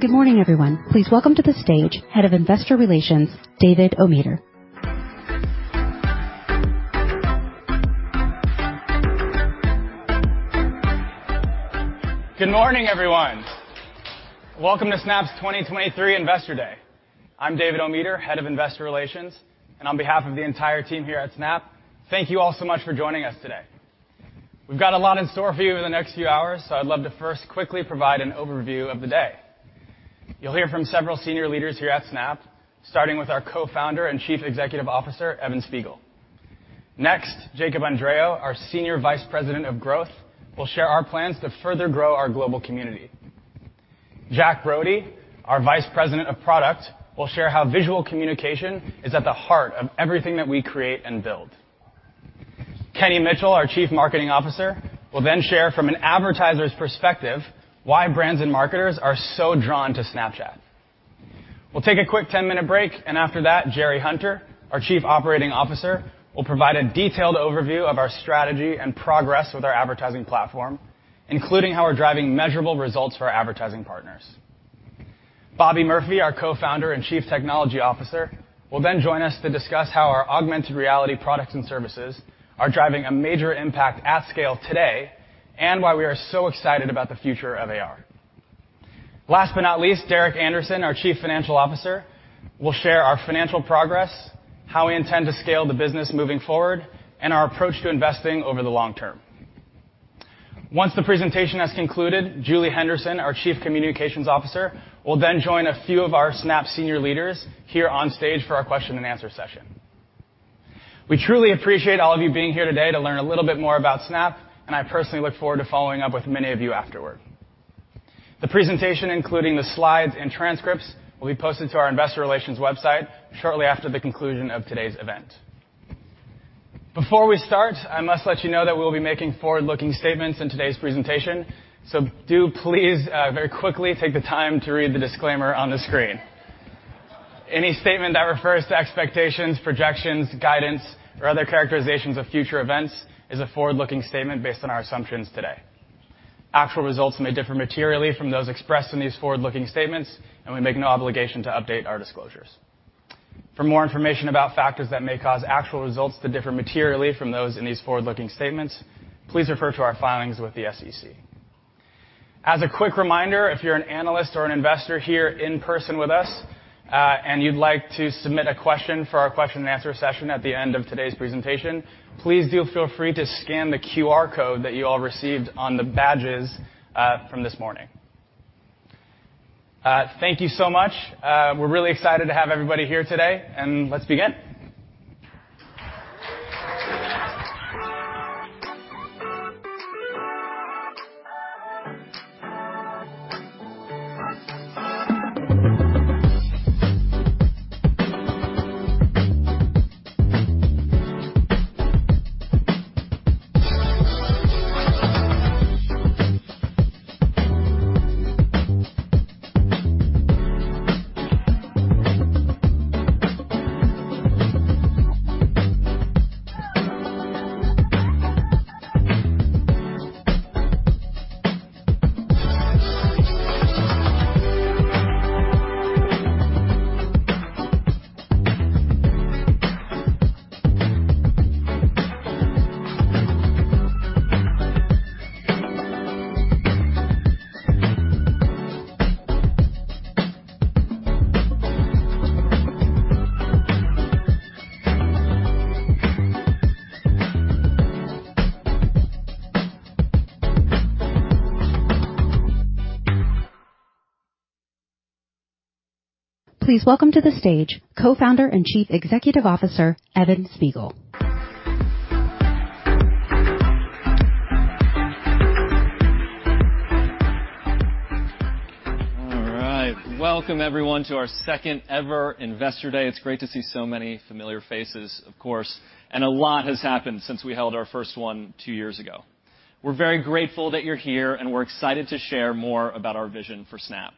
Good morning, everyone. Please welcome to the stage Head of Investor Relations, David Ometer. Good morning, everyone. Welcome to Snap's 2023 Investor Day. I'm David Ometer, Head of Investor Relations, and on behalf of the entire team here at Snap, thank you all so much for joining us today. We've got a lot in store for you over the next few hours, so I'd love to first quickly provide an overview of the day. You'll hear from several senior leaders here at Snap, starting with our Co-founder and Chief Executive Officer, Evan Spiegel. Next, Jacob Andreou, our Senior Vice President of Growth, will share our plans to further grow our global community. Jack Brody, our Vice President of Product, will share how visual communication is at the heart of everything that we create and build. Kenny Mitchell, our Chief Marketing Officer, will then share from an advertiser's perspective why brands and marketers are so drawn to Snapchat. We'll take a quick 10-minute break, and after that, Jerry Hunter, our Chief Operating Officer, will provide a detailed overview of our strategy and progress with our advertising platform, including how we're driving measurable results for our advertising partners. Bobby Murphy, our co-founder and Chief Technology Officer, will then join us to discuss how our augmented reality products and services are driving a major impact at scale today, and why we are so excited about the future of AR. Last but not least, Derek Andersen, our Chief Financial Officer, will share our financial progress, how we intend to scale the business moving forward, and our approach to investing over the long term. Once the presentation has concluded, Julie Henderson, our Chief Communications Officer, will then join a few of our Snap senior leaders here on stage for our question and answer session. We truly appreciate all of you being here today to learn a little bit more about Snap, and I personally look forward to following up with many of you afterward. The presentation, including the slides and transcripts, will be posted to our investor relations website shortly after the conclusion of today's event. Before we start, I must let you know that we'll be making forward-looking statements in today's presentation, so do please very quickly take the time to read the disclaimer on the screen. Any statement that refers to expectations, projections, guidance, or other characterizations of future events is a forward-looking statement based on our assumptions today. Actual results may differ materially from those expressed in these forward-looking statements, and we make no obligation to update our disclosures. For more information about factors that may cause actual results to differ materially from those in these forward-looking statements, please refer to our filings with the SEC. As a quick reminder, if you're an analyst or an investor here in person with us, and you'd like to submit a question for our question and answer session at the end of today's presentation, please do feel free to scan the QR code that you all received on the badges from this morning. Thank you so much. We're really excited to have everybody here today. Let's begin. Please welcome to the stage co-founder and Chief Executive Officer, Evan Spiegel. All right. Welcome, everyone, to our Second ever Investor Day. It's great to see so many familiar faces, of course, and a lot has happened since we held our first one two years ago. We're very grateful that you're here, and we're excited to share more about our vision for Snap.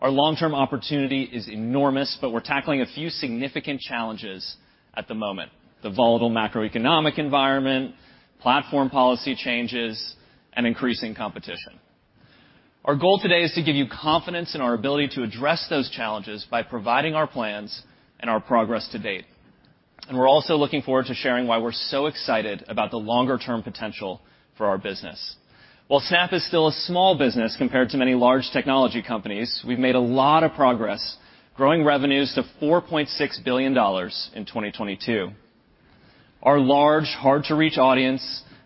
Our long-term opportunity is enormous, but we're tackling a few significant challenges at the moment: the volatile macroeconomic environment, platform policy changes, and increasing competition. Our goal today is to give you confidence in our ability to address those challenges by providing our plans and our progress to date. We're also looking forward to sharing why we're so excited about the longer term potential for our business. While Snap is still a small business compared to many large technology companies, we've made a lot of progress growing revenues to $4.6 billion in 2022. Our large, hard-to-reach audience,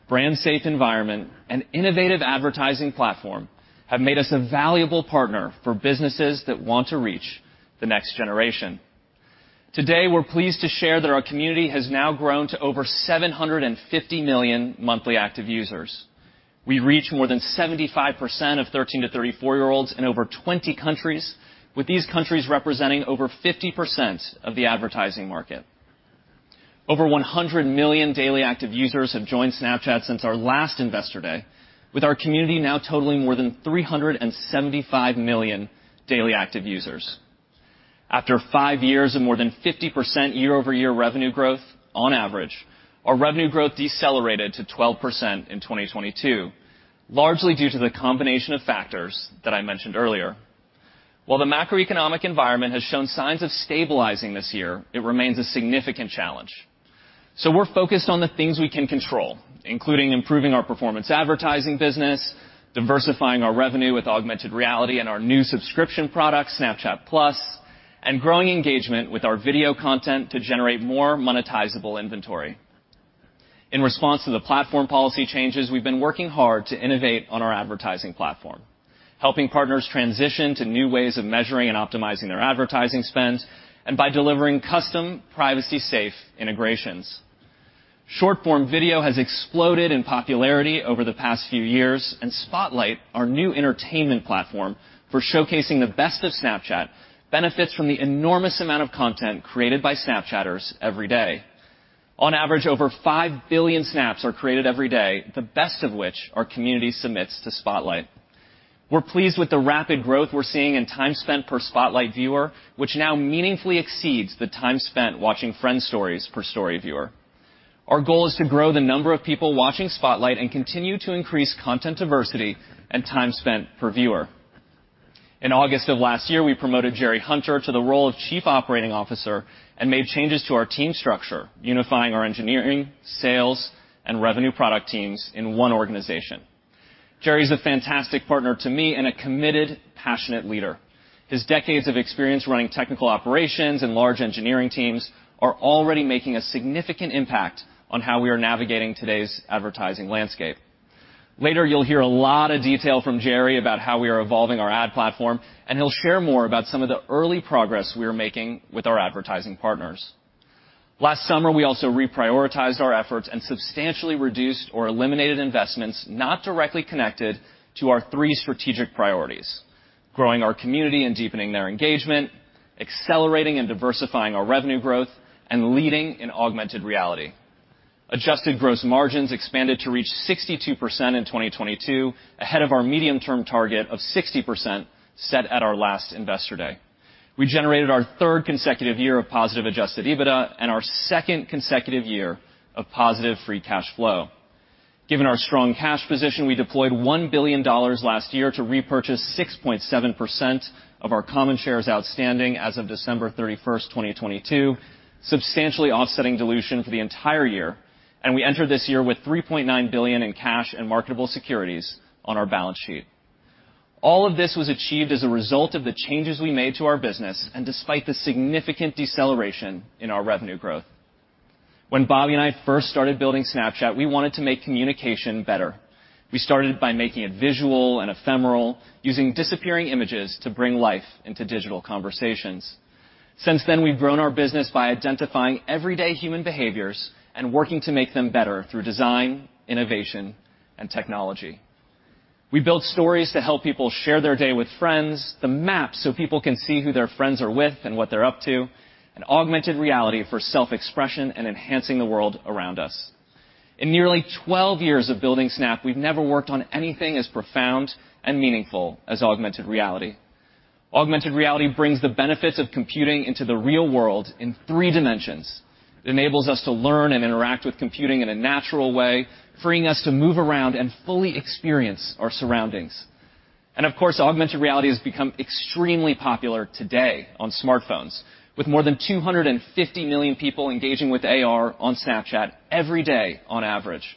brand safe environment, and innovative advertising platform have made us a valuable partner for businesses that want to reach the next generation. Today, we're pleased to share that our community has now grown to over 750 million monthly active users. We reach more than 75% of 13-34-year-olds in over 20 countries, with these countries representing over 50% of the advertising market. Over 100 million daily active users have joined Snapchat since our last Investor Day, with our community now totaling more than 375 million daily active users. After five years of more than 50% year-over-year revenue growth on average, our revenue growth decelerated to 12% in 2022, largely due to the combination of factors that I mentioned earlier. While the macroeconomic environment has shown signs of stabilizing this year, it remains a significant challenge. We're focused on the things we can control, including improving our performance advertising business, diversifying our revenue with augmented reality and our new subscription product, Snapchat+, and growing engagement with our video content to generate more monetizable inventory. In response to the platform policy changes, we've been working hard to innovate on our advertising platform, helping partners transition to new ways of measuring and optimizing their advertising spend and by delivering custom privacy safe integrations. Short-form video has exploded in popularity over the past few years. Spotlight, our new entertainment platform for showcasing the best of Snapchat, benefits from the enormous amount of content created by Snapchatters every day. On average, over 5 billion Snaps are created every day, the best of which our community submits to Spotlight. We're pleased with the rapid growth we're seeing in time spent per Spotlight viewer, which now meaningfully exceeds the time spent watching friend Stories per Story viewer. Our goal is to grow the number of people watching Spotlight and continue to increase content diversity and time spent per viewer. In August of last year, we promoted Jerry Hunter to the role of chief operating officer and made changes to our team structure, unifying our engineering, sales, and revenue product teams in one organization. Jerry is a fantastic partner to me and a committed, passionate leader. His decades of experience running technical operations and large engineering teams are already making a significant impact on how we are navigating today's advertising landscape. Later, you'll hear a lot of detail from Jerry Hunter about how we are evolving our ad platform, and he'll share more about some of the early progress we are making with our advertising partners. Last summer, we also reprioritized our efforts and substantially reduced or eliminated investments not directly connected to our three strategic priorities: growing our community and deepening their engagement, accelerating and diversifying our revenue growth, and leading in augmented reality. Adjusted gross margins expanded to reach 62% in 2022, ahead of our medium-term target of 60% set at our last Investor Day. We generated our third consecutive year of positive Adjusted EBITDA and our second consecutive year of positive free cash flow. Given our strong cash position, we deployed $1 billion last year to repurchase 6.7% of our common shares outstanding as of December 31st, 2022, substantially offsetting dilution for the entire year. We entered this year with $3.9 billion in cash and marketable securities on our balance sheet. All of this was achieved as a result of the changes we made to our business and despite the significant deceleration in our revenue growth. When Bobby and I first started building Snapchat, we wanted to make communication better. We started by making it visual and ephemeral, using disappearing images to bring life into digital conversations. Since then, we've grown our business by identifying everyday human behaviors and working to make them better through design, innovation, and technology. We build Stories to help people share their day with friends, the Map so people can see who their friends are with and what they're up to, and augmented reality for self-expression and enhancing the world around us. In nearly 12 years of building Snap, we've never worked on anything as profound and meaningful as augmented reality. Augmented reality brings the benefits of computing into the real world in three dimensions. It enables us to learn and interact with computing in a natural way, freeing us to move around and fully experience our surroundings. Of course, augmented reality has become extremely popular today on smartphones, with more than 250 million people engaging with AR on Snapchat every day on average.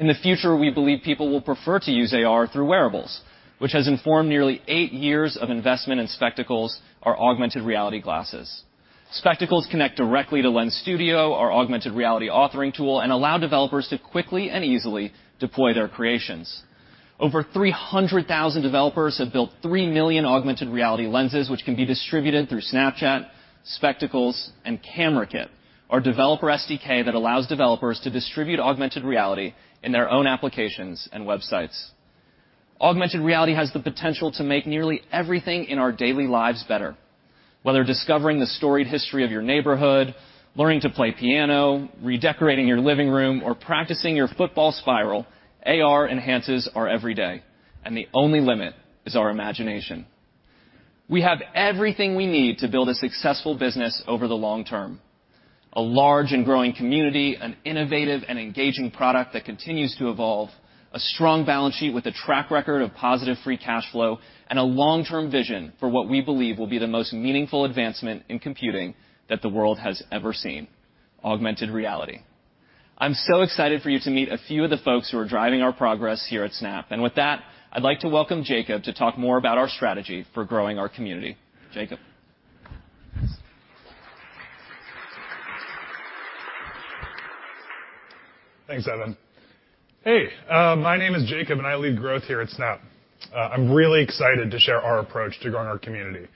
In the future, we believe people will prefer to use AR through wearables, which has informed nearly eight years of investment in Spectacles, our augmented reality glasses. Spectacles connect directly to Lens Studio, our augmented reality authoring tool, and allow developers to quickly and easily deploy their creations. Over 300,000 developers have built 3 million augmented reality Lenses, which can be distributed through Snapchat, Spectacles, and Camera Kit, our developer SDK that allows developers to distribute augmented reality in their own applications and websites. Augmented reality has the potential to make nearly everything in our daily lives better, whether discovering the storied history of your neighborhood, learning to play piano, redecorating your living room, or practicing your football spiral, AR enhances our every day, and the only limit is our imagination. We have everything we need to build a successful business over the long term. A large and growing community, an innovative and engaging product that continues to evolve, a strong balance sheet with a track record of positive free cash flow, and a long-term vision for what we believe will be the most meaningful advancement in computing that the world has ever seen: augmented reality. I'm so excited for you to meet a few of the folks who are driving our progress here at Snap. With that, I'd like to welcome Jacob to talk more about our strategy for growing our community. Jacob? Thanks, Evan. Hey, my name is Jacob and I lead growth here at Snap. I'm really excited to share our approach to growing our community.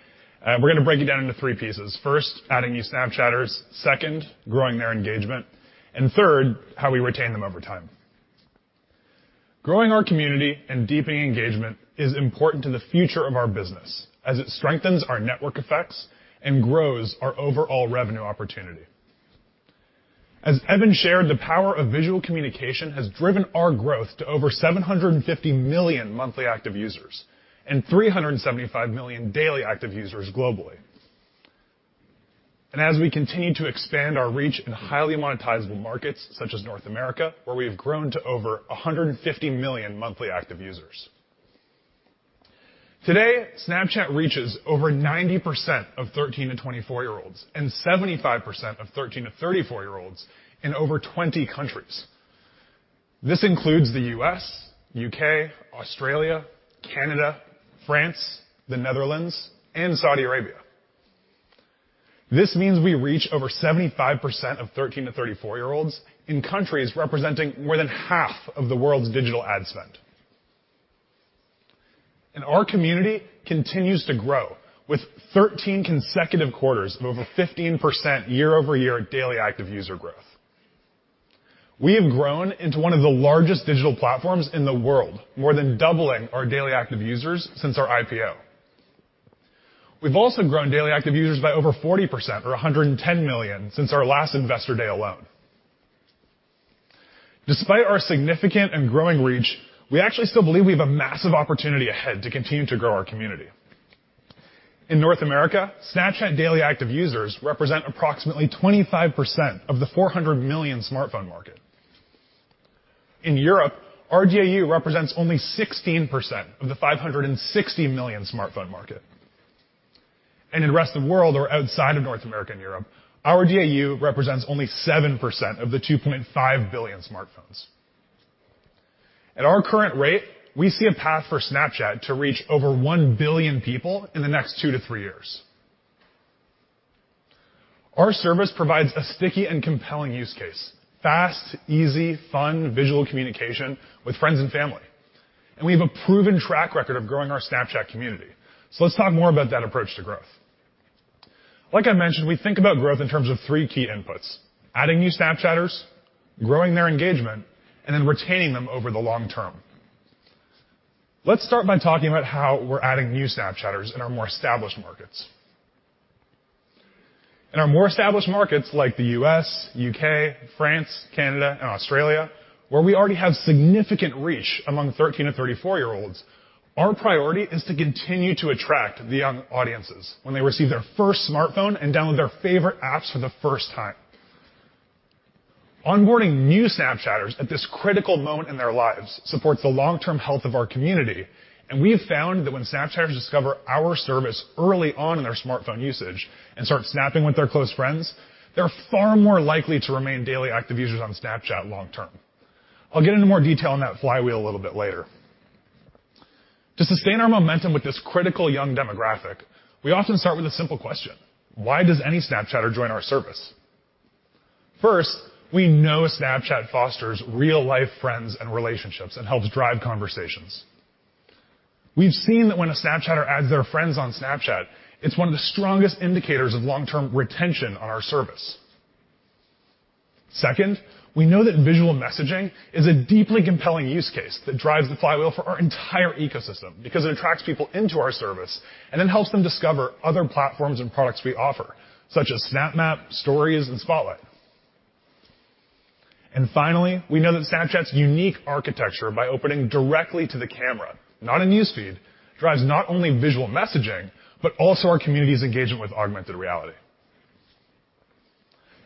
We're gonna break it down into three pieces. First, adding new Snapchatters. Second, growing their engagement. Third, how we retain them over time. Growing our community and deepening engagement is important to the future of our business as it strengthens our network effects and grows our overall revenue opportunity. As Evan shared, the power of visual communication has driven our growth to over 750 million monthly active users and 375 million daily active users globally. As we continue to expand our reach in highly monetizable markets such as North America, where we have grown to over 150 million monthly active users. Today, Snapchat reaches over 90% of 13-24-year-olds and 75% of 13-34-year-olds in over 20 countries. This includes the U.S., U.K., Australia, Canada, France, the Netherlands, and Saudi Arabia. This means we reach over 75% of 13-34-year-olds in countries representing more than half of the world's digital ad spend. Our community continues to grow with 13 consecutive quarters of over 15% year-over-year daily active user growth. We have grown into one of the largest digital platforms in the world, more than doubling our daily active users since our IPO. We've also grown daily active users by over 40% or 110 million since our last Investor Day alone. Despite our significant and growing reach, we actually still believe we have a massive opportunity ahead to continue to grow our community. In North America, Snapchat daily active users represent approximately 25% of the 400 million smartphone market. In Europe, our DAU represents only 16% of the 560 million smartphone market. In the rest of the world or outside of North America and Europe, our DAU represents only 7% of the 2.5 billion smartphones. At our current rate, we see a path for Snapchat to reach over 1 billion people in the next two to three years. Our service provides a sticky and compelling use case: fast, easy, fun, visual communication with friends and family. We have a proven track record of growing our Snapchat community. Let's talk more about that approach to growth. Like I mentioned, we think about growth in terms of three key inputs: adding new Snapchatters, growing their engagement, and then retaining them over the long term. Let's start by talking about how we're adding new Snapchatters in our more established markets. In our more established markets like the U.S., U.K., France, Canada, and Australia, where we already have significant reach among 13-34-year-olds, our priority is to continue to attract the young audiences when they receive their first smartphone and download their favorite apps for the first time. Onboarding new Snapchatters at this critical moment in their lives supports the long-term health of our community. We have found that when Snapchatters discover our service early on in their smartphone usage and start snapping with their close friends, they're far more likely to remain daily active users on Snapchat long term. I'll get into more detail on that flywheel a little bit later. To sustain our momentum with this critical young demographic, we often start with a simple question: Why does any Snapchatter join our service? We know Snapchat fosters real-life friends and relationships and helps drive conversations. We've seen that when a Snapchatter adds their friends on Snapchat, it's one of the strongest indicators of long-term retention on our service. We know that visual messaging is a deeply compelling use case that drives the flywheel for our entire ecosystem because it attracts people into our service and then helps them discover other platforms and products we offer, such as Snap Map, Stories, and Spotlight. We know that Snapchat's unique architecture by opening directly to the camera, not a news feed, drives not only visual messaging, but also our community's engagement with augmented reality.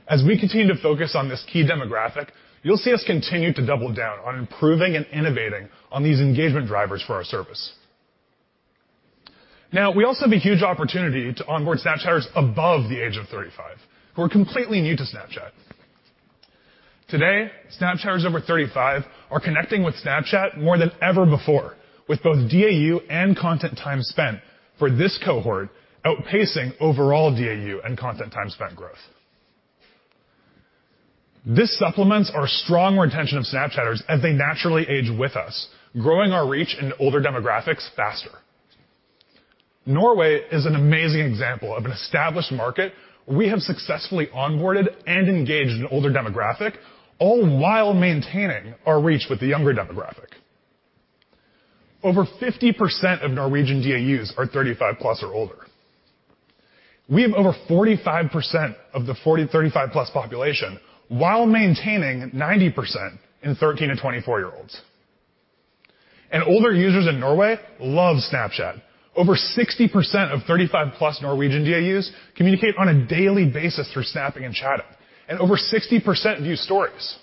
As we continue to focus on this key demographic, you'll see us continue to double down on improving and innovating on these engagement drivers for our service. We also have a huge opportunity to onboard Snapchatters above the age of 35 who are completely new to Snapchat. Today, Snapchatters over 35 are connecting with Snapchat more than ever before, with both DAU and content time spent for this cohort outpacing overall DAU and content time spent growth. This supplements our strong retention of Snapchatters as they naturally age with us, growing our reach in older demographics faster. Norway is an amazing example of an established market we have successfully onboarded and engaged an older demographic, all while maintaining our reach with the younger demographic. Over 50% of Norwegian DAUs are 35-plus or older. We have over 45% of the 35+ population, while maintaining 90% in 13-24-year-olds. Older users in Norway love Snapchat. Over 60% of 35+ Norwegian DAUs communicate on a daily basis through snapping and chatting, and over 60% view Stories.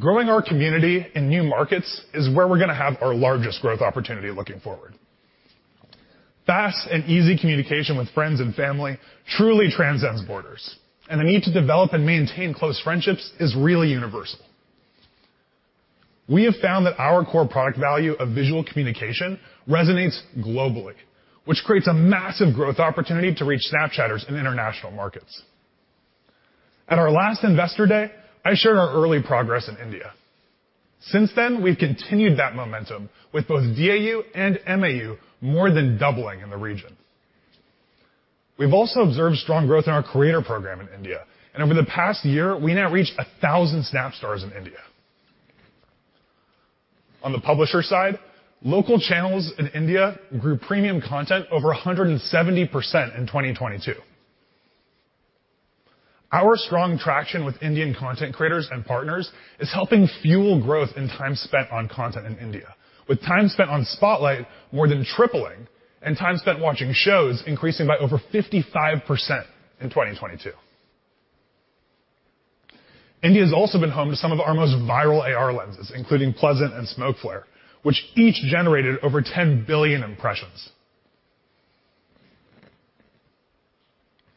Growing our community in new markets is where we're gonna have our largest growth opportunity looking forward. Fast and easy communication with friends and family truly transcends borders, and the need to develop and maintain close friendships is really universal. We have found that our core product value of visual communication resonates globally, which creates a massive growth opportunity to reach Snapchatters in international markets. At our last Investor Day, I shared our early progress in India. Since then, we've continued that momentum with both DAU and MAU more than doubling in the region. We've also observed strong growth in our creator program in India, and over the past year, we now reach 1,000 Snap Stars in India. On the publisher side, local channels in India grew premium content over 170% in 2022. Our strong traction with Indian content creators and partners is helping fuel growth in time spent on content in India. With time spent on Spotlight more than tripling and time spent watching shows increasing by over 55% in 2022. India has also been home to some of our most viral AR lenses, including Pleasant and Smoke Flare, which each generated over 10 billion impressions.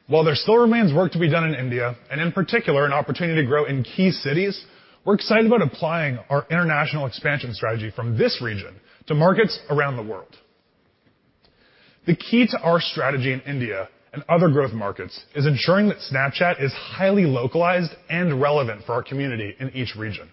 While there still remains work to be done in India, and in particular an opportunity to grow in key cities, we're excited about applying our international expansion strategy from this region to markets around the world. The key to our strategy in India and other growth markets is ensuring that Snapchat is highly localized and relevant for our community in each region.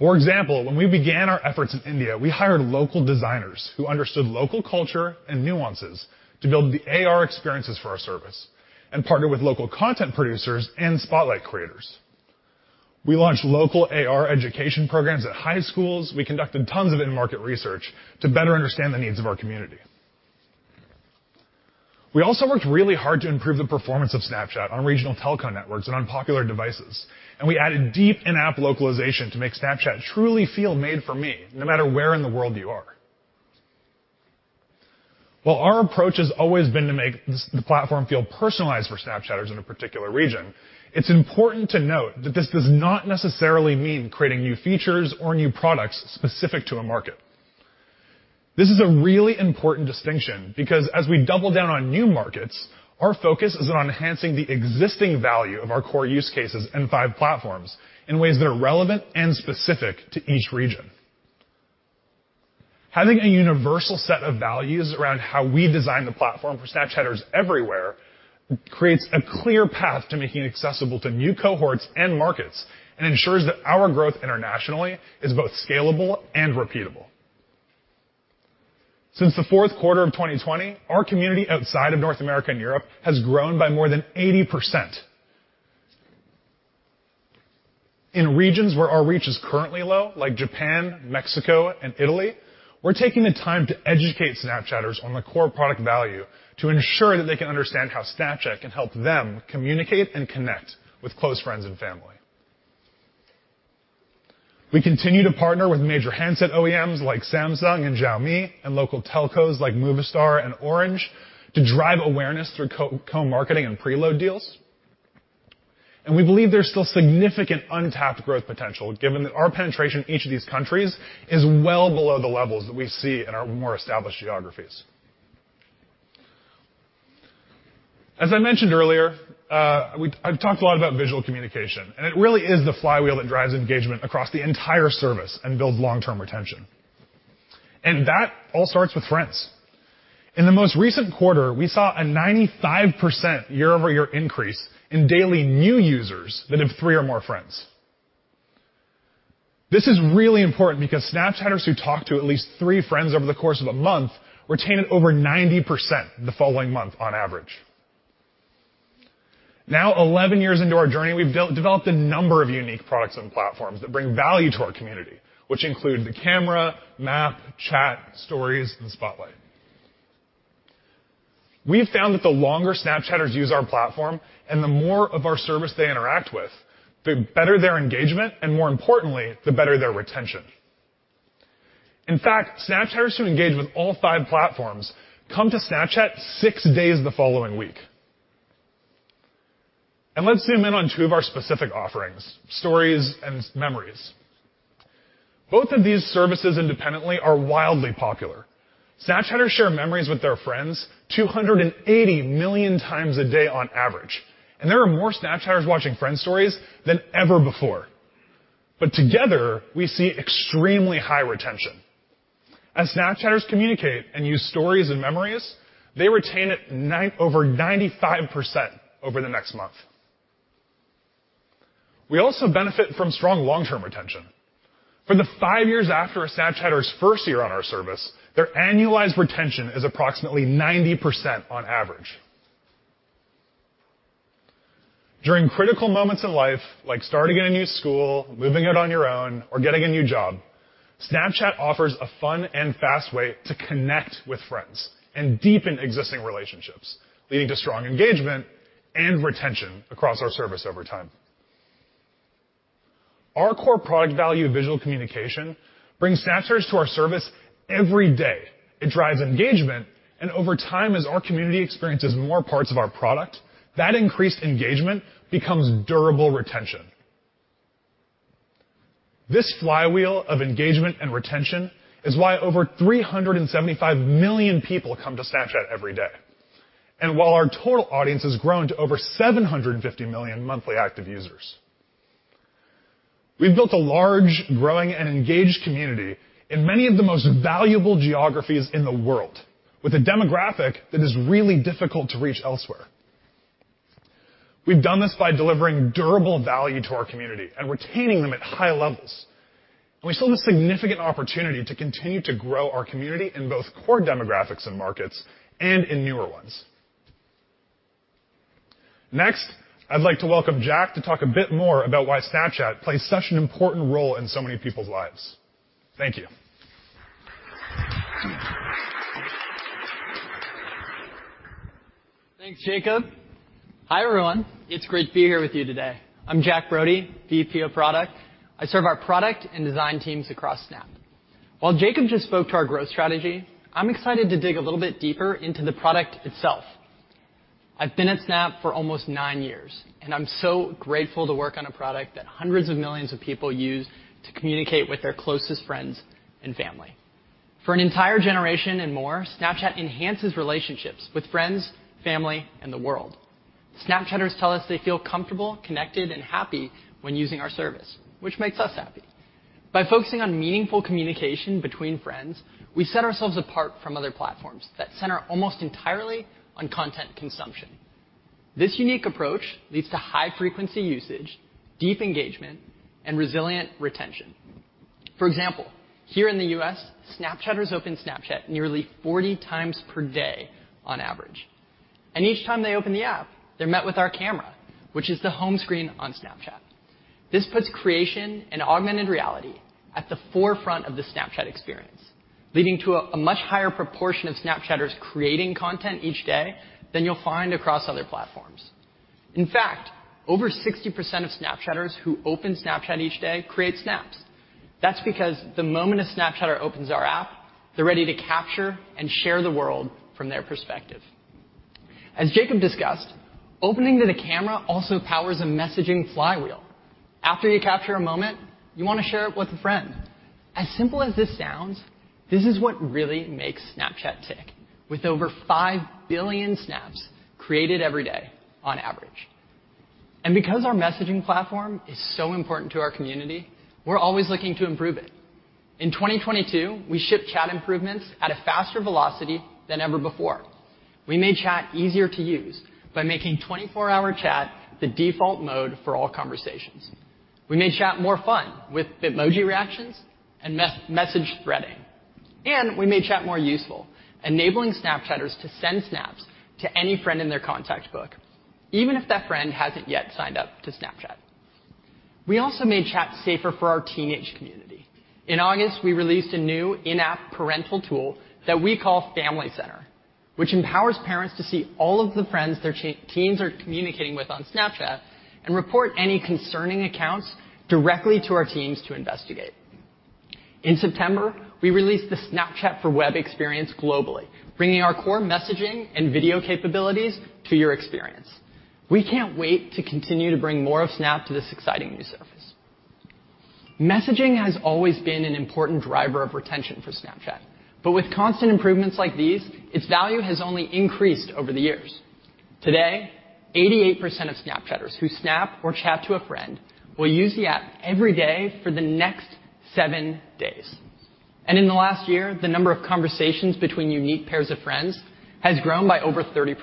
For example, when we began our efforts in India, we hired local designers who understood local culture and nuances to build the AR experiences for our service and partner with local content producers and Spotlight creators. We launched local AR education programs at high schools. We conducted tons of in-market research to better understand the needs of our community. We also worked really hard to improve the performance of Snapchat on regional telecom networks and on popular devices, and we added deep in-app localization to make Snapchat truly feel made for me, no matter where in the world you are. While our approach has always been to make the platform feel personalized for Snapchatters in a particular region, it's important to note that this does not necessarily mean creating new features or new products specific to a market. This is a really important distinction because as we double down on new markets, our focus is on enhancing the existing value of our core use cases and five platforms in ways that are relevant and specific to each region. Having a universal set of values around how we design the platform for Snapchatters everywhere creates a clear path to making it accessible to new cohorts and markets and ensures that our growth internationally is both scalable and repeatable. Since the fourth quarter of 2020, our community outside of North America and Europe has grown by more than 80%. In regions where our reach is currently low, like Japan, Mexico, and Italy, we're taking the time to educate Snapchatters on the core product value to ensure that they can understand how Snapchat can help them communicate and connect with close friends and family. We continue to partner with major handset OEMs like Samsung and Xiaomi and local telcos like Movistar and Orange to drive awareness through co-marketing and preload deals. We believe there's still significant untapped growth potential, given that our penetration in each of these countries is well below the levels that we see in our more established geographies. As I mentioned earlier, I've talked a lot about visual communication, and it really is the flywheel that drives engagement across the entire service and builds long-term retention. That all starts with friends. In the most recent quarter, we saw a 95% year-over-year increase in daily new users that have three or more friends. This is really important because Snapchatters who talk to at least three friends over the course of a month retained over 90% the following month on average. Eleven years into our journey, we've developed a number of unique products and platforms that bring value to our community, which include the Camera, Map, Chat, Stories, and Spotlight. We've found that the longer Snapchatters use our platform and the more of our service they interact with, the better their engagement, and more importantly, the better their retention. In fact, Snapchatters who engage with all five platforms come to Snapchat six days the following week. Let's zoom in on two of our specific offerings, Stories and Memories. Both of these services independently are wildly popular. Snapchatters share Memories with their friends 280 million times a day on average. There are more Snapchatters watching Friend Stories than ever before. Together, we see extremely high retention. As Snapchatters communicate and use Stories and Memories, they retain it over 95% over the next month. We also benefit from strong long-term retention. For the five years after a Snapchatter's first year on our service, their annualized retention is approximately 90% on average. During critical moments in life, like starting at a new school, moving out on your own, or getting a new job, Snapchat offers a fun and fast way to connect with friends and deepen existing relationships, leading to strong engagement and retention across our service over time. Our core product value of visual communication brings Snapchatters to our service every day. It drives engagement. Over time, as our community experiences more parts of our product, that increased engagement becomes durable retention. This flywheel of engagement and retention is why over 375 million people come to Snapchat every day. While our total audience has grown to over 750 million monthly active users. We've built a large, growing, and engaged community in many of the most valuable geographies in the world with a demographic that is really difficult to reach elsewhere. We've done this by delivering durable value to our community and retaining them at high levels. We saw the significant opportunity to continue to grow our community in both core demographics and markets and in newer ones. Next, I'd like to welcome Jack to talk a bit more about why Snapchat plays such an important role in so many people's lives. Thank you. Thanks, Jacob. Hi, everyone. It's great to be here with you today. I'm Jack Brody, VP of Product. I serve our product and design teams across Snap. Jacob just spoke to our growth strategy. I'm excited to dig a little bit deeper into the product itself. I've been at Snap for almost nine years, and I'm so grateful to work on a product that hundreds of millions of people use to communicate with their closest friends and family. For an entire generation and more, Snapchat enhances relationships with friends, family, and the world. Snapchatters tell us they feel comfortable, connected, and happy when using our service, which makes us happy. By focusing on meaningful communication between friends, we set ourselves apart from other platforms that center almost entirely on content consumption. This unique approach leads to high frequency usage, deep engagement, and resilient retention. For example, here in the U.S., Snapchatters open Snapchat nearly 40 times per day on average, and each time they open the app, they're met with our camera, which is the home screen on Snapchat. This puts creation and augmented reality at the forefront of the Snapchat experience, leading to a much higher proportion of Snapchatters creating content each day than you'll find across other platforms. In fact, over 60% of Snapchatters who open Snapchat each day create Snaps. That's because the moment a Snapchatter opens our app, they're ready to capture and share the world from their perspective. As Jacob discussed, opening to the camera also powers a messaging flywheel. After you capture a moment, you wanna share it with a friend. As simple as this sounds, this is what really makes Snapchat tick, with over 5 billion Snaps created every day on average. Because our messaging platform is so important to our community, we're always looking to improve it. In 2022, we shipped Chat improvements at a faster velocity than ever before. We made Chat easier to use by making 24-hour Chat the default mode for all conversations. We made Chat more fun with Bitmoji reactions and message threading. We made Chat more useful, enabling Snapchatters to send Snaps to any friend in their contact book, even if that friend hasn't yet signed up to Snapchat. We also made Chat safer for our teenage community. In August, we released a new in-app parental tool that we call Family Center, which empowers parents to see all of the friends their teens are communicating with on Snapchat and report any concerning accounts directly to our teams to investigate. In September, we released the Snapchat for Web experience globally, bringing our core messaging and video capabilities to your experience. We can't wait to continue to bring more of Snap to this exciting new surface. Messaging has always been an important driver of retention for Snapchat, with constant improvements like these, its value has only increased over the years. Today, 88% of Snapchatters who snap or chat to a friend will use the app every day for the next seven days. In the last year, the number of conversations between unique pairs of friends has grown by over 30%.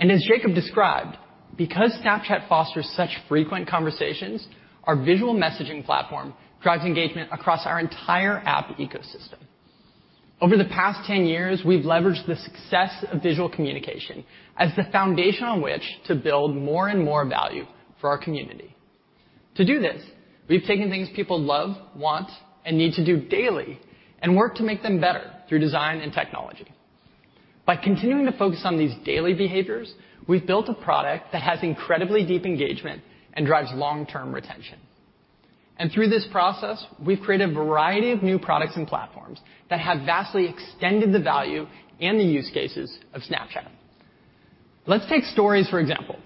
As Jacob described, because Snapchat fosters such frequent conversations, our visual messaging platform drives engagement across our entire app ecosystem. Over the past 10 years, we've leveraged the success of visual communication as the foundation on which to build more and more value for our community. To do this, we've taken things people love, want, and need to do daily and work to make them better through design and technology. By continuing to focus on these daily behaviors, we've built a product that has incredibly deep engagement and drives long-term retention. Through this process, we've created a variety of new products and platforms that have vastly extended the value and the use cases of Snapchat. Let's take Stories, for example.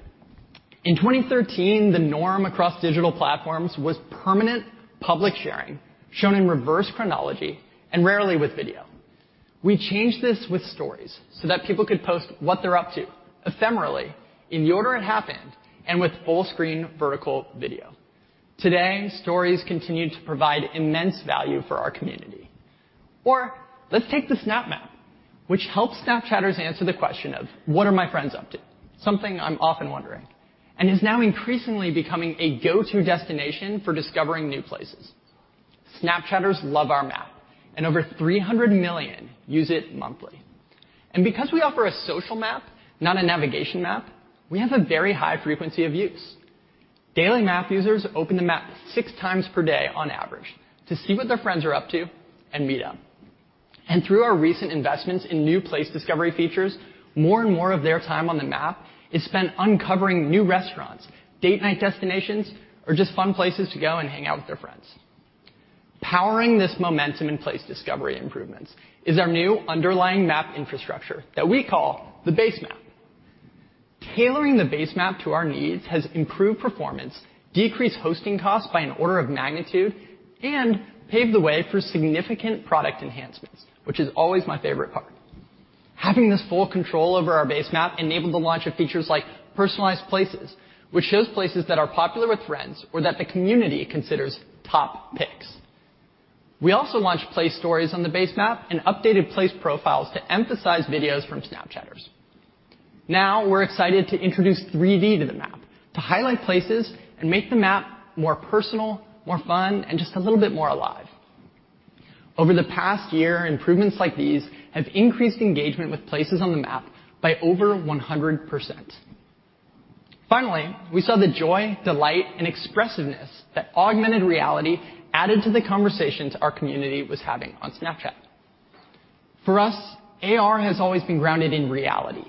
In 2013, the norm across digital platforms was permanent public sharing, shown in reverse chronology and rarely with video. We changed this with Stories so that people could post what they're up to ephemerally in the order it happened, and with full screen vertical video. Today, Stories continue to provide immense value for our community. Let's take the Snap Map, which helps Snapchatters answer the question of, "What are my friends up to?" Something I'm often wondering, and is now increasingly becoming a go-to destination for discovering new places. Snapchatters love our map, and over 300 million use it monthly. Because we offer a social map, not a navigation map, we have a very high frequency of use. Daily Map users open the map six times per day on average to see what their friends are up to and meet up. Through our recent investments in new place discovery features, more and more of their time on the map is spent uncovering new restaurants, date night destinations, or just fun places to go and hang out with their friends. Powering this momentum in place discovery improvements is our new underlying map infrastructure that we call the basemap. Tailoring the basemap to our needs has improved performance, decreased hosting costs by an order of magnitude, and paved the way for significant product enhancements, which is always my favorite part. Having this full control over our basemap enabled the launch of features like Personalized Places, which shows places that are popular with friends or that the community considers top picks. We also launched Place Stories on the basemap and updated Place Profiles to emphasize videos from Snapchatters. Now, we're excited to introduce 3D to the Map to highlight places and make the Map more personal, more fun, and just a little bit more alive. Over the past year, improvements like these have increased engagement with places on the Map by over 100%. Finally, we saw the joy, delight, and expressiveness that augmented reality added to the conversations our community was having on Snapchat. For us, AR has always been grounded in reality,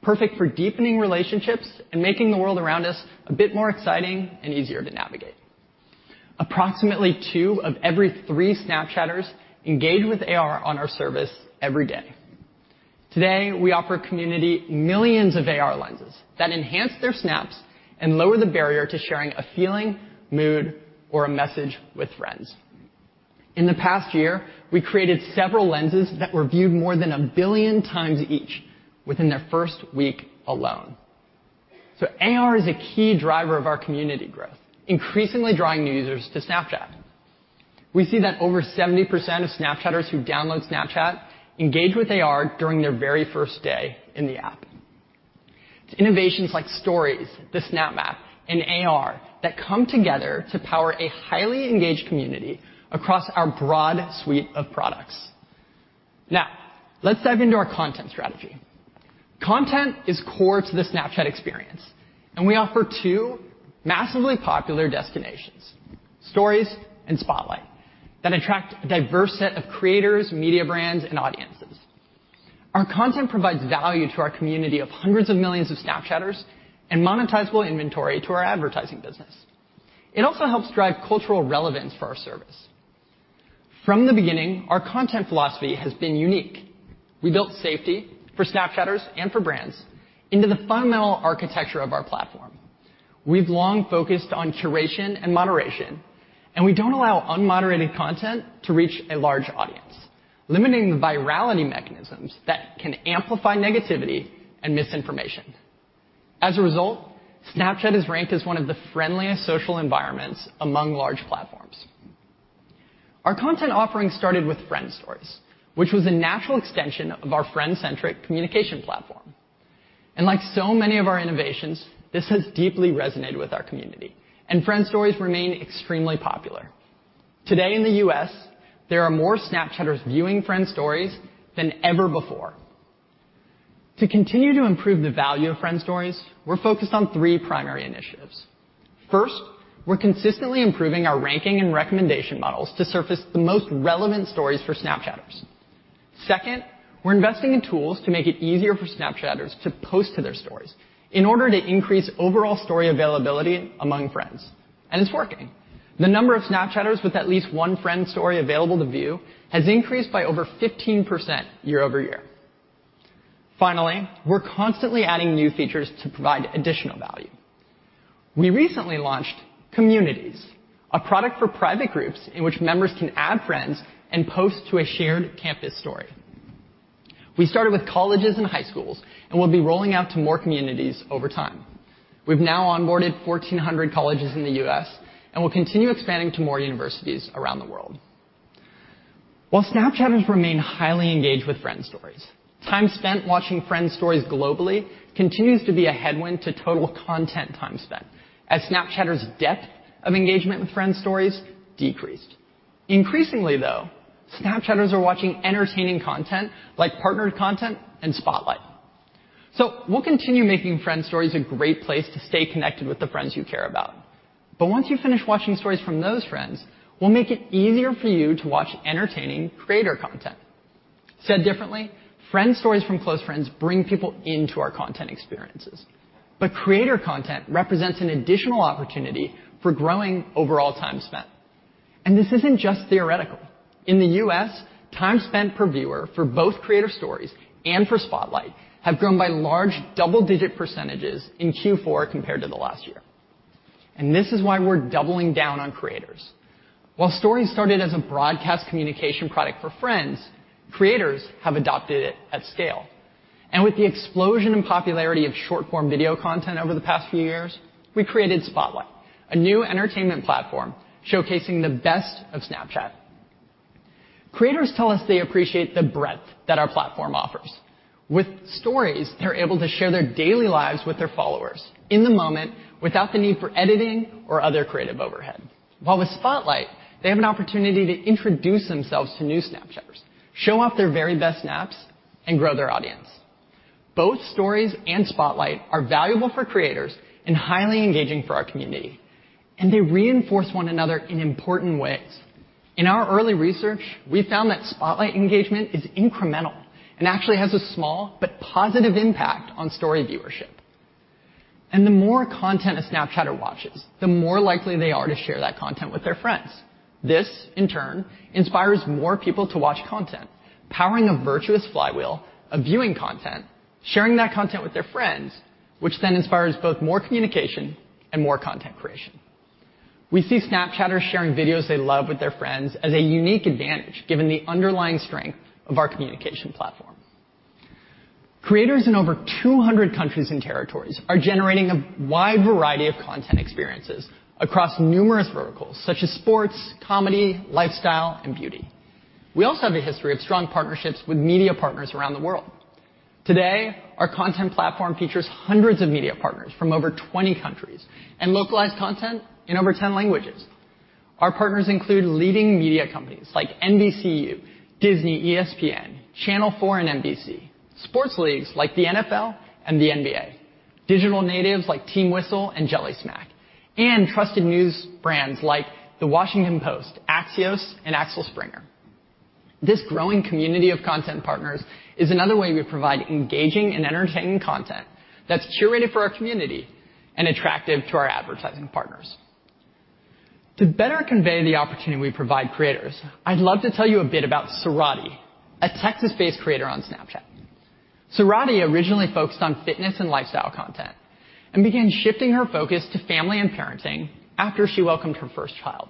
perfect for deepening relationships and making the world around us a bit more exciting and easier to navigate. Approximately two of every three Snapchatters engage with AR on our service every day. Today, we offer community millions of AR Lenses that enhance their Snaps and lower the barrier to sharing a feeling, mood, or a message with friends. In the past year, we created several Lenses that were viewed more than a billion times each within their first week alone. AR is a key driver of our community growth, increasingly drawing new users to Snapchat. We see that over 70% of Snapchatters who download Snapchat engage with AR during their very first day in the app. It's innovations like Stories, the Snap Map, and AR that come together to power a highly engaged community across our broad suite of products. Let's dive into our content strategy. Content is core to the Snapchat experience, and we offer two massively popular destinations, Stories and Spotlight, that attract a diverse set of creators, media brands, and audiences. Our content provides value to our community of hundreds of millions of Snapchatters and monetizable inventory to our advertising business. It also helps drive cultural relevance for our service. From the beginning, our content philosophy has been unique. We built safety for Snapchatters and for brands into the fundamental architecture of our platform. We've long focused on curation and moderation, and we don't allow unmoderated content to reach a large audience, limiting the virality mechanisms that can amplify negativity and misinformation. As a result, Snapchat is ranked as one of the friendliest social environments among large platforms. Our content offering started with Friend Stories, which was a natural extension of our friend-centric communication platform. Like so many of our innovations, this has deeply resonated with our community, and Friend Stories remain extremely popular. Today in the U.S., there are more Snapchatters viewing Friend Stories than ever before. To continue to improve the value of Friend Stories, we're focused on three primary initiatives. First, we're consistently improving our ranking and recommendation models to surface the most relevant stories for Snapchatters. Second, we're investing in tools to make it easier for Snapchatters to post to their stories in order to increase overall story availability among friends, and it's working. The number of Snapchatters with at least one Friend Story available to view has increased by over 15% year-over-year. Finally, we're constantly adding new features to provide additional value. We recently launched Communities, a product for private groups in which members can add friends and post to a shared campus story. We started with colleges and high schools and we'll be rolling out to more communities over time. We've now onboarded 1,400 colleges in the US and will continue expanding to more universities around the world. While Snapchatters remain highly engaged with Friend Stories, time spent watching Friend Stories globally continues to be a headwind to total content time spent as Snapchatters' depth of engagement with Friend Stories decreased. Increasingly, though, Snapchatters are watching entertaining content like partnered content and Spotlight. We'll continue making Friend Stories a great place to stay connected with the friends you care about. Once you finish watching stories from those friends, we'll make it easier for you to watch entertaining creator content. Said differently, Friend Stories from close friends bring people into our content experiences, but creator content represents an additional opportunity for growing overall time spent. This isn't just theoretical. In the U.S., time spent per viewer for both creator stories and for Spotlight have grown by large double-digit % in Q4 compared to the last year. This is why we're doubling down on creators. While Stories started as a broadcast communication product for friends, creators have adopted it at scale. With the explosion in popularity of short-form video content over the past few years, we created Spotlight, a new entertainment platform showcasing the best of Snapchat. Creators tell us they appreciate the breadth that our platform offers. With Stories, they're able to share their daily lives with their followers in the moment without the need for editing or other creative overhead. While with Spotlight, they have an opportunity to introduce themselves to new Snapchatters, show off their very best snaps, and grow their audience. Both Stories and Spotlight are valuable for creators and highly engaging for our community, and they reinforce one another in important ways. In our early research, we found that Spotlight engagement is incremental and actually has a small but positive impact on Story viewership. The more content a Snapchatter watches, the more likely they are to share that content with their friends. This, in turn, inspires more people to watch content, powering a virtuous flywheel of viewing content, sharing that content with their friends, which then inspires both more communication and more content creation. We see Snapchatters sharing videos they love with their friends as a unique advantage given the underlying strength of our communication platform. Creators in over 200 countries and territories are generating a wide variety of content experiences across numerous verticals such as sports, comedy, lifestyle, and beauty. We also have a history of strong partnerships with media partners around the world. Today, our content platform features hundreds of media partners from over 20 countries and localized content in over 10 languages. Our partners include leading media companies like NBCU, Disney, ESPN, Channel 4, and NBC, sports leagues like the NFL and the NBA, digital natives like Team Whistle and Jellysmack, and trusted news brands like The Washington Post, Axios, and Axel Springer. This growing community of content partners is another way we provide engaging and entertaining content that's curated for our community and attractive to our advertising partners. To better convey the opportunity we provide creators, I'd love to tell you a bit about Sarati, a Texas-based creator on Snapchat. Sarati originally focused on fitness and lifestyle content and began shifting her focus to family and parenting after she welcomed her first child.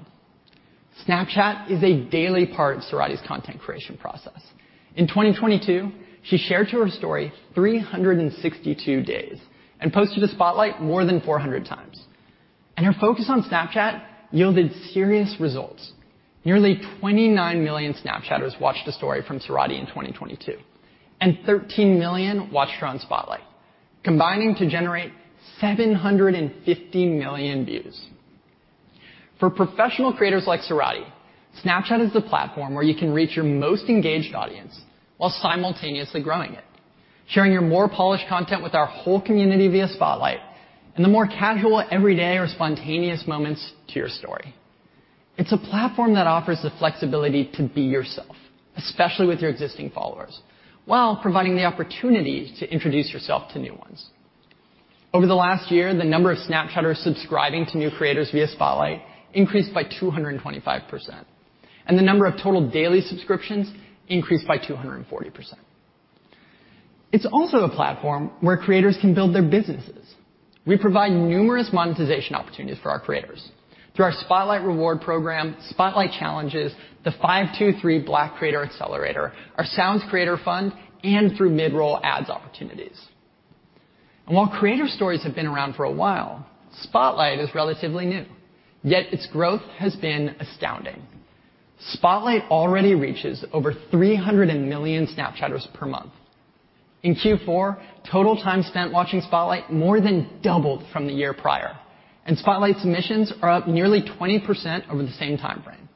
Snapchat is a daily part of Sarati's content creation process. In 2022, she shared to her story 362 days and posted a Spotlight more than 400 times. Her focus on Snapchat yielded serious results. Nearly 29 million Snapchatters watched a story from Sarati in 2022, and 13 million watched her on Spotlight, combining to generate 750 million views. For professional creators like Sarati, Snapchat is the platform where you can reach your most engaged audience while simultaneously growing it. Sharing your more polished content with our whole community via Spotlight and the more casual, everyday or spontaneous moments to your story. It's a platform that offers the flexibility to be yourself, especially with your existing followers, while providing the opportunity to introduce yourself to new ones. Over the last year, the number of Snapchatters subscribing to new creators via Spotlight increased by 225%. The number of total daily subscriptions increased by 240%. It's also a platform where creators can build their businesses. We provide numerous monetization opportunities for our creators through our Spotlight Rewards Program, Spotlight challenges, the 523 Black Creator Accelerator, our Sounds Creator Fund, and through mid-roll ads opportunities. While creator Stories have been around for a while, Spotlight is relatively new, yet its growth has been astounding. Spotlight already reaches over 300 million Snapchatters per month. In Q4, total time spent watching Spotlight more than doubled from the year prior. Spotlight submissions are up nearly 20% over the same timeframe.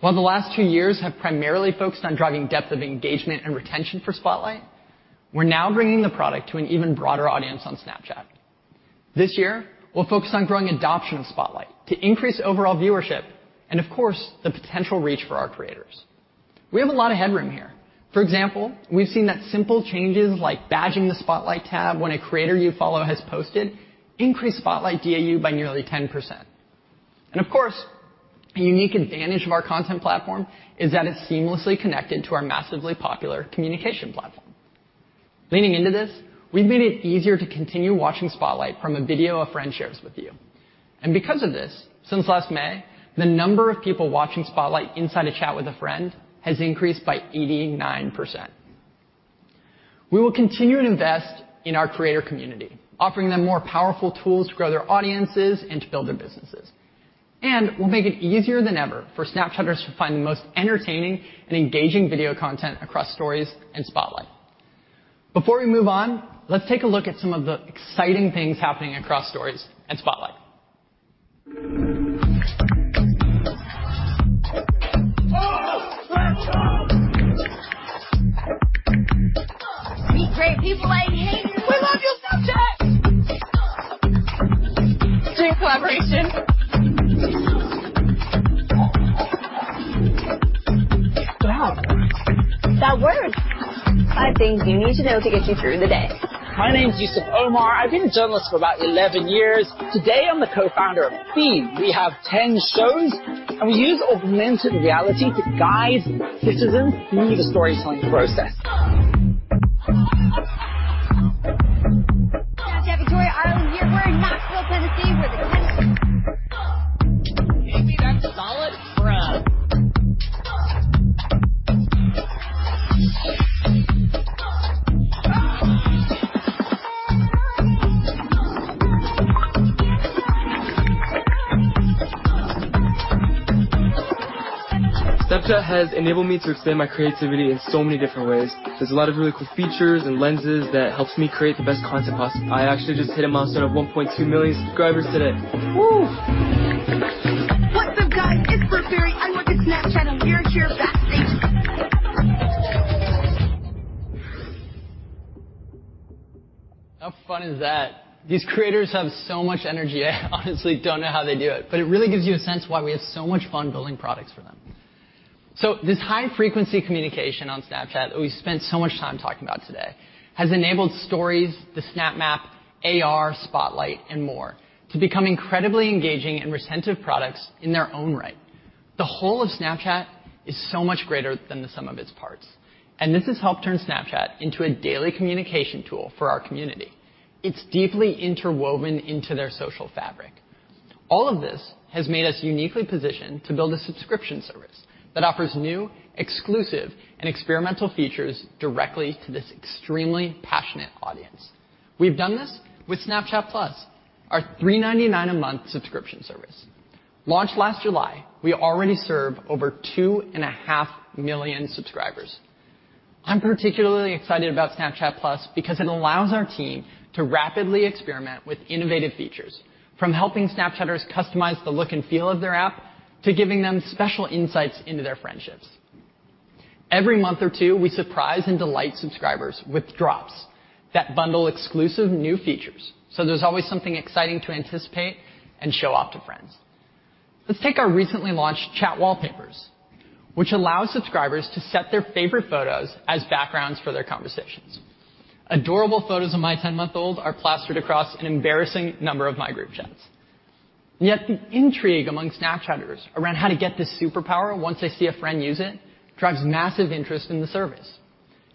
While the last two years have primarily focused on driving depth of engagement and retention for Spotlight, we're now bringing the product to an even broader audience on Snapchat. This year, we'll focus on growing adoption of Spotlight to increase overall viewership and, of course, the potential reach for our creators. We have a lot of headroom here. For example, we've seen that simple changes like badging the Spotlight tab when a creator you follow has posted increased Spotlight DAU by nearly 10%. Of course, a unique advantage of our content platform is that it's seamlessly connected to our massively popular communication platform. Leaning into this, we've made it easier to continue watching Spotlight from a video a friend shares with you. Because of this, since last May, the number of people watching Spotlight inside a chat with a friend has increased by 89%. We will continue to invest in our creator community, offering them more powerful tools to grow their audiences and to build their businesses. We'll make it easier than ever for Snapchatters to find the most entertaining and engaging video content across Stories and Spotlight. Before we move on, let's take a look at some of the exciting things happening across Stories and Spotlight. Oh, Snapchat! We create, people hate. We love you, Snapchat. To collaboration. Wow. That works. Five things you need to know to get you through the day. My name is Yusuf Omar. I've been a journalist for about 11 years. Today, I'm the co-founder of Feed. We have 10 shows, and we use augmented reality to guide citizens through the storytelling process. Snapchat, Victoria Island, here we're in Nashville, Tennessee. Can you be back to solid? Bruh. Snapchat has enabled me to extend my creativity in so many different ways. There's a lot of really cool features and lenses that helps me create the best content possible. I actually just hit a milestone of 1.2 million subscribers today. Whoo. What's up, guys? It's Bree Berry. I'm with the Snapchat on Mirror Cheer backstage. How fun is that? These creators have so much energy. I honestly don't know how they do it, but it really gives you a sense why we have so much fun building products for them. This high-frequency communication on Snapchat that we spent so much time talking about today has enabled Stories, the Snap Map, AR, Spotlight, and more to become incredibly engaging and retentive products in their own right. The whole of Snapchat is so much greater than the sum of its parts, and this has helped turn Snapchat into a daily communication tool for our community. It's deeply interwoven into their social fabric. All of this has made us uniquely positioned to build a subscription service that offers new, exclusive, and experimental features directly to this extremely passionate audience. We've done this with Snapchat+, our $3.99 a month subscription service. Launched last July, we already serve over 2.5 million subscribers. I'm particularly excited about Snapchat+ because it allows our team to rapidly experiment with innovative features, from helping Snapchatters customize the look and feel of their app to giving them special insights into their friendships. Every month or two, we surprise and delight subscribers with drops that bundle exclusive new features. There's always something exciting to anticipate and show off to friends. Let's take our recently launched Chat Wallpapers, which allows subscribers to set their favorite photos as backgrounds for their conversations. Adorable photos of my 10-month-old are plastered across an embarrassing number of my group chats. Yet the intrigue among Snapchatters around how to get this superpower once they see a friend use it drives massive interest in the service.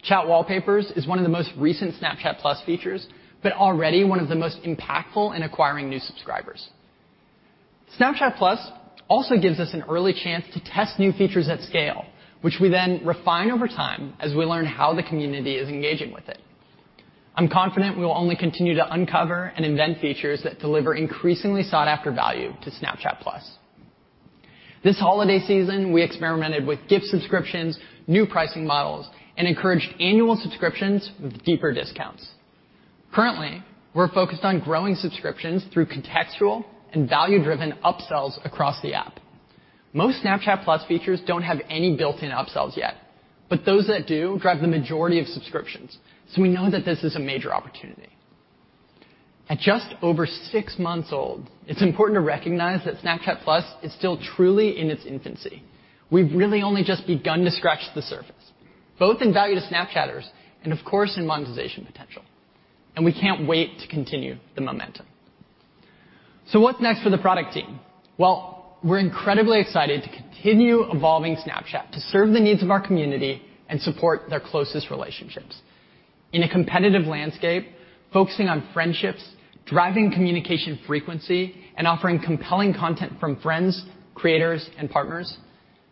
Chat Wallpapers is one of the most recent Snapchat+ features, but already one of the most impactful in acquiring new subscribers. Snapchat+ also gives us an early chance to test new features at scale, which we then refine over time as we learn how the community is engaging with it. I'm confident we will only continue to uncover and invent features that deliver increasingly sought-after value to Snapchat+. This holiday season, we experimented with gift subscriptions, new pricing models, and encouraged annual subscriptions with deeper discounts. Currently, we're focused on growing subscriptions through contextual and value-driven upsells across the app. Most Snapchat+ features don't have any built-in upsells yet, but those that do drive the majority of subscriptions, so we know that this is a major opportunity. At just over six months old, it's important to recognize that Snapchat+ is still truly in its infancy. We've really only just begun to scratch the surface, both in value to Snapchatters and, of course, in monetization potential. We can't wait to continue the momentum. What's next for the product team? Well, we're incredibly excited to continue evolving Snapchat to serve the needs of our community and support their closest relationships. In a competitive landscape, focusing on friendships, driving communication frequency, and offering compelling content from friends, creators, and partners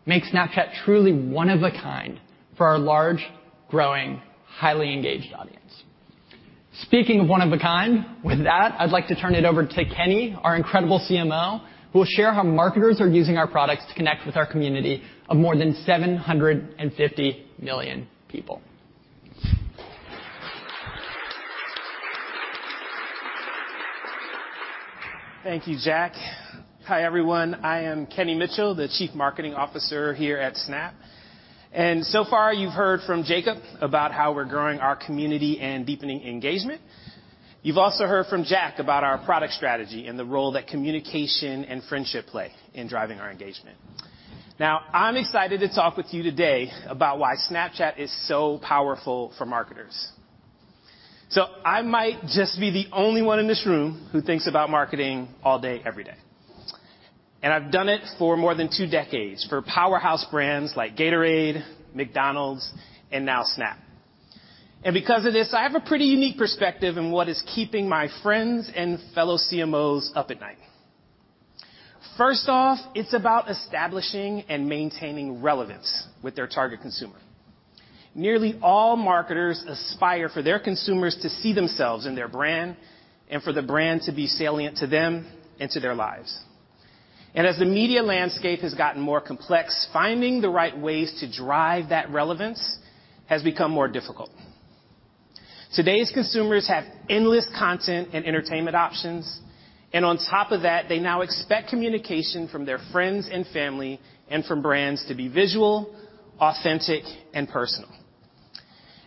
makes Snapchat truly one of a kind for our large, growing, highly engaged audience. Speaking of one of a kind, with that, I'd like to turn it over to Kenny, our incredible CMO, who will share how marketers are using our products to connect with our community of more than 750 million people. Thank you, Jack. Hi, everyone. I am Kenny Mitchell, the Chief Marketing Officer here at Snap. So far, you've heard from Jacob about how we're growing our community and deepening engagement. You've also heard from Jack about our product strategy and the role that communication and friendship play in driving our engagement. I'm excited to talk with you today about why Snapchat is so powerful for marketers. I might just be the only one in this room who thinks about marketing all day, every day. I've done it for more than two decades for powerhouse brands like Gatorade, McDonald's, and now Snap. Because of this, I have a pretty unique perspective on what is keeping my friends and fellow CMOs up at night. First off, it's about establishing and maintaining relevance with their target consumer. Nearly all marketers aspire for their consumers to see themselves in their brand and for the brand to be salient to them and to their lives. As the media landscape has gotten more complex, finding the right ways to drive that relevance has become more difficult. Today's consumers have endless content and entertainment options, and on top of that, they now expect communication from their friends and family and from brands to be visual, authentic, and personal.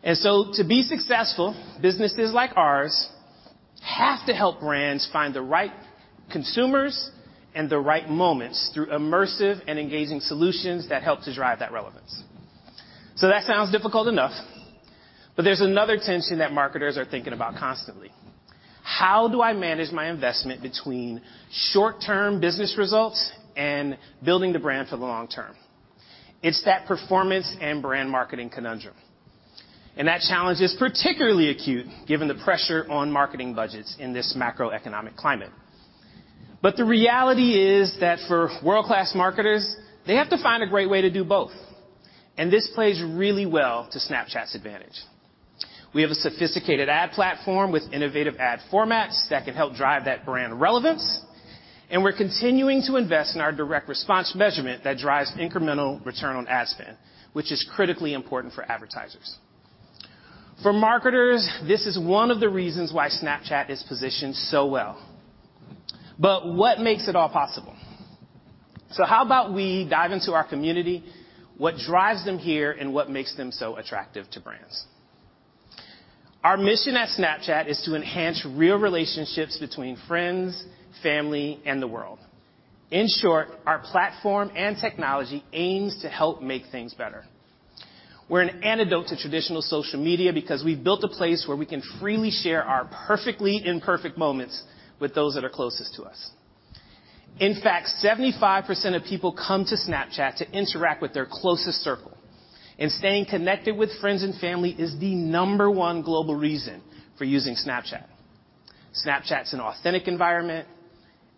To be successful, businesses like ours have to help brands find the right consumers and the right moments through immersive and engaging solutions that help to drive that relevance. That sounds difficult enough, but there's another tension that marketers are thinking about constantly. How do I manage my investment between short-term business results and building the brand for the long term? It's that performance and brand marketing conundrum. That challenge is particularly acute given the pressure on marketing budgets in this macroeconomic climate. The reality is that for world-class marketers, they have to find a great way to do both, and this plays really well to Snapchat's advantage. We have a sophisticated ad platform with innovative ad formats that can help drive that brand relevance, and we're continuing to invest in our direct response measurement that drives incremental return on ad spend, which is critically important for advertisers. For marketers, this is one of the reasons why Snapchat is positioned so well. What makes it all possible? How about we dive into our community, what drives them here, and what makes them so attractive to brands? Our mission at Snapchat is to enhance real relationships between friends, family, and the world. In short, our platform and technology aims to help make things better. We're an antidote to traditional social media because we've built a place where we can freely share our perfectly imperfect moments with those that are closest to us. In fact, 75% of people come to Snapchat to interact with their closest circle, and staying connected with friends and family is the number one global reason for using Snapchat. Snapchat's an authentic environment,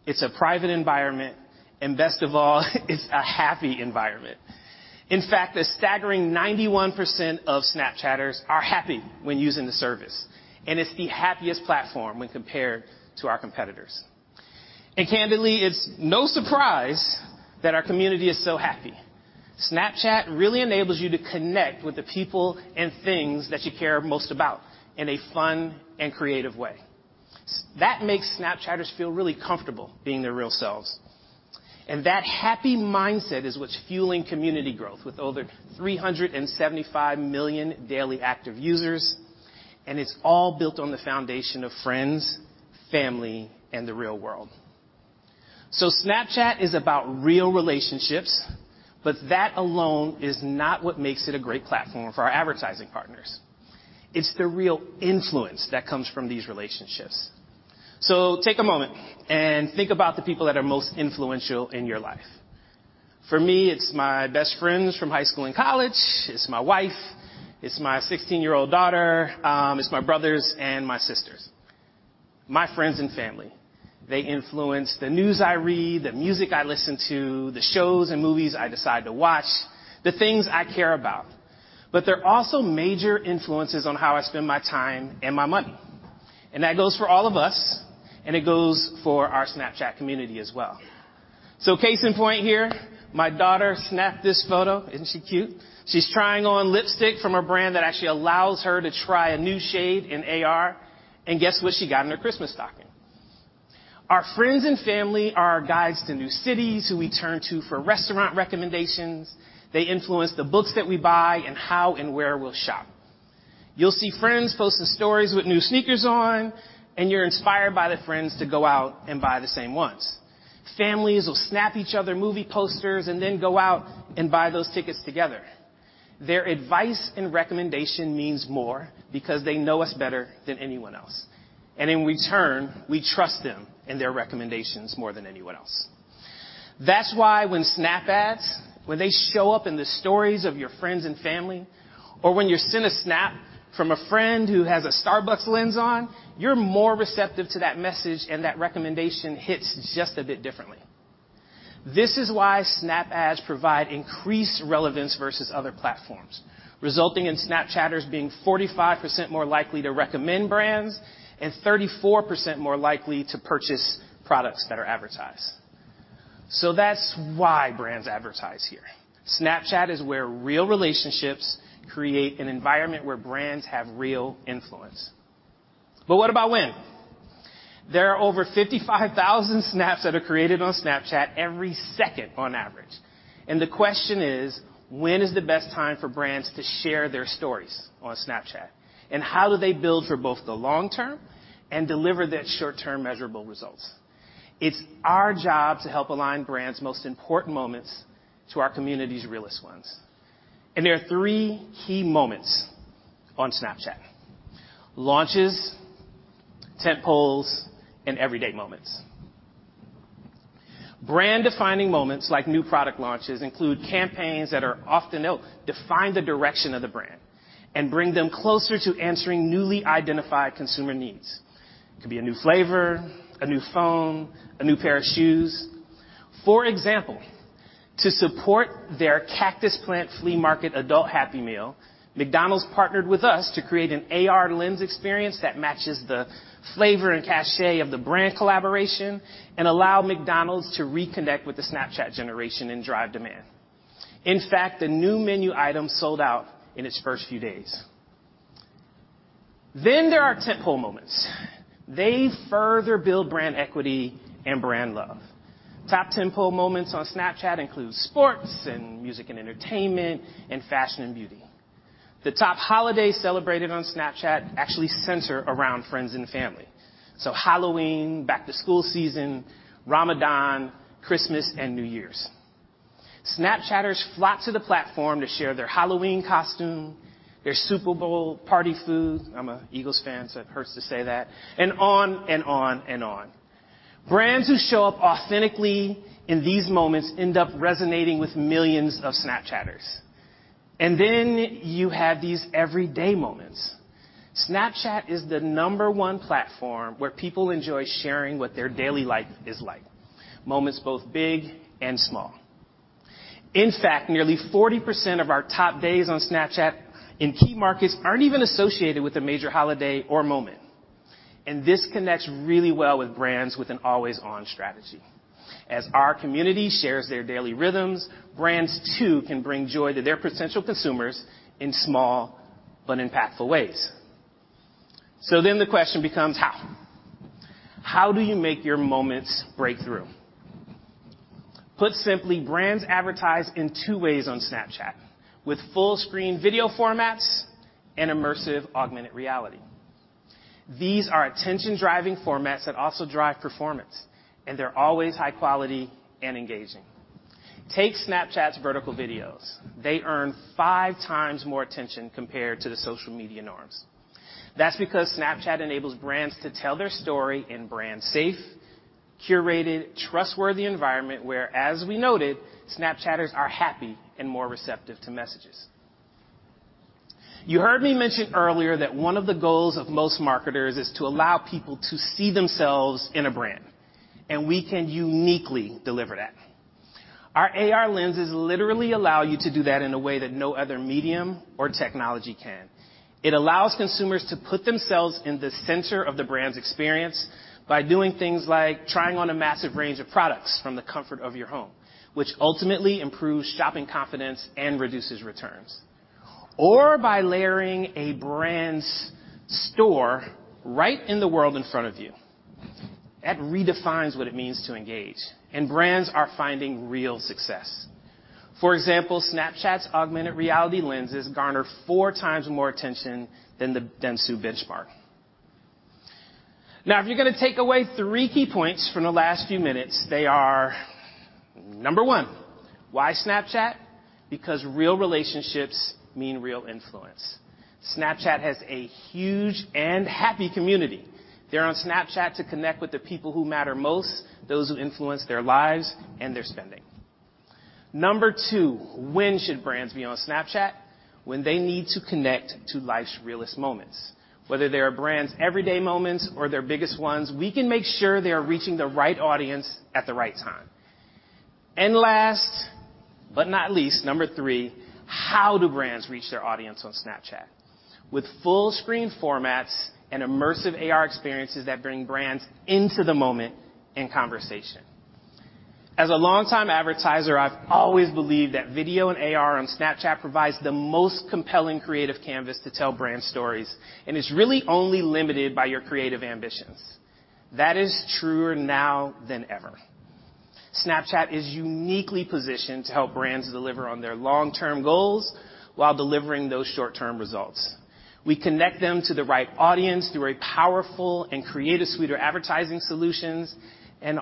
it's a private environment, and best of all, it's a happy environment. In fact, a staggering 91% of Snapchatters are happy when using the service, and it's the happiest platform when compared to our competitors. Candidly, it's no surprise that our community is so happy. Snapchat really enables you to connect with the people and things that you care most about in a fun and creative way. That makes Snapchatters feel really comfortable being their real selves. That happy mindset is what's fueling community growth with over 375 million daily active users, and it's all built on the foundation of friends, family, and the real world. Snapchat is about real relationships, but that alone is not what makes it a great platform for our advertising partners. It's the real influence that comes from these relationships. Take a moment and think about the people that are most influential in your life. For me, it's my best friends from high school and college. It's my wife. It's my 16-year-old daughter. It's my brothers and my sisters. My friends and family, they influence the news I read, the music I listen to, the shows and movies I decide to watch, the things I care about. They're also major influences on how I spend my time and my money. That goes for all of us, and it goes for our Snapchat community as well. Case in point here, my daughter snapped this photo. Isn't she cute? She's trying on lipstick from a brand that actually allows her to try a new shade in AR, guess what she got in her Christmas stocking. Our friends and family are our guides to new cities, who we turn to for restaurant recommendations. They influence the books that we buy and how and where we'll shop. You'll see friends posting Stories with new sneakers on, you're inspired by the friends to go out and buy the same ones. Families will snap each other movie posters go out and buy those tickets together. Their advice and recommendation means more because they know us better than anyone else. In return, we trust them and their recommendations more than anyone else. That's why when Snap Ads, when they show up in the Stories of your friends and family, or when you're sent a Snap from a friend who has a Starbucks Lens on, you're more receptive to that message, and that recommendation hits just a bit differently. This is why Snap Ads provide increased relevance versus other platforms, resulting in Snapchatters being 45% more likely to recommend brands and 34% more likely to purchase products that are advertised. That's why brands advertise here. Snapchat is where real relationships create an environment where brands have real influence. What about when? There are over 55,000 Snaps that are created on Snapchat every second on average, and the question is: When is the best time for brands to share their Stories on Snapchat? How do they build for both the long term and deliver that short-term measurable results? It's our job to help align brands' most important moments to our community's realest ones. There are three key moments on Snapchat: launches, tentpoles, and everyday moments. Brand-defining moments like new product launches include campaigns that define the direction of the brand and bring them closer to answering newly identified consumer needs. It could be a new flavor, a new phone, a new pair of shoes. For example, to support their Cactus Plant Flea Market Adult Happy Meal, McDonald's partnered with us to create an AR Lens experience that matches the flavor and cachet of the brand collaboration and allow McDonald's to reconnect with the Snapchat generation and drive demand. In fact, the new menu item sold out in its first few days. There are tentpole moments. They further build brand equity and brand love. Top tentpole moments on Snapchat include sports and music and entertainment and fashion and beauty. The top holidays celebrated on Snapchat actually center around friends and family. Halloween, back-to-school season, Ramadan, Christmas, and New Year's. Snapchatters flock to the platform to share their Halloween costume, their Super Bowl party food. I'm a Eagles fan, it hurts to say that, on and on and on. Brands who show up authentically in these moments end up resonating with millions of Snapchatters. You have these everyday moments. Snapchat is the number one platform where people enjoy sharing what their daily life is like, moments both big and small. In fact, nearly 40% of our top days on Snapchat in key markets aren't even associated with a major holiday or moment. This connects really well with brands with an always-on strategy. As our community shares their daily rhythms, brands too can bring joy to their potential consumers in small but impactful ways. The question becomes how? How do you make your moments break through? Put simply, brands advertise in two ways on Snapchat: with full-screen video formats and immersive augmented reality. These are attention-driving formats that also drive performance, and they're always high quality and engaging. Take Snapchat's vertical videos. They earn five times more attention compared to the social media norms. That's because Snapchat enables brands to tell their story in brand-safe, curated, trustworthy environment where, as we noted, Snapchatters are happy and more receptive to messages. You heard me mention earlier that one of the goals of most marketers is to allow people to see themselves in a brand, and we can uniquely deliver that. Our AR Lenses literally allow you to do that in a way that no other medium or technology can. It allows consumers to put themselves in the center of the brand's experience by doing things like trying on a massive range of products from the comfort of your home, which ultimately improves shopping confidence and reduces returns. By layering a brand's store right in the world in front of you. That redefines what it means to engage, and brands are finding real success. For example, Snapchat's augmented reality Lenses garner four times more attention than the Dentsu benchmark. If you're gonna take away three key points from the last few minutes, they are, number one, why Snapchat? Because real relationships mean real influence. Snapchat has a huge and happy community. They're on Snapchat to connect with the people who matter most, those who influence their lives and their spending. Number two, when should brands be on Snapchat? When they need to connect to life's realest moments. Whether they are brands' everyday moments or their biggest ones, we can make sure they are reaching the right audience at the right time. Last but not least, number three, how do brands reach their audience on Snapchat? With full-screen formats and immersive AR experiences that bring brands into the moment in conversation. As a longtime advertiser, I've always believed that video and AR on Snapchat provides the most compelling creative canvas to tell brand stories, and it's really only limited by your creative ambitions. That is truer now than ever. Snapchat is uniquely positioned to help brands deliver on their long-term goals while delivering those short-term results. We connect them to the right audience through a powerful and creative suite of advertising solutions,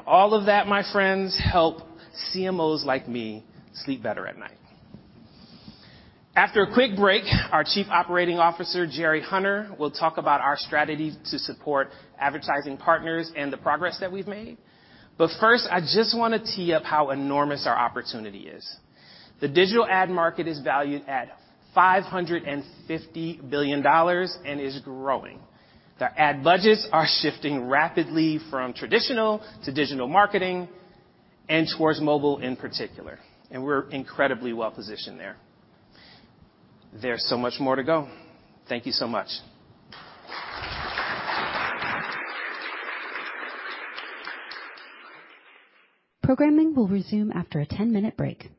all of that, my friends, help CMOs like me sleep better at night. After a quick break, our Chief Operating Officer, Jerry Hunter, will talk about our strategy to support advertising partners and the progress that we've made. First, I just wanna tee up how enormous our opportunity is. The digital ad market is valued at $550 billion and is growing. The ad budgets are shifting rapidly from traditional to digital marketing and towards mobile in particular, we're incredibly well-positioned there. There's so much more to go. Thank you so much. Programming will resume after a 10-minute break.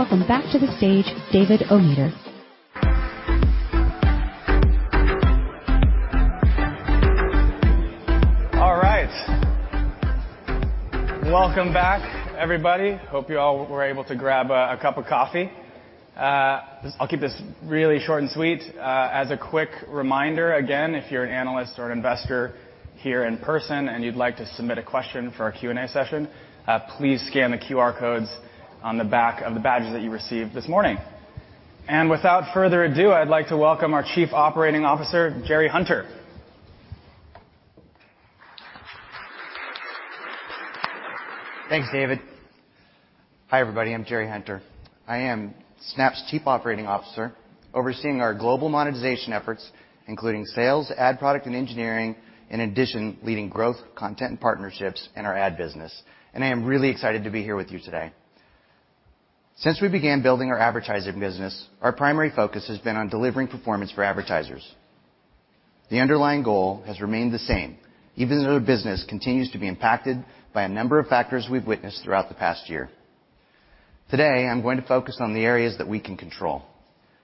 Please welcome back to the stage David Ometer. All right. Welcome back, everybody. Hope you all were able to grab a cup of coffee. I'll keep this really short and sweet. As a quick reminder, again, if you're an analyst or an investor here in person and you'd like to submit a question for our Q&A session, please scan the QR codes on the back of the badges that you received this morning. Without further ado, I'd like to welcome our Chief Operating Officer, Jerry Hunter. Thanks, David. Hi, everybody. I'm Jerry Hunter. I am Snap's Chief Operating Officer, overseeing our global monetization efforts, including sales, ad product, and engineering. In addition, leading growth, content partnerships in our ad business. I am really excited to be here with you today. Since we began building our advertising business, our primary focus has been on delivering performance for advertisers. The underlying goal has remained the same, even though the business continues to be impacted by a number of factors we've witnessed throughout the past year. Today, I'm going to focus on the areas that we can control.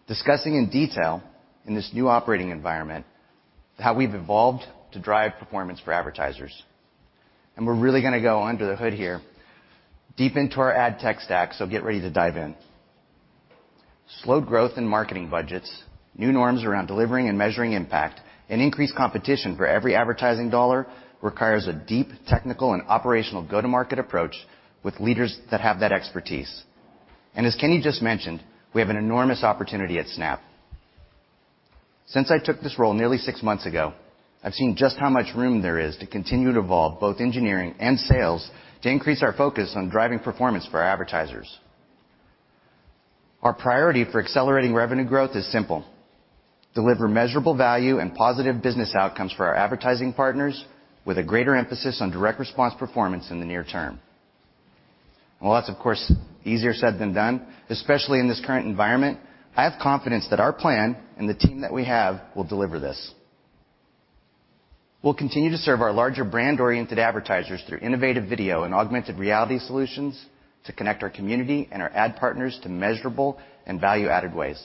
Discussing in detail in this new operating environment how we've evolved to drive performance for advertisers. We're really gonna go under the hood here, deep into our ad tech stack. Get ready to dive in. Slow growth in marketing budgets, new norms around delivering and measuring impact, and increased competition for every advertising dollar requires a deep technical and operational go-to-market approach with leaders that have that expertise. As Kenny just mentioned, we have an enormous opportunity at Snap. Since I took this role nearly six months ago, I've seen just how much room there is to continue to evolve both engineering and sales to increase our focus on driving performance for our advertisers. Our priority for accelerating revenue growth is simple. Deliver measurable value and positive business outcomes for our advertising partners with a greater emphasis on direct response performance in the near term. Well, that's, of course, easier said than done, especially in this current environment. I have confidence that our plan and the team that we have will deliver this. We'll continue to serve our larger brand-oriented advertisers through innovative video and augmented reality solutions to connect our community and our ad partners to measurable and value-added ways.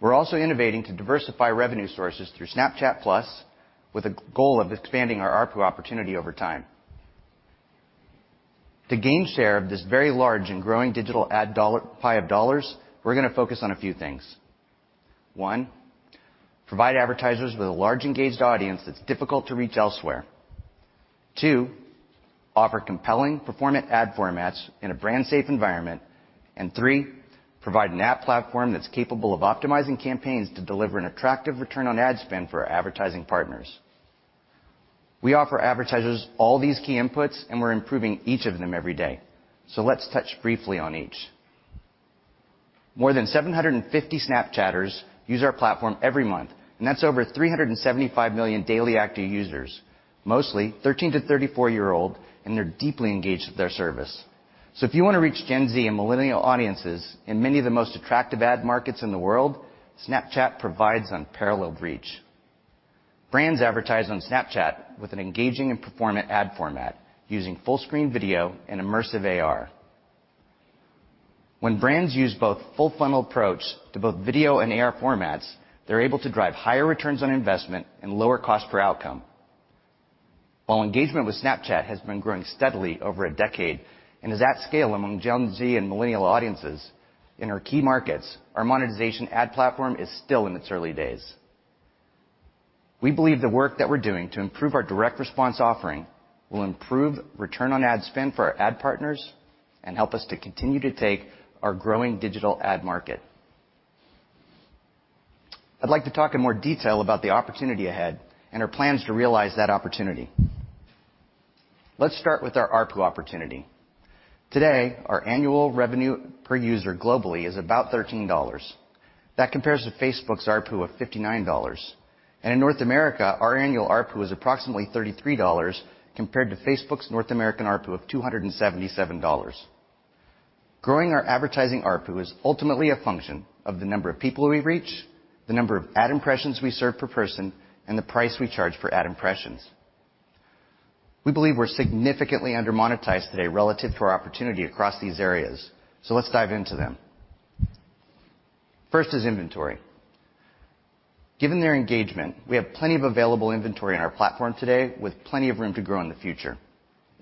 We're also innovating to diversify revenue sources through Snapchat+, with a goal of expanding our ARPU opportunity over time. To gain share of this very large and growing digital ad pie of dollars, we're going to focus on a few things. 1, provide advertisers with a large engaged audience that's difficult to reach elsewhere. 2, offer compelling performant ad formats in a brand safe environment. 3, provide an ad platform that's capable of optimizing campaigns to deliver an attractive return on ad spend for our advertising partners. We offer advertisers all these key inputs, and we're improving each of them every day. Let's touch briefly on each. More than 750 Snapchatters use our platform every month, and that's over 375 million daily active users. Mostly 13-34-year-old, and they're deeply engaged with their service. If you wanna reach Gen Z and millennial audiences in many of the most attractive ad markets in the world, Snapchat provides unparalleled reach. Brands advertise on Snapchat with an engaging and performant ad format using full-screen video and immersive AR. When brands use both full-funnel approach to both video and AR formats, they're able to drive higher returns on investment and lower cost per outcome. While engagement with Snapchat has been growing steadily over a decade and is at scale among Gen Z and millennial audiences in our key markets, our monetization ad platform is still in its early days. We believe the work that we're doing to improve our direct response offering will improve return on ad spend for our ad partners and help us to continue to take our growing digital ad market. I'd like to talk in more detail about the opportunity ahead and our plans to realize that opportunity. Let's start with our ARPU opportunity. Today, our annual revenue per user globally is about $13. That compares to Facebook's ARPU of $59. In North America, our annual ARPU is approximately $33 compared to Facebook's North American ARPU of $277. Growing our advertising ARPU is ultimately a function of the number of people we reach, the number of ad impressions we serve per person, and the price we charge for ad impressions. We believe we're significantly under-monetized today relative to our opportunity across these areas, so let's dive into them. First is inventory. Given their engagement, we have plenty of available inventory on our platform today, with plenty of room to grow in the future.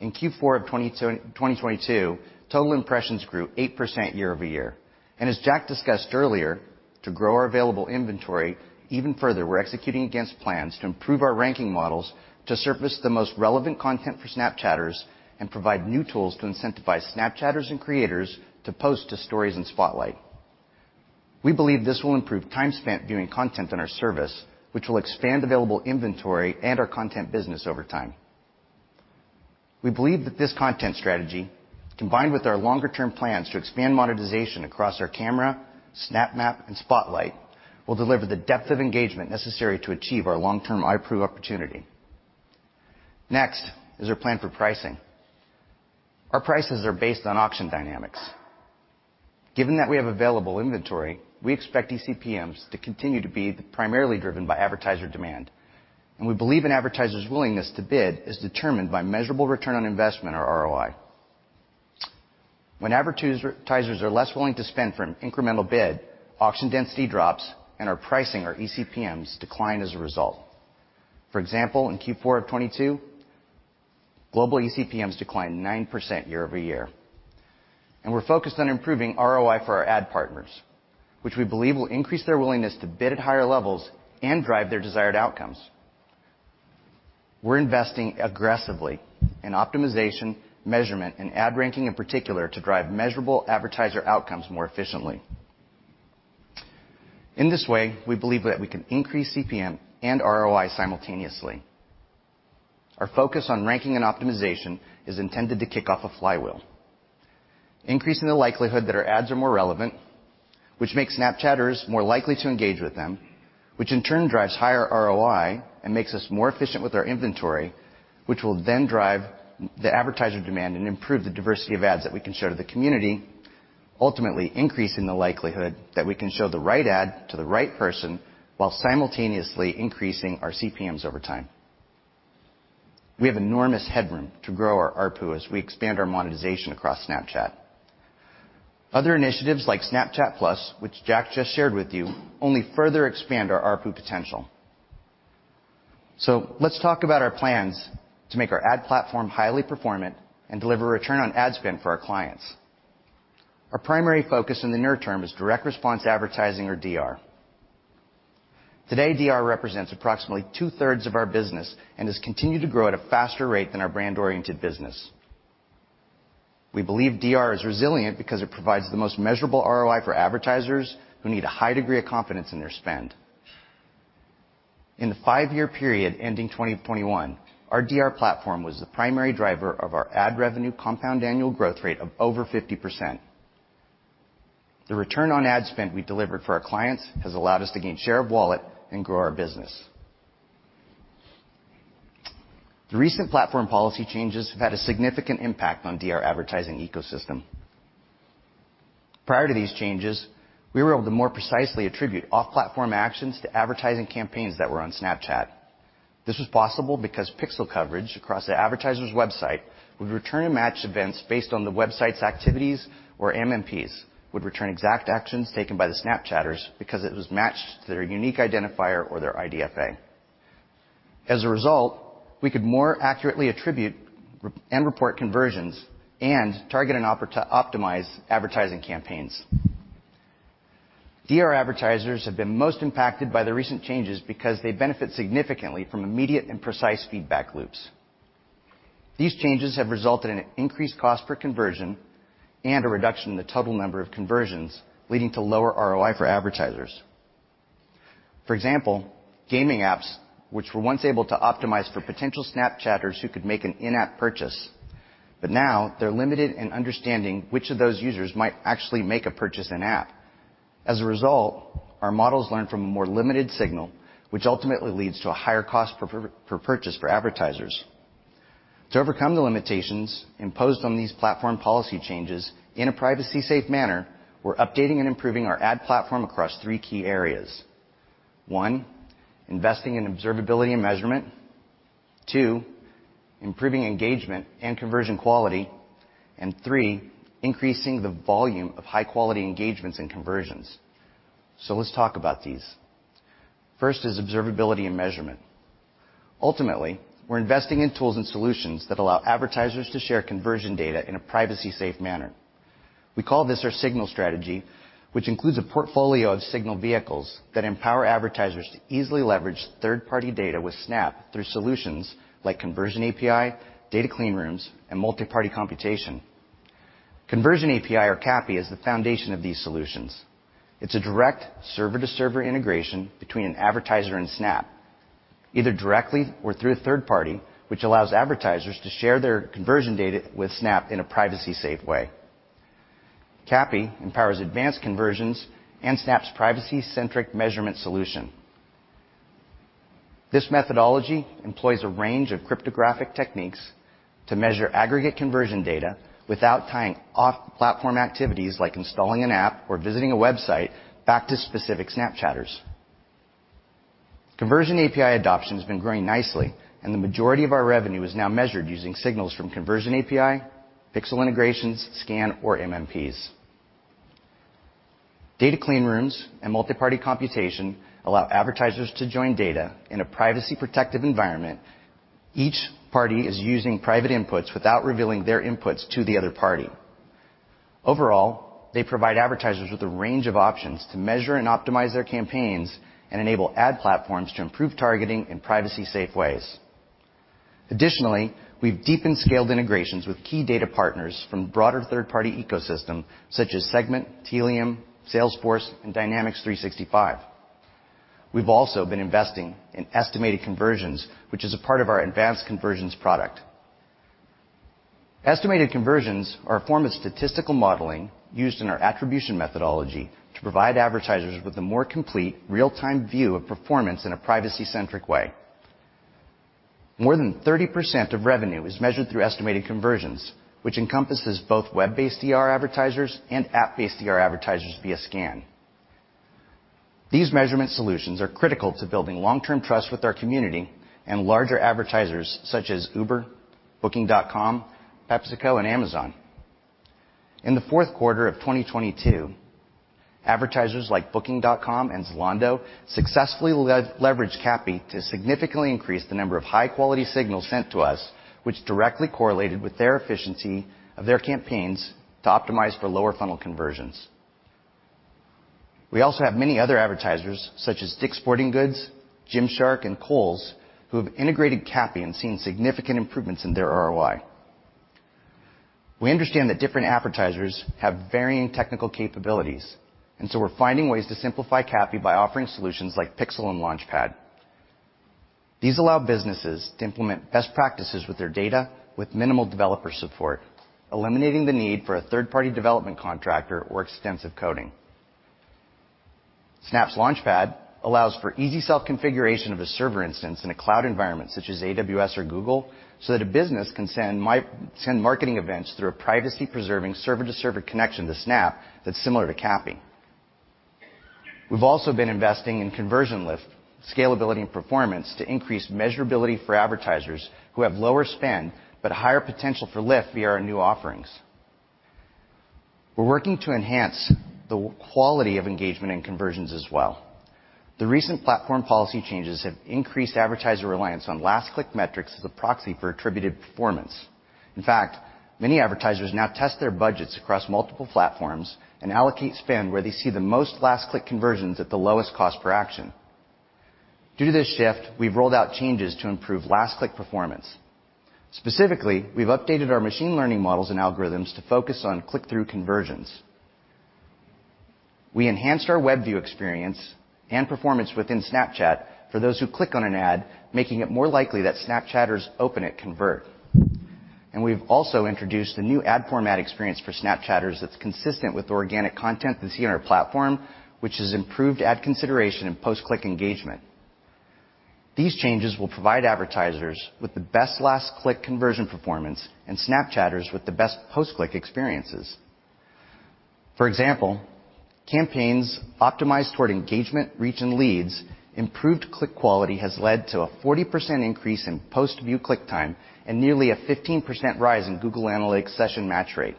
In Q4 of 2022, total impressions grew 8% year-over-year. As Jack discussed earlier, to grow our available inventory even further, we're executing against plans to improve our ranking models to surface the most relevant content for Snapchatters and provide new tools to incentivize Snapchatters and creators to post to Stories and Spotlight. We believe this will improve time spent viewing content on our service, which will expand available inventory and our content business over time. We believe that this content strategy, combined with our longer-term plans to expand monetization across our Camera, Snap Map, and Spotlight, will deliver the depth of engagement necessary to achieve our long-term iPRU opportunity. Next is our plan for pricing. Our prices are based on auction dynamics. Given that we have available inventory, we expect ECPMs to continue to be primarily driven by advertiser demand, and we believe an advertiser's willingness to bid is determined by measurable return on investment or ROI. When advertisers are less willing to spend for an incremental bid, auction density drops and our pricing or ECPMs decline as a result. For example, in Q4 of 2022, global ECPMs declined 9% year-over-year. We're focused on improving ROI for our ad partners, which we believe will increase their willingness to bid at higher levels and drive their desired outcomes. We're investing aggressively in optimization, measurement, and ad ranking in particular to drive measurable advertiser outcomes more efficiently. In this way, we believe that we can increase CPM and ROI simultaneously. Our focus on ranking and optimization is intended to kick off a flywheel, increasing the likelihood that our ads are more relevant, which makes Snapchatters more likely to engage with them, which in turn drives higher ROI and makes us more efficient with our inventory, which will then drive the advertiser demand and improve the diversity of ads that we can show to the community, ultimately increasing the likelihood that we can show the right ad to the right person while simultaneously increasing our CPMs over time. We have enormous headroom to grow our ARPU as we expand our monetization across Snapchat. Other initiatives like Snapchat+, which Jack just shared with you, only further expand our ARPU potential. Let's talk about our plans to make our ad platform highly performant and deliver return on ad spend for our clients. Our primary focus in the near term is direct response advertising or DR. Today, DR represents approximately two-thirds of our business and has continued to grow at a faster rate than our brand-oriented business. We believe DR is resilient because it provides the most measurable ROI for advertisers who need a high degree of confidence in their spend. In the five year period ending 2021, our DR platform was the primary driver of our ad revenue compound annual growth rate of over 50%. The return on ad spend we delivered for our clients has allowed us to gain share of wallet and grow our business. The recent platform policy changes have had a significant impact on DR advertising ecosystem. Prior to these changes, we were able to more precisely attribute off-platform actions to advertising campaigns that were on Snapchat. This was possible because pixel coverage across the advertiser's website would return and match events based on the website's activities, where MMPs would return exact actions taken by the Snapchatters because it was matched to their unique identifier or their IDFA. As a result, we could more accurately attribute and report conversions and target and optimize advertising campaigns. DR advertisers have been most impacted by the recent changes because they benefit significantly from immediate and precise feedback loops. These changes have resulted in an increased cost per conversion and a reduction in the total number of conversions, leading to lower ROI for advertisers. For example, gaming apps, which were once able to optimize for potential Snapchatters who could make an in-app purchase. Now they're limited in understanding which of those users might actually make a purchase in-app. As a result, our models learn from a more limited signal, which ultimately leads to a higher cost per purchase for advertisers. To overcome the limitations imposed on these platform policy changes in a privacy-safe manner, we're updating and improving our ad platform across three key areas. One, investing in observability and measurement. Two, improving engagement and conversion quality. Three, increasing the volume of high-quality engagements and conversions. Let's talk about these. First is observability and measurement. Ultimately, we're investing in tools and solutions that allow advertisers to share conversion data in a privacy-safe manner. We call this our signal strategy, which includes a portfolio of signal vehicles that empower advertisers to easily leverage third-party data with Snap through solutions like Conversions API, data clean rooms, and multi-party computation. Conversions API or CAPI is the foundation of these solutions. It's a direct server-to-server integration between an advertiser and Snap, either directly or through a third party, which allows advertisers to share their conversion data with Snap in a privacy safe way. CAPI empowers Advanced Conversions and Snap's privacy-centric measurement solution. This methodology employs a range of cryptographic techniques to measure aggregate conversion data without tying off platform activities like installing an app or visiting a website back to specific Snapchatters. Conversions API adoption has been growing nicely, and the majority of our revenue is now measured using signals from Conversions API, pixel integrations, SCAN or MMPs. data clean rooms and multi-party computation allow advertisers to join data in a privacy-protective environment. Each party is using private inputs without revealing their inputs to the other party. Overall, they provide advertisers with a range of options to measure and optimize their campaigns and enable ad platforms to improve targeting in privacy safe ways. We've deepened scaled integrations with key data partners from broader third-party ecosystem such as Segment, Tealium, Salesforce, and Dynamics 365. We've also been investing in Estimated Conversions, which is a part of our Advanced Conversions product. Estimated Conversions are a form of statistical modeling used in our attribution methodology to provide advertisers with a more complete real-time view of performance in a privacy-centric way. More than 30% of revenue is measured through Estimated Conversions, which encompasses both web-based CR advertisers and app-based CR advertisers via SCAN. These measurement solutions are critical to building long-term trust with our community and larger advertisers such as Uber, Booking.com, PepsiCo and Amazon. In the fourth quarter of 2022, advertisers like Booking.com and Zalando successfully leveraged CAPI to significantly increase the number of high-quality signals sent to us, which directly correlated with their efficiency of their campaigns to optimize for lower funnel conversions. We also have many other advertisers such as DIK'S Sporting Goods, Gymshark and Kohl's, who have integrated CAPI and seen significant improvements in their ROI. We understand that different advertisers have varying technical capabilities. We're finding ways to simplify CAPI by offering solutions like Pixel and Launchpad. These allow businesses to implement best practices with their data with minimal developer support, eliminating the need for a third-party development contractor or extensive coding. Snap's Launchpad allows for easy self-configuration of a server instance in a cloud environment such as AWS or Google, so that a business can send marketing events through a privacy-preserving server-to-server connection to Snap that's similar to CAPI. We've also been investing in conversion lift, scalability, and performance to increase measurability for advertisers who have lower spend, but higher potential for lift via our new offerings. We're working to enhance the quality of engagement and conversions as well. The recent platform policy changes have increased advertiser reliance on last click metrics as a proxy for attributed performance. In fact, many advertisers now test their budgets across multiple platforms and allocate spend where they see the most last click conversions at the lowest cost per action. Due to this shift, we've rolled out changes to improve last click performance. Specifically, we've updated our machine learning models and algorithms to focus on click-through conversions. We enhanced our web view experience and performance within Snapchat for those who click on an ad, making it more likely that Snapchatters open it convert. We've also introduced a new ad format experience for Snapchatters that's consistent with organic content they see on our platform, which has improved ad consideration and post-click engagement. These changes will provide advertisers with the best last click conversion performance and Snapchatters with the best post-click experiences. For example, campaigns optimized toward engagement reach and leads, improved click quality has led to a 40% increase in post-view click time and nearly a 15% rise in Google Analytics session match rate.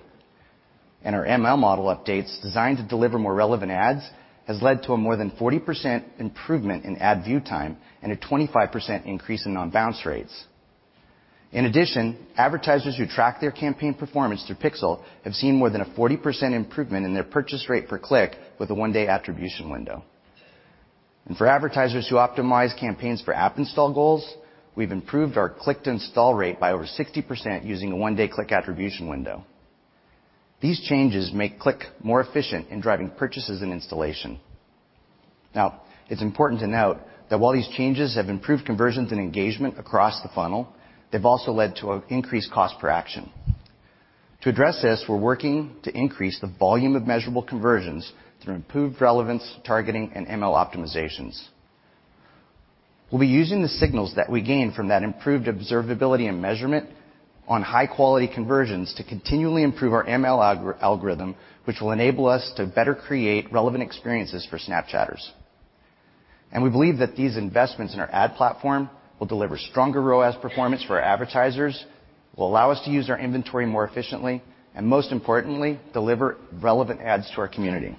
Our ML model updates designed to deliver more relevant ads has led to a more than 40% improvement in ad view time and a 25% increase in non-bounce rates. In addition, advertisers who track their campaign performance through Pixel have seen more than a 40% improvement in their purchase rate per click with a 1-day attribution window. For advertisers who optimize campaigns for app install goals, we've improved our click-to-install rate by over 60% using a one day click attribution window. These changes make click more efficient in driving purchases and installation. It's important to note that while these changes have improved conversions and engagement across the funnel, they've also led to an increased cost per action. To address this, we're working to increase the volume of measurable conversions through improved relevance, targeting, and ML optimizations. We'll be using the signals that we gain from that improved observability and measurement on high-quality conversions to continually improve our ML algorithm, which will enable us to better create relevant experiences for Snapchatters. We believe that these investments in our ad platform will deliver stronger ROAS performance for our advertisers, will allow us to use our inventory more efficiently, and most importantly, deliver relevant ads to our community.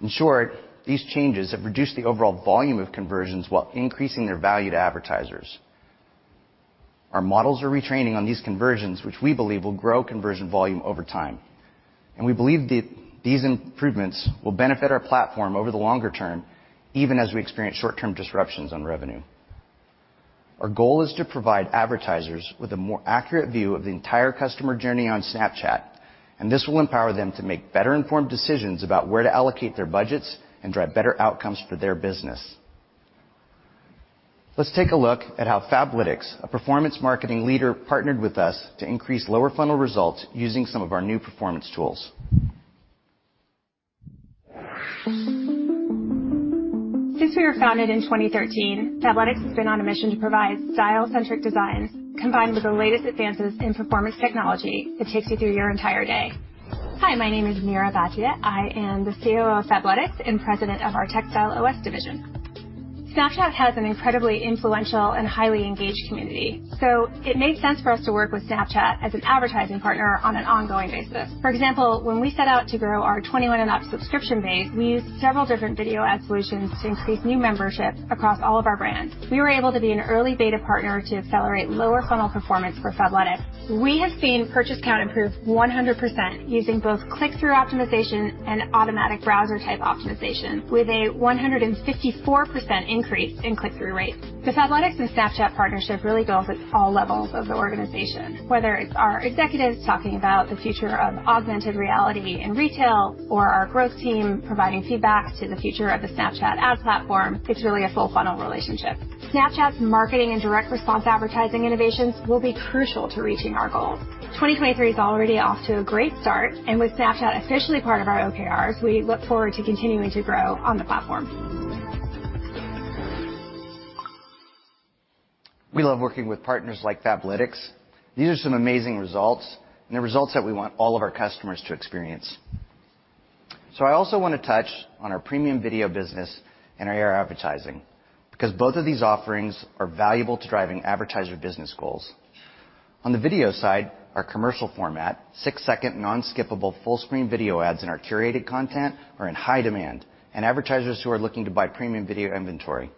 In short, these changes have reduced the overall volume of conversions while increasing their value to advertisers. Our models are retraining on these conversions, which we believe will grow conversion volume over time. We believe these improvements will benefit our platform over the longer term, even as we experience short-term disruptions on revenue. Our goal is to provide advertisers with a more accurate view of the entire customer journey on Snapchat. This will empower them to make better-informed decisions about where to allocate their budgets and drive better outcomes for their business. Let's take a look at how Fabletics, a performance marketing leader, partnered with us to increase lower-funnel results using some of our new performance tools. Since we were founded in 2013, Fabletics has been on a mission to provide style-centric designs combined with the latest advances in performance technology that takes you through your entire day. Hi, my name is Neera Barjatia. I am the COO of Fabletics and President of our TechStyle OS division. Snapchat has an incredibly influential and highly engaged community, so it made sense for us to work with Snapchat as an advertising partner on an ongoing basis. For example, when we set out to grow our 21 and up subscription base, we used several different video ad solutions to increase new memberships across all of our brands. We were able to be an early beta partner to accelerate lower-funnel performance for Fabletics. We have seen purchase count improve 100% using both click-through optimization and automatic browser type optimization with a 154% increase in click-through rates. The Fabletics and Snapchat partnership really goes at all levels of the organization, whether it's our executives talking about the future of augmented reality in retail or our growth team providing feedback to the future of the Snapchat ad platform, it's really a full funnel relationship. Snapchat's marketing and direct response advertising innovations will be crucial to reaching our goals. 2023 is already off to a great start, with Snapchat officially part of our OKRs, we look forward to continuing to grow on the platform. We love working with partners like Fabletics. These are some amazing results and the results that we want all of our customers to experience. I also wanna touch on our premium video business and our AR advertising because both of these offerings are valuable to driving advertiser business goals. On the video side, our commercial format, six second non-skippable full-screen video ads in our curated content are in high demand and advertisers who are looking to buy premium video inventory.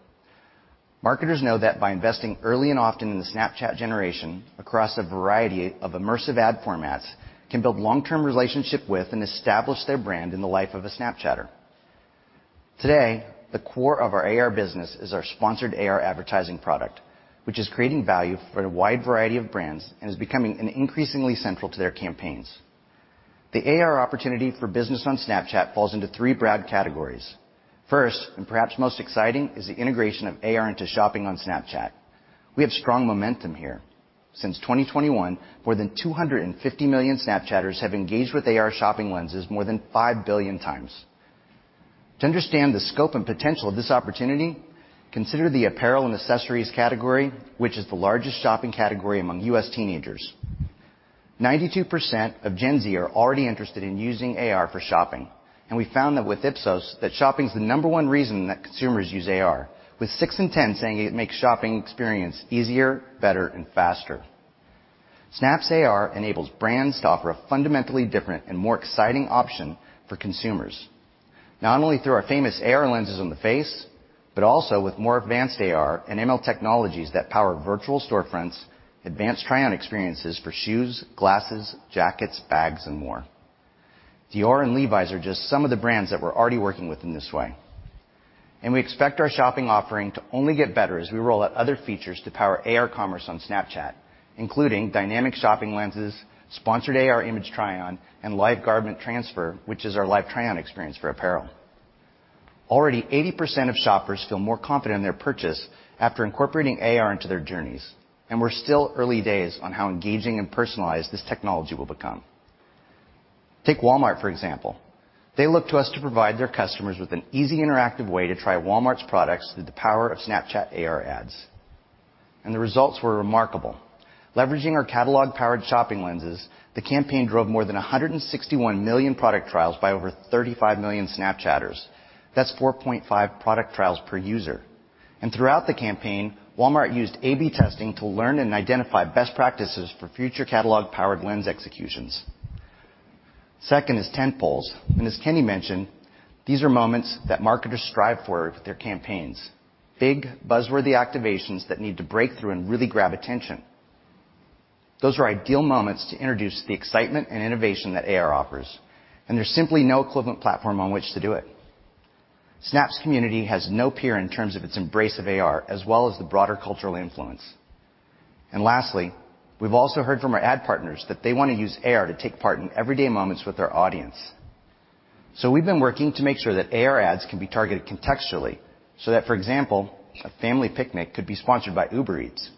Marketers know that by investing early and often in the Snapchat generation across a variety of immersive ad formats, can build long-term relationship with and establish their brand in the life of a Snapchatter. Today, the core of our AR business is our sponsored AR advertising product, which is creating value for a wide variety of brands and is becoming an increasingly central to their campaigns. The AR opportunity for business on Snapchat falls into three broad categories. First, and perhaps most exciting, is the integration of AR into shopping on Snapchat. We have strong momentum here. Since 2021, more than 250 million Snapchatters have engaged with AR shopping lenses more than five billion times. To understand the scope and potential of this opportunity, consider the apparel and accessories category, which is the largest shopping category among U.S. teenagers. 92% of Gen Z are already interested in using AR for shopping, and we found that with Ipsos that shopping is the number one reason that consumers use AR, with six in 10 saying it makes shopping experience easier, better, and faster. Snap's AR enables brands to offer a fundamentally different and more exciting option for consumers, not only through our famous AR lenses on the face, but also with more advanced AR and ML technologies that power virtual storefronts, advanced try-on experiences for shoes, glasses, jackets, bags, and more. Dior and Levi's are just some of the brands that we're already working with in this way, and we expect our shopping offering to only get better as we roll out other features to power AR commerce on Snapchat, including dynamic shopping lenses, sponsored AR image try-on, and Live Garment Transfer, which is our live try-on experience for apparel. Already, 80% of shoppers feel more confident in their purchase after incorporating AR into their journeys, and we're still early days on how engaging and personalized this technology will become. Take Walmart, for example. They look to us to provide their customers with an easy interactive way to try Walmart's products through the power of Snapchat AR ads. The results were remarkable. Leveraging our catalog-powered shopping lenses, the campaign drove more than 161 million product trials by over 35 million Snapchatters. That's 4.5 product trials per user. Throughout the campaign, Walmart used A/B testing to learn and identify best practices for future catalog-powered lens executions. Second is tentpoles. As Kenny mentioned, these are moments that marketers strive for with their campaigns. Big, buzz-worthy activations that need to break through and really grab attention. Those are ideal moments to introduce the excitement and innovation that AR offers. There's simply no equivalent platform on which to do it. Snap's community has no peer in terms of its embrace of AR, as well as the broader cultural influence. Lastly, we've also heard from our ad partners that they wanna use AR to take part in everyday moments with their audience. We've been working to make sure that AR ads can be targeted contextually, so that, for example, a family picnic could be sponsored by Uber Eats.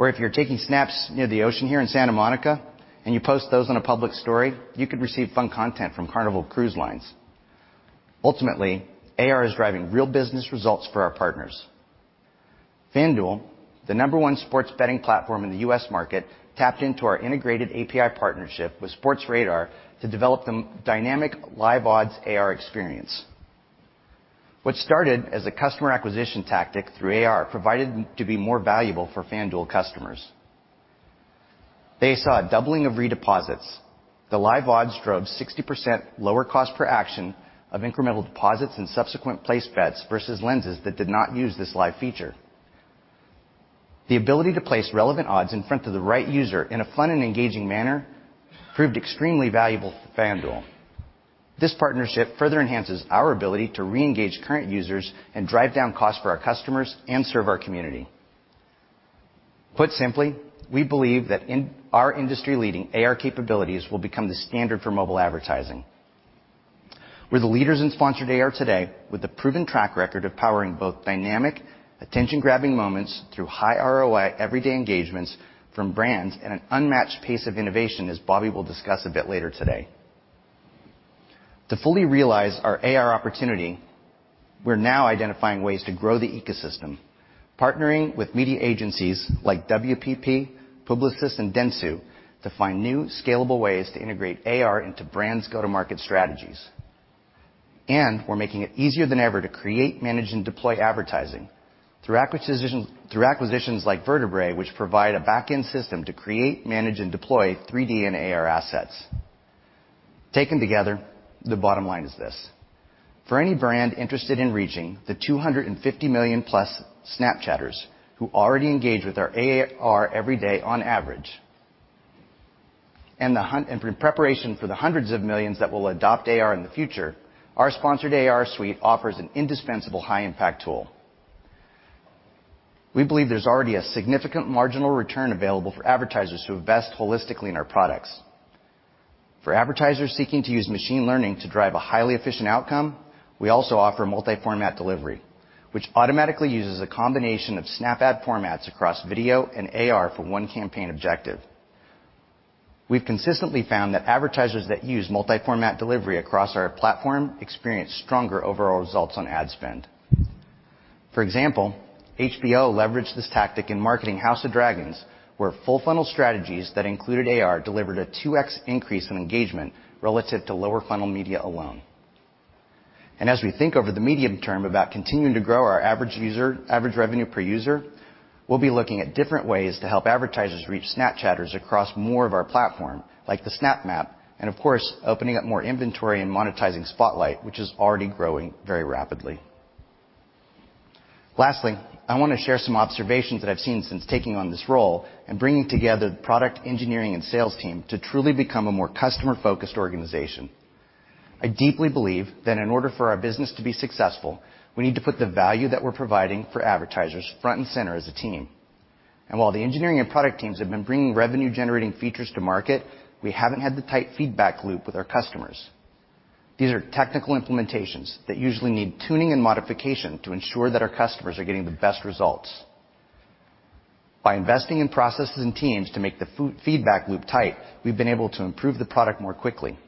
If you're taking Snaps near the ocean here in Santa Monica, and you post those on a public story, you could receive fun content from Carnival Cruise Line. Ultimately, AR is driving real business results for our partners. FanDuel, the number one sports betting platform in the U.S. market, tapped into our integrated API partnership with Sportradar to develop the dynamic Live Odds AR experience. What started as a customer acquisition tactic through AR provided to be more valuable for FanDuel customers. They saw a doubling of redeposits. The Live Odds drove 60% lower cost per action of incremental deposits and subsequent place bets versus lenses that did not use this live feature. The ability to place relevant odds in front of the right user in a fun and engaging manner proved extremely valuable to FanDuel. This partnership further enhances our ability to reengage current users and drive down costs for our customers and serve our community. Put simply, we believe that in our industry-leading AR capabilities will become the standard for mobile advertising. We're the leaders in sponsored AR today with a proven track record of powering both dynamic attention-grabbing moments through high ROI everyday engagements from brands at an unmatched pace of innovation, as Bobby will discuss a bit later today. To fully realize our AR opportunity, we're now identifying ways to grow the ecosystem, partnering with media agencies like WPP, Publicis, and Dentsu to find new scalable ways to integrate AR into brands' go-to-market strategies. We're making it easier than ever to create, manage, and deploy advertising through acquisitions like Vertebrae, which provide a back-end system to create, manage, and deploy 3D and AR assets. Taken together, the bottom line is this. For any brand interested in reaching the 250 million-plus Snapchatters who already engage with our AR every day on average, and in preparation for the hundreds of millions that will adopt AR in the future, our sponsored AR suite offers an indispensable high-impact tool. We believe there's already a significant marginal return available for advertisers who invest holistically in our products. For advertisers seeking to use machine learning to drive a highly efficient outcome, we also offer Multi-Format Delivery, which automatically uses a combination of Snap Ad formats across video and AR for one campaign objective. We've consistently found that advertisers that use Multi-Format Delivery across our platform experience stronger overall results on ad spend. For example, HBO leveraged this tactic in marketing House of the Dragon, where full-funnel strategies that included AR delivered a 2x increase in engagement relative to lower-funnel media alone. As we think over the medium term about continuing to grow our average revenue per user, we'll be looking at different ways to help advertisers reach Snapchatters across more of our platform, like the Snap Map, and of course, opening up more inventory and monetizing Spotlight, which is already growing very rapidly. Lastly, I wanna share some observations that I've seen since taking on this role and bringing together the product engineering and sales team to truly become a more customer-focused organization. I deeply believe that in order for our business to be successful, we need to put the value that we're providing for advertisers front and center as a team. While the engineering and product teams have been bringing revenue-generating features to market, we haven't had the tight feedback loop with our customers. These are technical implementations that usually need tuning and modification to ensure that our customers are getting the best results. By investing in processes and teams to make the feedback loop tight, we've been able to improve the product more quickly.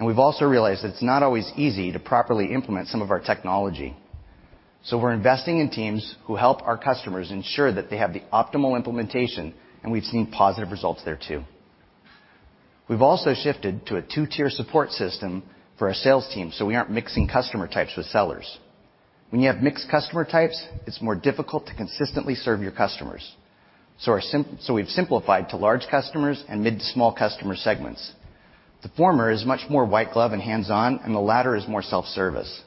We've also realized that it's not always easy to properly implement some of our technology. We're investing in teams who help our customers ensure that they have the optimal implementation, and we've seen positive results there too. We've also shifted to a two-tier support system for our sales team, so we aren't mixing customer types with sellers. When you have mixed customer types, it's more difficult to consistently serve your customers. We've simplified to large customers and mid to small customer segments. The former is much more white glove and hands-on, and the latter is more self-service.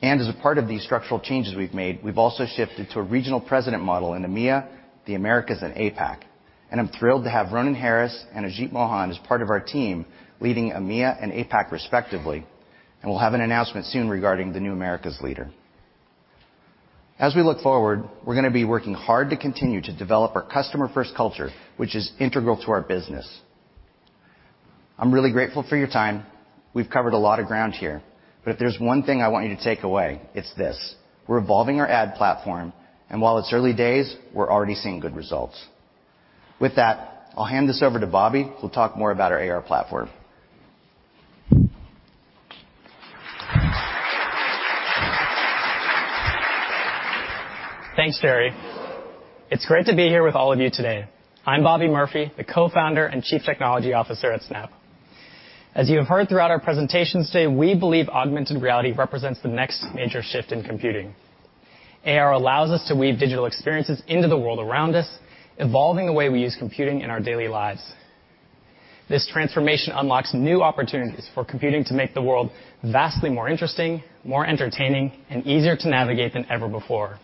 As a part of these structural changes we've made, we've also shifted to a regional president model in EMEA, the Americas, and APAC. I'm thrilled to have Ronan Harris and Ajit Mohan as part of our team leading EMEA and APAC, respectively, and we'll have an announcement soon regarding the new Americas leader. As we look forward, we're gonna be working hard to continue to develop our customer-first culture, which is integral to our business. I'm really grateful for your time. We've covered a lot of ground here. If there's one thing I want you to take away, it's this: We're evolving our ad platform, and while it's early days, we're already seeing good results. With that, I'll hand this over to Bobby, who'll talk more about our AR platform. Thanks, Jerry. It's great to be here with all of you today. I'm Bobby Murphy, the co-founder and chief technology officer at Snap. As you have heard throughout our presentation today, we believe augmented reality represents the next major shift in computing. AR allows us to weave digital experiences into the world around us, evolving the way we use computing in our daily lives. This transformation unlocks new opportunities for computing to make the world vastly more interesting, more entertaining, and easier to navigate than ever before.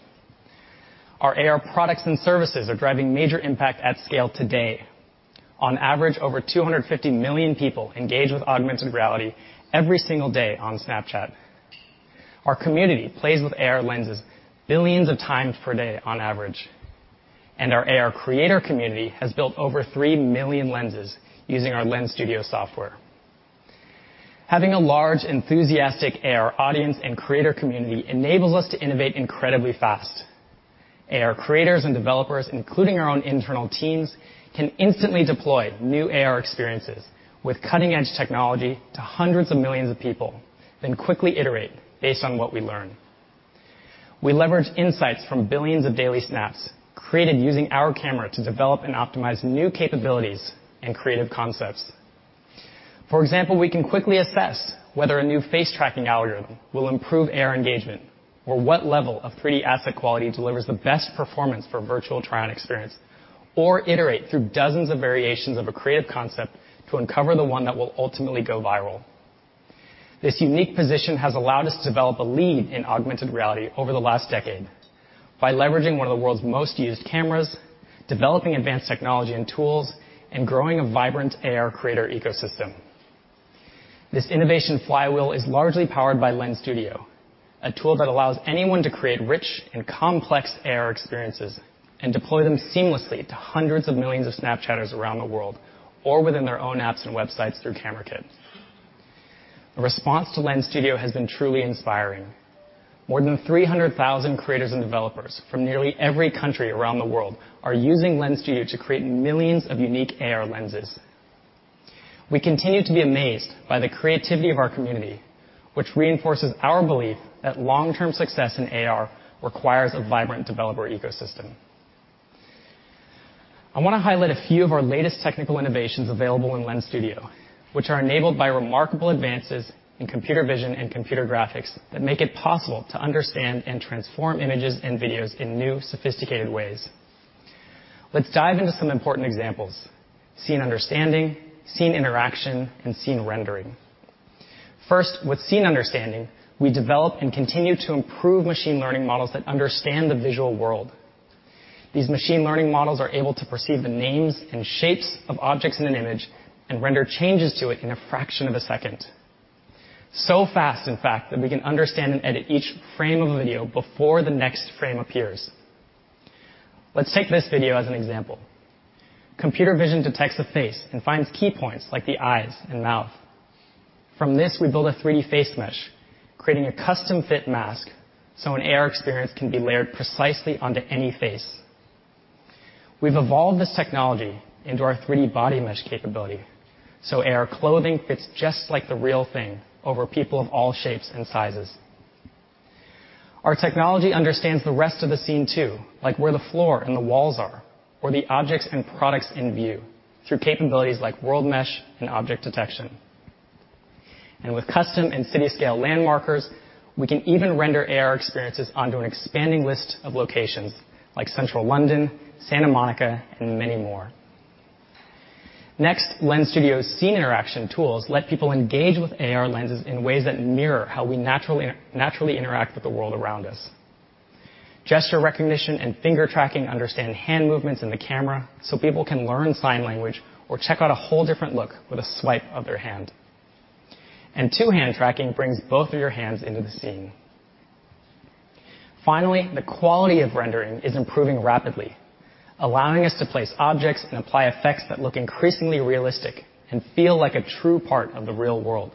Our AR products and services are driving major impact at scale today. On average, over 250 million people engage with augmented reality every single day on Snapchat. Our community plays with AR lenses billions of times per day on average. Our AR creator community has built over 3 million lenses using our Lens Studio software. Having a large, enthusiastic AR audience and creator community enables us to innovate incredibly fast. AR creators and developers, including our own internal teams, can instantly deploy new AR experiences with cutting-edge technology to hundreds of millions of people, then quickly iterate based on what we learn. We leverage insights from billions of daily snaps created using our camera to develop and optimize new capabilities and creative concepts. For example, we can quickly assess whether a new face tracking algorithm will improve AR engagement or what level of 3D asset quality delivers the best performance for virtual try-on experience, or iterate through dozens of variations of a creative concept to uncover the one that will ultimately go viral. This unique position has allowed us to develop a lead in augmented reality over the last decade by leveraging one of the world's most used cameras, developing advanced technology and tools, and growing a vibrant AR creator ecosystem. This innovation flywheel is largely powered by Lens Studio, a tool that allows anyone to create rich and complex AR experiences and deploy them seamlessly to hundreds of millions of Snapchatters around the world or within their own apps and websites through Camera Kit. The response to Lens Studio has been truly inspiring. More than 300,000 creators and developers from nearly every country around the world are using Lens Studio to create millions of unique AR Lenses. We continue to be amazed by the creativity of our community, which reinforces our belief that long-term success in AR requires a vibrant developer ecosystem. I wanna highlight a few of our latest technical innovations available in Lens Studio, which are enabled by remarkable advances in computer vision and computer graphics that make it possible to understand and transform images and videos in new, sophisticated ways. Let's dive into some important examples: scene understanding, scene interaction, and scene rendering. First, with scene understanding, we develop and continue to improve machine learning models that understand the visual world. These machine learning models are able to perceive the names and shapes of objects in an image and render changes to it in a fraction of a second. Fast, in fact, that we can understand and edit each frame of a video before the next frame appears. Let's take this video as an example. Computer vision detects a face and finds key points like the eyes and mouth. From this, we build a 3D Face Mesh, creating a custom fit mask so an AR experience can be layered precisely onto any face. We've evolved this technology into our 3D Body Mesh capability, so AR clothing fits just like the real thing over people of all shapes and sizes. Our technology understands the rest of the scene too, like where the floor and the walls are, or the objects and products in view through capabilities like World Mesh and Object Detection. With custom and city-scale Landmarkers, we can even render AR experiences onto an expanding list of locations like Central London, Santa Monica, and many more. Next, Lens Studio scene interaction tools let people engage with AR lenses in ways that mirror how we naturally interact with the world around us. Gesture recognition and finger tracking understand hand movements in the camera, so people can learn sign language or check out a whole different look with a swipe of their hand. Two-hand tracking brings both of your hands into the scene. Finally, the quality of rendering is improving rapidly, allowing us to place objects and apply effects that look increasingly realistic and feel like a true part of the real world.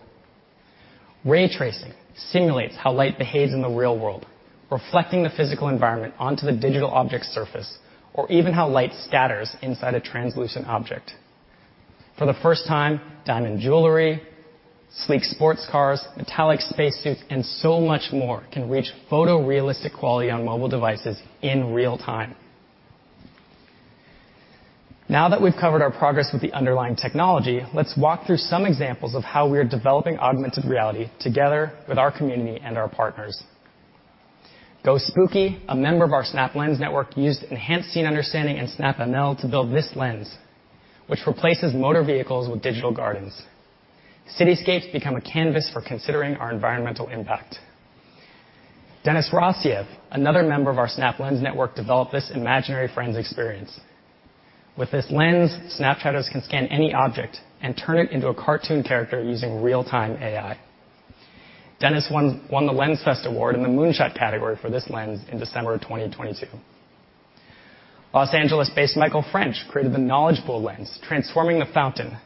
Ray tracing simulates how light behaves in the real world, reflecting the physical environment onto the digital object surface, or even how light scatters inside a translucent object. For the first time, diamond jewelry, sleek sports cars, metallic spacesuits, and so much more can reach photorealistic quality on mobile devices in real time. Now that we've covered our progress with the underlying technology, let's walk through some examples of how we are developing augmented reality together with our community and our partners. GoSpooky, a member of our Snap Lens Network, used enhanced scene understanding and Snap ML to build this lens, which replaces motor vehicles with digital gardens. Cityscapes become a canvas for considering our environmental impact. Denis Rossiev, another member of our Snap Lens Network, developed this imaginary friends experience. With this lens, Snapchatters can scan any object and turn it into a cartoon character using real-time AI. Denis won the Lens Fest award in the Moonshot category for this lens in December of 2022. Los Angeles-based Michael French created the Knowledge Bowl lens, transforming the fountain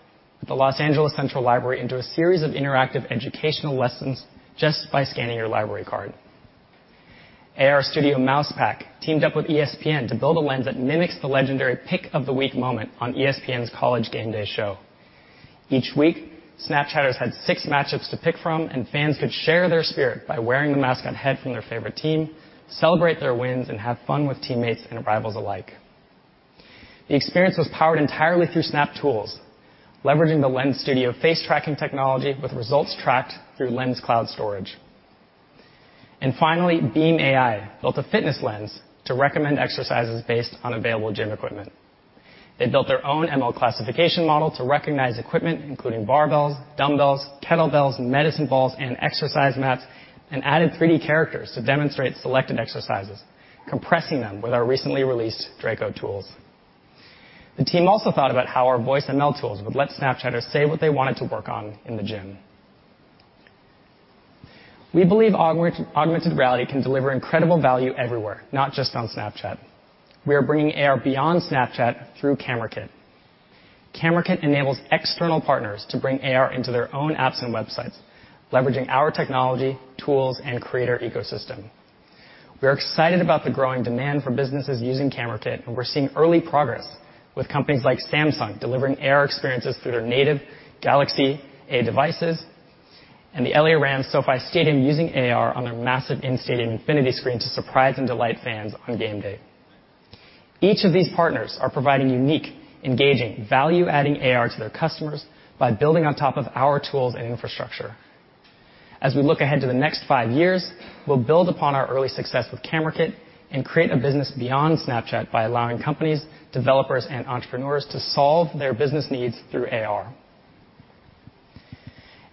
at the Los Angeles Central Library into a series of interactive educational lessons just by scanning your library card. AR Studio MousePack teamed up with ESPN to build a lens that mimics the legendary Pick of the Week moment on ESPN's College GameDay show. Each week, Snapchatters had 6 matchups to pick from, and fans could share their spirit by wearing the mascot head from their favorite team, celebrate their wins, and have fun with teammates and rivals alike. The experience was powered entirely through Snap Tools, leveraging the Lens Studio face tracking technology with results tracked through Lens Cloud storage. Finally, Beam AI built a fitness lens to recommend exercises based on available gym equipment. They built their own ML classification model to recognize equipment, including barbells, dumbbells, kettlebells, medicine balls, and exercise mats, and added 3D characters to demonstrate selected exercises, compressing them with our recently released Draco tools. The team also thought about how our voice ML tools would let Snapchatters say what they wanted to work on in the gym. We believe augmented reality can deliver incredible value everywhere, not just on Snapchat. We are bringing AR beyond Snapchat through Camera Kit. Camera Kit enables external partners to bring AR into their own apps and websites, leveraging our technology, tools, and creator ecosystem. We are excited about the growing demand for businesses using Camera Kit, and we're seeing early progress with companies like Samsung delivering AR experiences through their native Galaxy A devices, and the LA Rams SoFi Stadium using AR on their massive in-stadium infinity screen to surprise and delight fans on game day. Each of these partners are providing unique, engaging, value-adding AR to their customers by building on top of our tools and infrastructure. As we look ahead to the next five years, we'll build upon our early success with Camera Kit and create a business beyond Snapchat by allowing companies, developers, and entrepreneurs to solve their business needs through AR.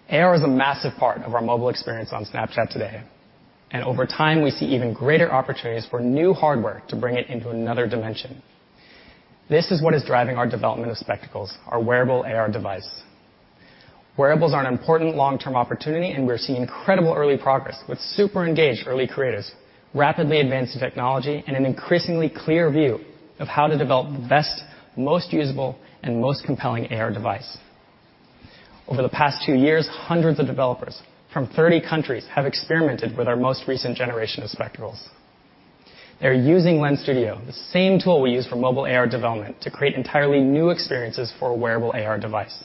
AR is a massive part of our mobile experience on Snapchat today, and over time, we see even greater opportunities for new hardware to bring it into another dimension. This is what is driving our development of Spectacles, our wearable AR device. Wearables are an important long-term opportunity, and we're seeing incredible early progress with super-engaged early creators, rapidly advancing technology, and an increasingly clear view of how to develop the best, most usable, and most compelling AR device. Over the past two years, hundreds of developers from 30 countries have experimented with our most recent generation of Spectacles. They're using Lens Studio, the same tool we use for mobile AR development, to create entirely new experiences for a wearable AR device.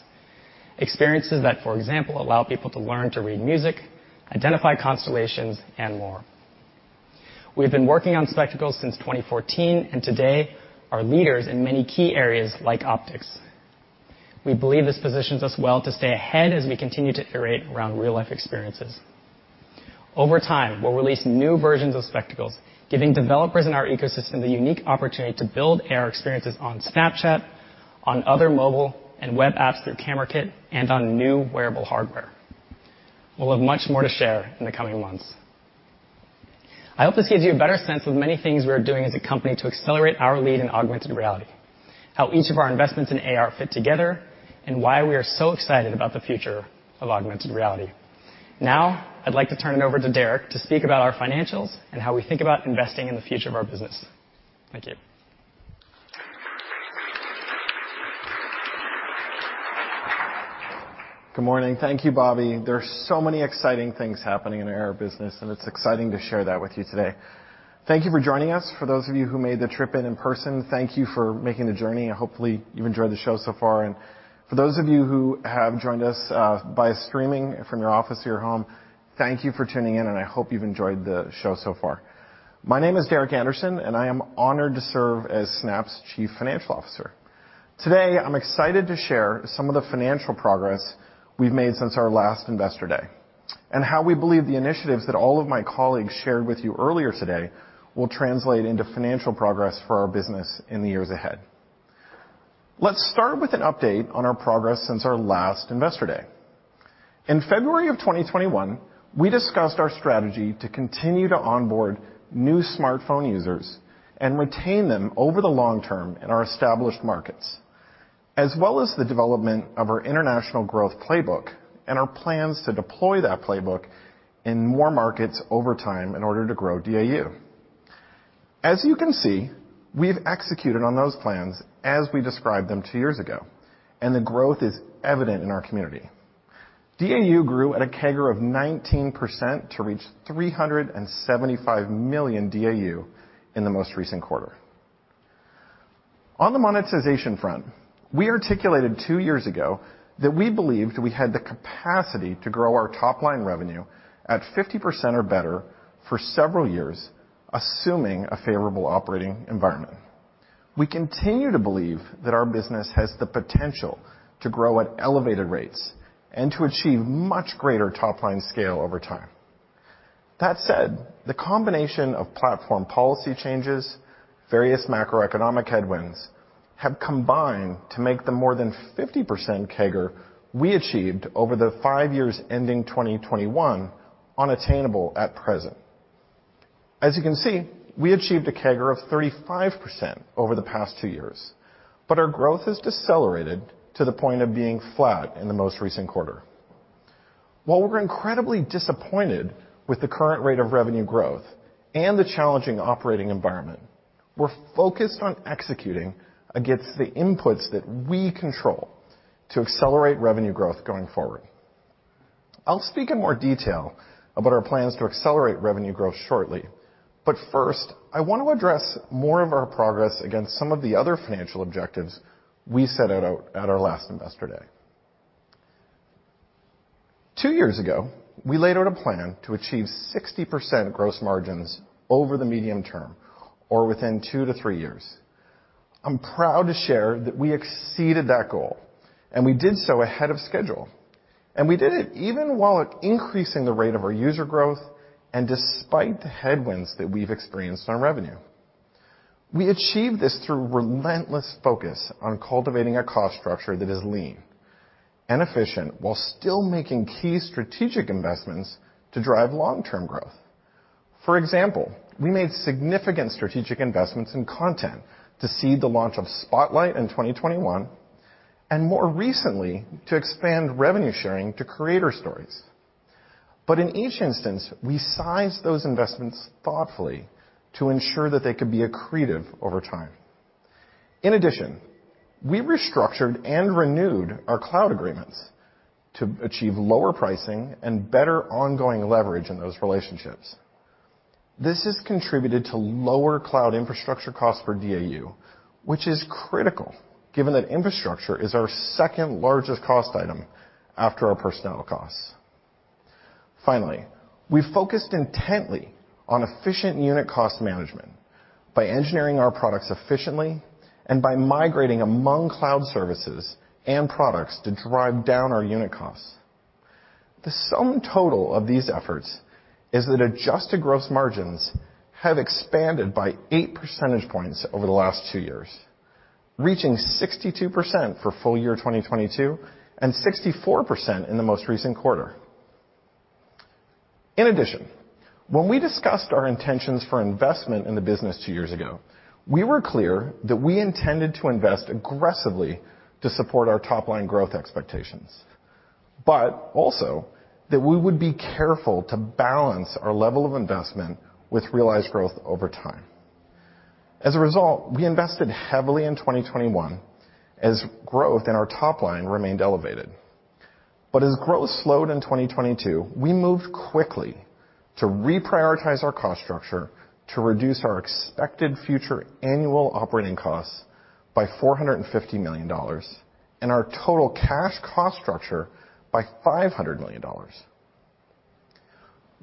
Experiences that, for example, allow people to learn to read music, identify constellations, and more. We have been working on Spectacles since 2014, and today are leaders in many key areas like optics. We believe this positions us well to stay ahead as we continue to iterate around real-life experiences. Over time, we'll release new versions of Spectacles, giving developers in our ecosystem the unique opportunity to build AR experiences on Snapchat, on other mobile and web apps through Camera Kit, and on new wearable hardware. We'll have much more to share in the coming months. I hope this gives you a better sense of the many things we're doing as a company to accelerate our lead in augmented reality, how each of our investments in AR fit together, and why we are so excited about the future of augmented reality. Now, I'd like to turn it over to Derek to speak about our financials and how we think about investing in the future of our business. Thank you. Good morning. Thank you, Bobby. There are so many exciting things happening in our AR business. It's exciting to share that with you today. Thank you for joining us. For those of you who made the trip in in person, thank you for making the journey. Hopefully you've enjoyed the show so far. For those of you who have joined us by streaming from your office or your home, thank you for tuning in. I hope you've enjoyed the show so far. My name is Derek Andersen. I am honored to serve as Snap's Chief Financial Officer. Today, I'm excited to share some of the financial progress we've made since our last Investor Day. How we believe the initiatives that all of my colleagues shared with you earlier today will translate into financial progress for our business in the years ahead. Let's start with an update on our progress since our last Investor Day. In February of 2021, we discussed our strategy to continue to onboard new smartphone users and retain them over the long term in our established markets, as well as the development of our international growth playbook and our plans to deploy that playbook in more markets over time in order to grow DAU. As you can see, we've executed on those plans as we described them two years ago, and the growth is evident in our community. DAU grew at a CAGR of 19% to reach 375 million DAU in the most recent quarter. On the monetization front, we articulated two years ago that we believed we had the capacity to grow our top-line revenue at 50% or better for several years, assuming a favorable operating environment. We continue to believe that our business has the potential to grow at elevated rates and to achieve much greater top-line scale over time. That said, the combination of platform policy changes, various macroeconomic headwinds, have combined to make the more than 50% CAGR we achieved over the five years ending 2021 unattainable at present. As you can see, we achieved a CAGR of 35% over the past two years, but our growth has decelerated to the point of being flat in the most recent quarter. While we're incredibly disappointed with the current rate of revenue growth and the challenging operating environment, we're focused on executing against the inputs that we control to accelerate revenue growth going forward. I'll speak in more detail about our plans to accelerate revenue growth shortly. First, I want to address more of our progress against some of the other financial objectives we set out at our last Investor Day. Two years ago, we laid out a plan to achieve 60% gross margins over the medium term, or within two to three years. I'm proud to share that we exceeded that goal, and we did so ahead of schedule. We did it even while increasing the rate of our user growth and despite the headwinds that we've experienced on revenue. We achieved this through relentless focus on cultivating a cost structure that is lean and efficient while still making key strategic investments to drive long-term growth. For example, we made significant strategic investments in content to seed the launch of Spotlight in 2021, and more recently, to expand revenue sharing to creator stories. In each instance, we sized those investments thoughtfully to ensure that they could be accretive over time. In addition, we restructured and renewed our cloud agreements to achieve lower pricing and better ongoing leverage in those relationships. This has contributed to lower cloud infrastructure costs for DAU, which is critical given that infrastructure is our second largest cost item after our personnel costs. Finally, we focused intently on efficient unit cost management by engineering our products efficiently and by migrating among cloud services and products to drive down our unit costs. The sum total of these efforts is that adjusted gross margins have expanded by eight percentage points over the last two years, reaching 62% for full year 2022, and 64% in the most recent quarter. In addition, when we discussed our intentions for investment in the business two years ago, we were clear that we intended to invest aggressively to support our top-line growth expectations, but also that we would be careful to balance our level of investment with realized growth over time. As a result, we invested heavily in 2021 as growth in our top line remained elevated. As growth slowed in 2022, we moved quickly to reprioritize our cost structure to reduce our expected future annual operating costs by $450 million and our total cash cost structure by $500 million.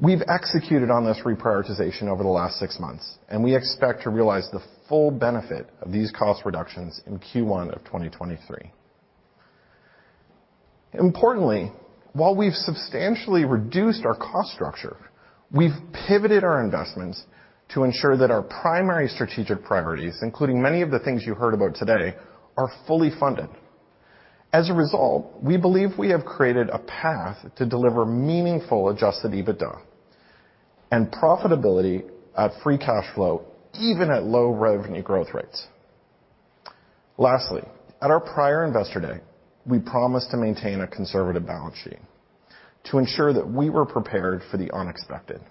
We've executed on this reprioritization over the last six months, and we expect to realize the full benefit of these cost reductions in Q1 of 2023. Importantly, while we've substantially reduced our cost structure, we've pivoted our investments to ensure that our primary strategic priorities, including many of the things you heard about today, are fully funded. As a result, we believe we have created a path to deliver meaningful Adjusted EBITDA and profitability at free cash flow, even at low revenue growth rates. Lastly, at our prior Investor Day, we promised to maintain a conservative balance sheet to ensure that we were prepared for the unexpected.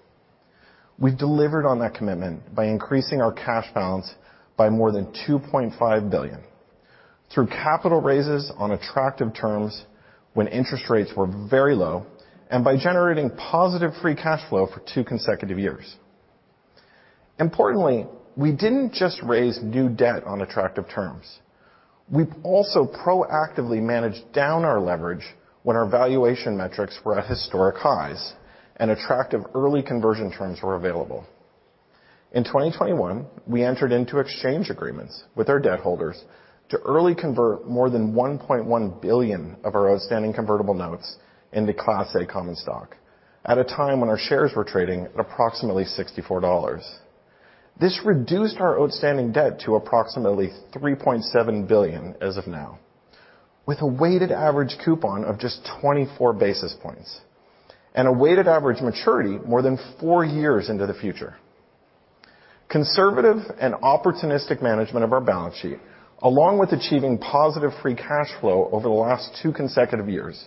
We've delivered on that commitment by increasing our cash balance by more than $2.5 billion through capital raises on attractive terms when interest rates were very low, and by generating positive free cash flow for two consecutive years. Importantly, we didn't just raise new debt on attractive terms. We've also proactively managed down our leverage when our valuation metrics were at historic highs and attractive early conversion terms were available. In 2021, we entered into exchange agreements with our debt holders to early convert more than $1.1 billion of our outstanding convertible notes into Class A common stock at a time when our shares were trading at approximately $64. This reduced our outstanding debt to approximately $3.7 billion as of now, with a weighted average coupon of just 24 basis points and a weighted average maturity more than four years into the future. Conservative and opportunistic management of our balance sheet, along with achieving positive free cash flow over the last two consecutive years,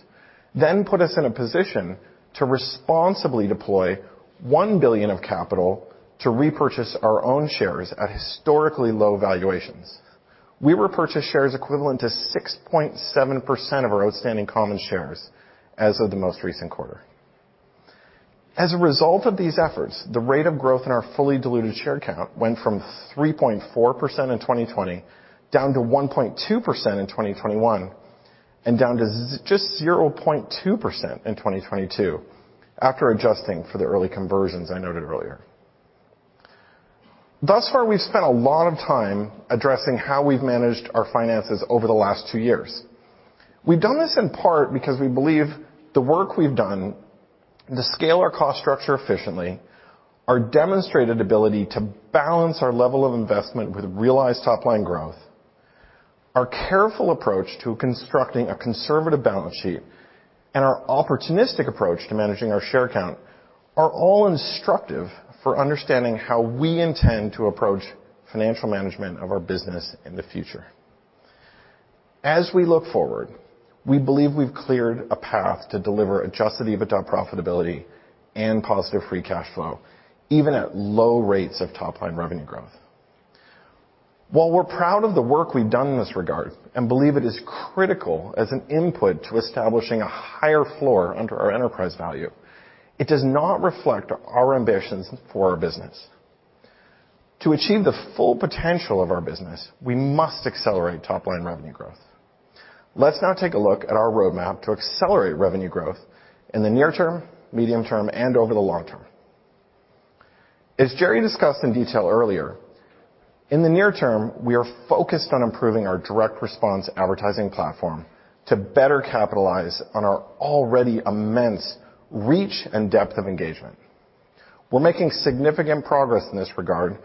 then put us in a position to responsibly deploy $1 billion of capital to repurchase our own shares at historically low valuations. We repurchased shares equivalent to 6.7% of our outstanding common shares as of the most recent quarter. As a result of these efforts, the rate of growth in our fully diluted share count went from 3.4% in 2020, down to 1.2% in 2021, and down to just 0.2% in 2022 after adjusting for the early conversions I noted earlier. Thus far, we've spent a lot of time addressing how we've managed our finances over the last two years. We've done this in part because we believe the work we've done to scale our cost structure efficiently, our demonstrated ability to balance our level of investment with realized top-line growth, our careful approach to constructing a conservative balance sheet, and our opportunistic approach to managing our share count are all instructive for understanding how we intend to approach financial management of our business in the future. As we look forward, we believe we've cleared a path to deliver Adjusted EBITDA profitability and positive free cash flow, even at low rates of top-line revenue growth. While we're proud of the work we've done in this regard and believe it is critical as an input to establishing a higher floor under our enterprise value, it does not reflect our ambitions for our business. To achieve the full potential of our business, we must accelerate top-line revenue growth. Let's now take a look at our roadmap to accelerate revenue growth in the near term, medium term, and over the long term. As Jerry discussed in detail earlier, in the near term, we are focused on improving our direct response advertising platform to better capitalize on our already immense reach and depth of engagement. We're making significant progress in this regard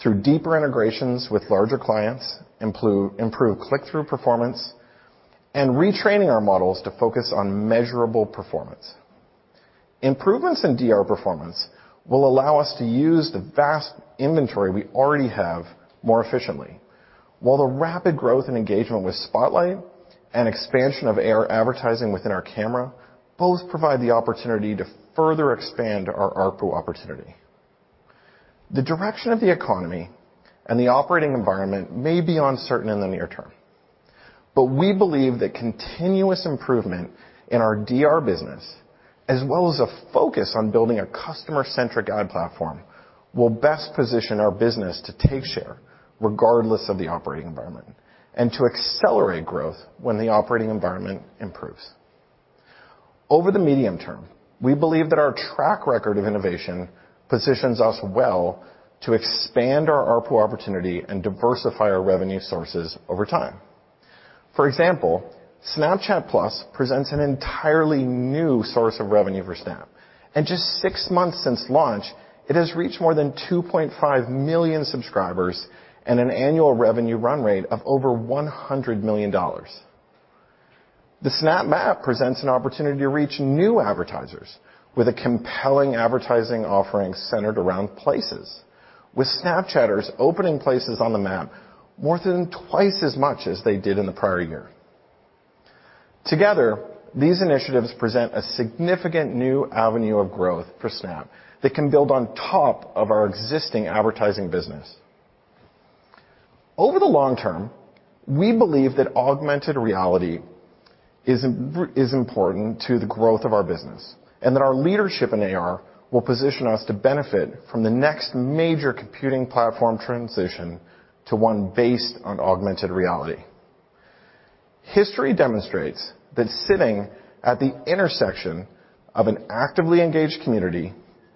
through deeper integrations with larger clients, improve click-through performance, and retraining our models to focus on measurable performance. Improvements in DR performance will allow us to use the vast inventory we already have more efficiently. The rapid growth and engagement with Spotlight and expansion of AR advertising within our camera both provide the opportunity to further expand our ARPU opportunity. The direction of the economy and the operating environment may be uncertain in the near term, but we believe that continuous improvement in our DR business, as well as a focus on building a customer-centric ad platform, will best position our business to take share regardless of the operating environment and to accelerate growth when the operating environment improves. Over the medium term, we believe that our track record of innovation positions us well to expand our ARPU opportunity and diversify our revenue sources over time. For example, Snapchat+ presents an entirely new source of revenue for Snap. In just six months since launch, it has reached more than 2.5 million subscribers and an annual revenue run rate of over $100 million. The Snap Map presents an opportunity to reach new advertisers with a compelling advertising offering centered around places, with Snapchatters opening places on the map more than twice as much as they did in the prior year. Together, these initiatives present a significant new avenue of growth for Snap that can build on top of our existing advertising business. Over the long term, we believe that augmented reality is important to the growth of our business, and that our leadership in AR will position us to benefit from the next major computing platform transition to one based on augmented reality. History demonstrates that sitting at the intersection of an actively engaged community,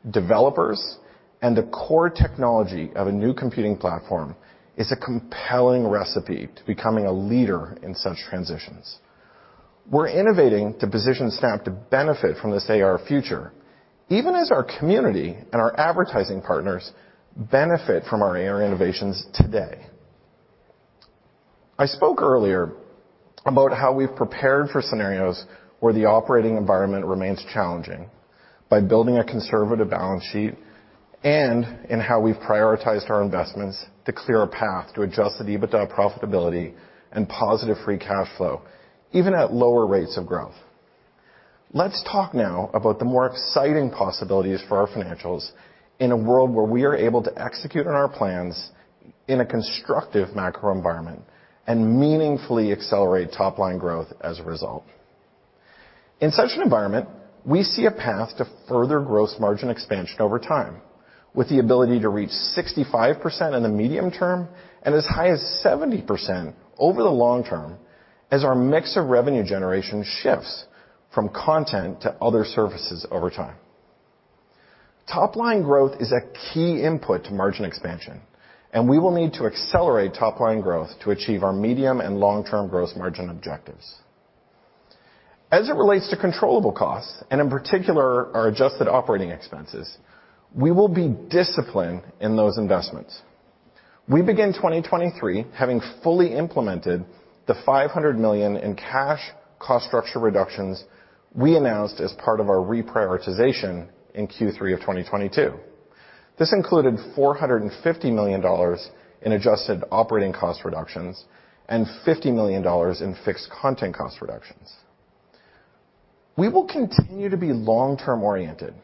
developers, and the core technology of a new computing platform is a compelling recipe to becoming a leader in such transitions. We're innovating to position Snap to benefit from this AR future, even as our community and our advertising partners benefit from our AR innovations today. I spoke earlier about how we've prepared for scenarios where the operating environment remains challenging by building a conservative balance sheet and in how we've prioritized our investments to clear a path to Adjusted EBITDA profitability and positive free cash flow, even at lower rates of growth. Let's talk now about the more exciting possibilities for our financials in a world where we are able to execute on our plans in a constructive macro environment and meaningfully accelerate top-line growth as a result. In such an environment, we see a path to further gross margin expansion over time with the ability to reach 65% in the medium term and as high as 70% over the long term as our mix of revenue generation shifts from content to other services over time. Top-line growth is a key input to margin expansion, and we will need to accelerate top-line growth to achieve our medium and long-term gross margin objectives. As it relates to controllable costs, and in particular our adjusted operating expenses, we will be disciplined in those investments. We begin 2023 having fully implemented the $500 million in cash cost structure reductions we announced as part of our reprioritization in Q3 of 2022. This included $450 million in adjusted operating cost reductions and $50 million in fixed content cost reductions. We will continue to be long term-oriented.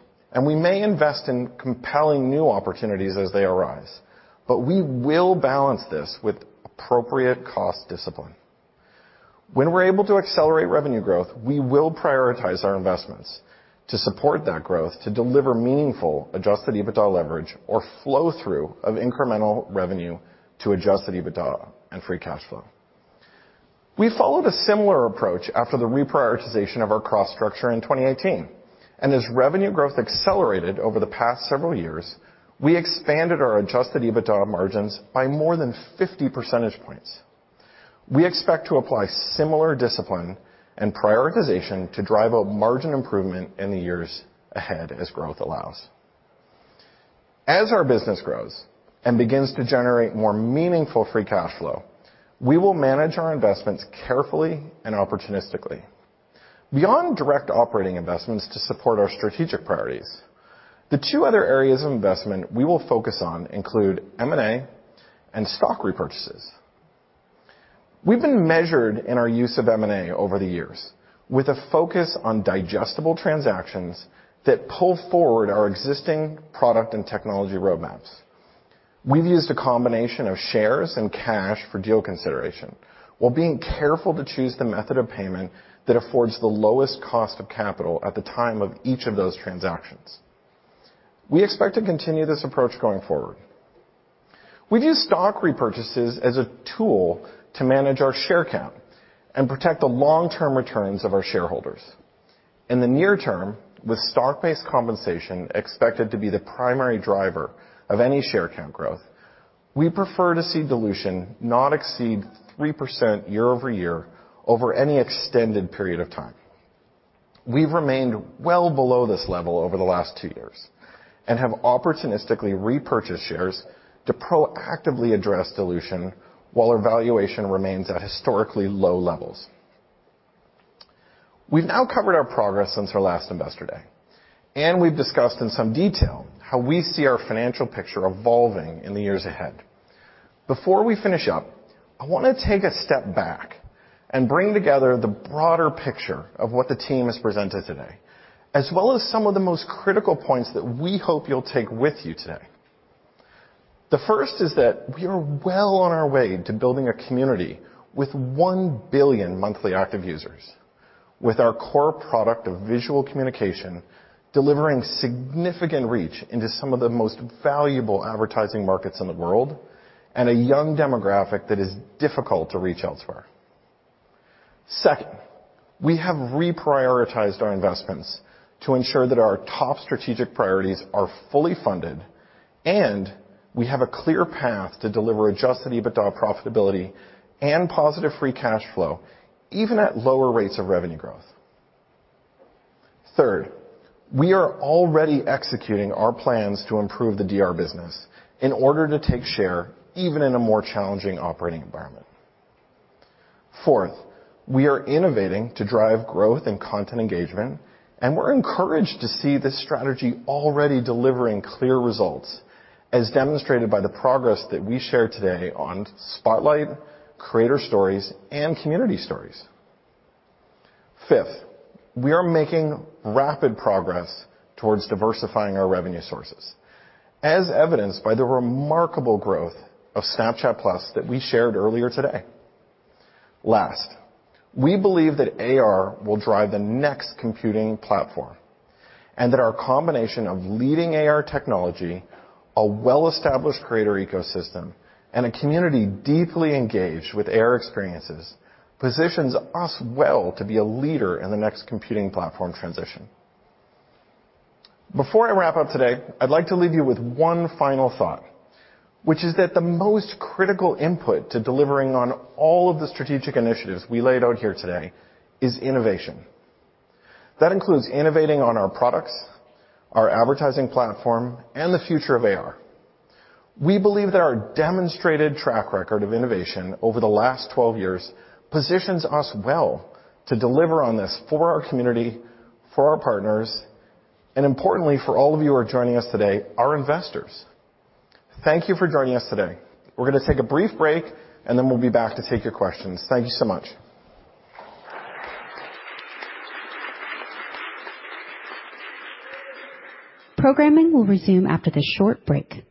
We may invest in compelling new opportunities as they arise, but we will balance this with appropriate cost discipline. When we're able to accelerate revenue growth, we will prioritize our investments to support that growth to deliver meaningful Adjusted EBITDA leverage or flow-through of incremental revenue to Adjusted EBITDA and free cash flow. We followed a similar approach after the reprioritization of our cost structure in 2018. As revenue growth accelerated over the past several years, we expanded our Adjusted EBITDA margins by more than 50 percentage points. We expect to apply similar discipline and prioritization to drive a margin improvement in the years ahead as growth allows. As our business grows and begins to generate more meaningful free cash flow, we will manage our investments carefully and opportunistically. Beyond direct operating investments to support our strategic priorities, the two other areas of investment we will focus on include M&A and stock repurchases. We've been measured in our use of M&A over the years with a focus on digestible transactions that pull forward our existing product and technology roadmaps. We've used a combination of shares and cash for deal consideration while being careful to choose the method of payment that affords the lowest cost of capital at the time of each of those transactions. We expect to continue this approach going forward. We view stock repurchases as a tool to manage our share count and protect the long-term returns of our shareholders. In the near term, with stock-based compensation expected to be the primary driver of any share count growth, we prefer to see dilution not exceed 3% year-over-year over any extended period of time. We've remained well below this level over the last two years and have opportunistically repurchased shares to proactively address dilution while our valuation remains at historically low levels. We've now covered our progress since our last Investor Day. We've discussed in some detail how we see our financial picture evolving in the years ahead. Before we finish up, I wanna take a step back and bring together the broader picture of what the team has presented today, as well as some of the most critical points that we hope you'll take with you today. The first is that we are well on our way to building a community with 1 billion monthly active users, with our core product of visual communication delivering significant reach into some of the most valuable advertising markets in the world and a young demographic that is difficult to reach elsewhere. Second, we have reprioritized our investments to ensure that our top strategic priorities are fully funded, and we have a clear path to deliver Adjusted EBITDA profitability and positive free cash flow even at lower rates of revenue growth. Third, we are already executing our plans to improve the DR business in order to take share even in a more challenging operating environment. Fourth, we are innovating to drive growth and content engagement, and we're encouraged to see this strategy already delivering clear results as demonstrated by the progress that we shared today on Spotlight, Creator Stories, and Community Stories. Fifth, we are making rapid progress towards diversifying our revenue sources, as evidenced by the remarkable growth of Snapchat+ that we shared earlier today. We believe that AR will drive the next computing platform and that our combination of leading AR technology, a well-established creator ecosystem, and a community deeply engaged with AR experiences positions us well to be a leader in the next computing platform transition. Before I wrap up today, I'd like to leave you with one final thought, which is that the most critical input to delivering on all of the strategic initiatives we laid out here today is innovation. That includes innovating on our products, our advertising platform, and the future of AR. We believe that our demonstrated track record of innovation over the last 12 years positions us well to deliver on this for our community, for our partners, and importantly, for all of you who are joining us today, our investors. Thank you for joining us today. We're gonna take a brief break, and then we'll be back to take your questions. Thank you so much. Programming will resume after this short break.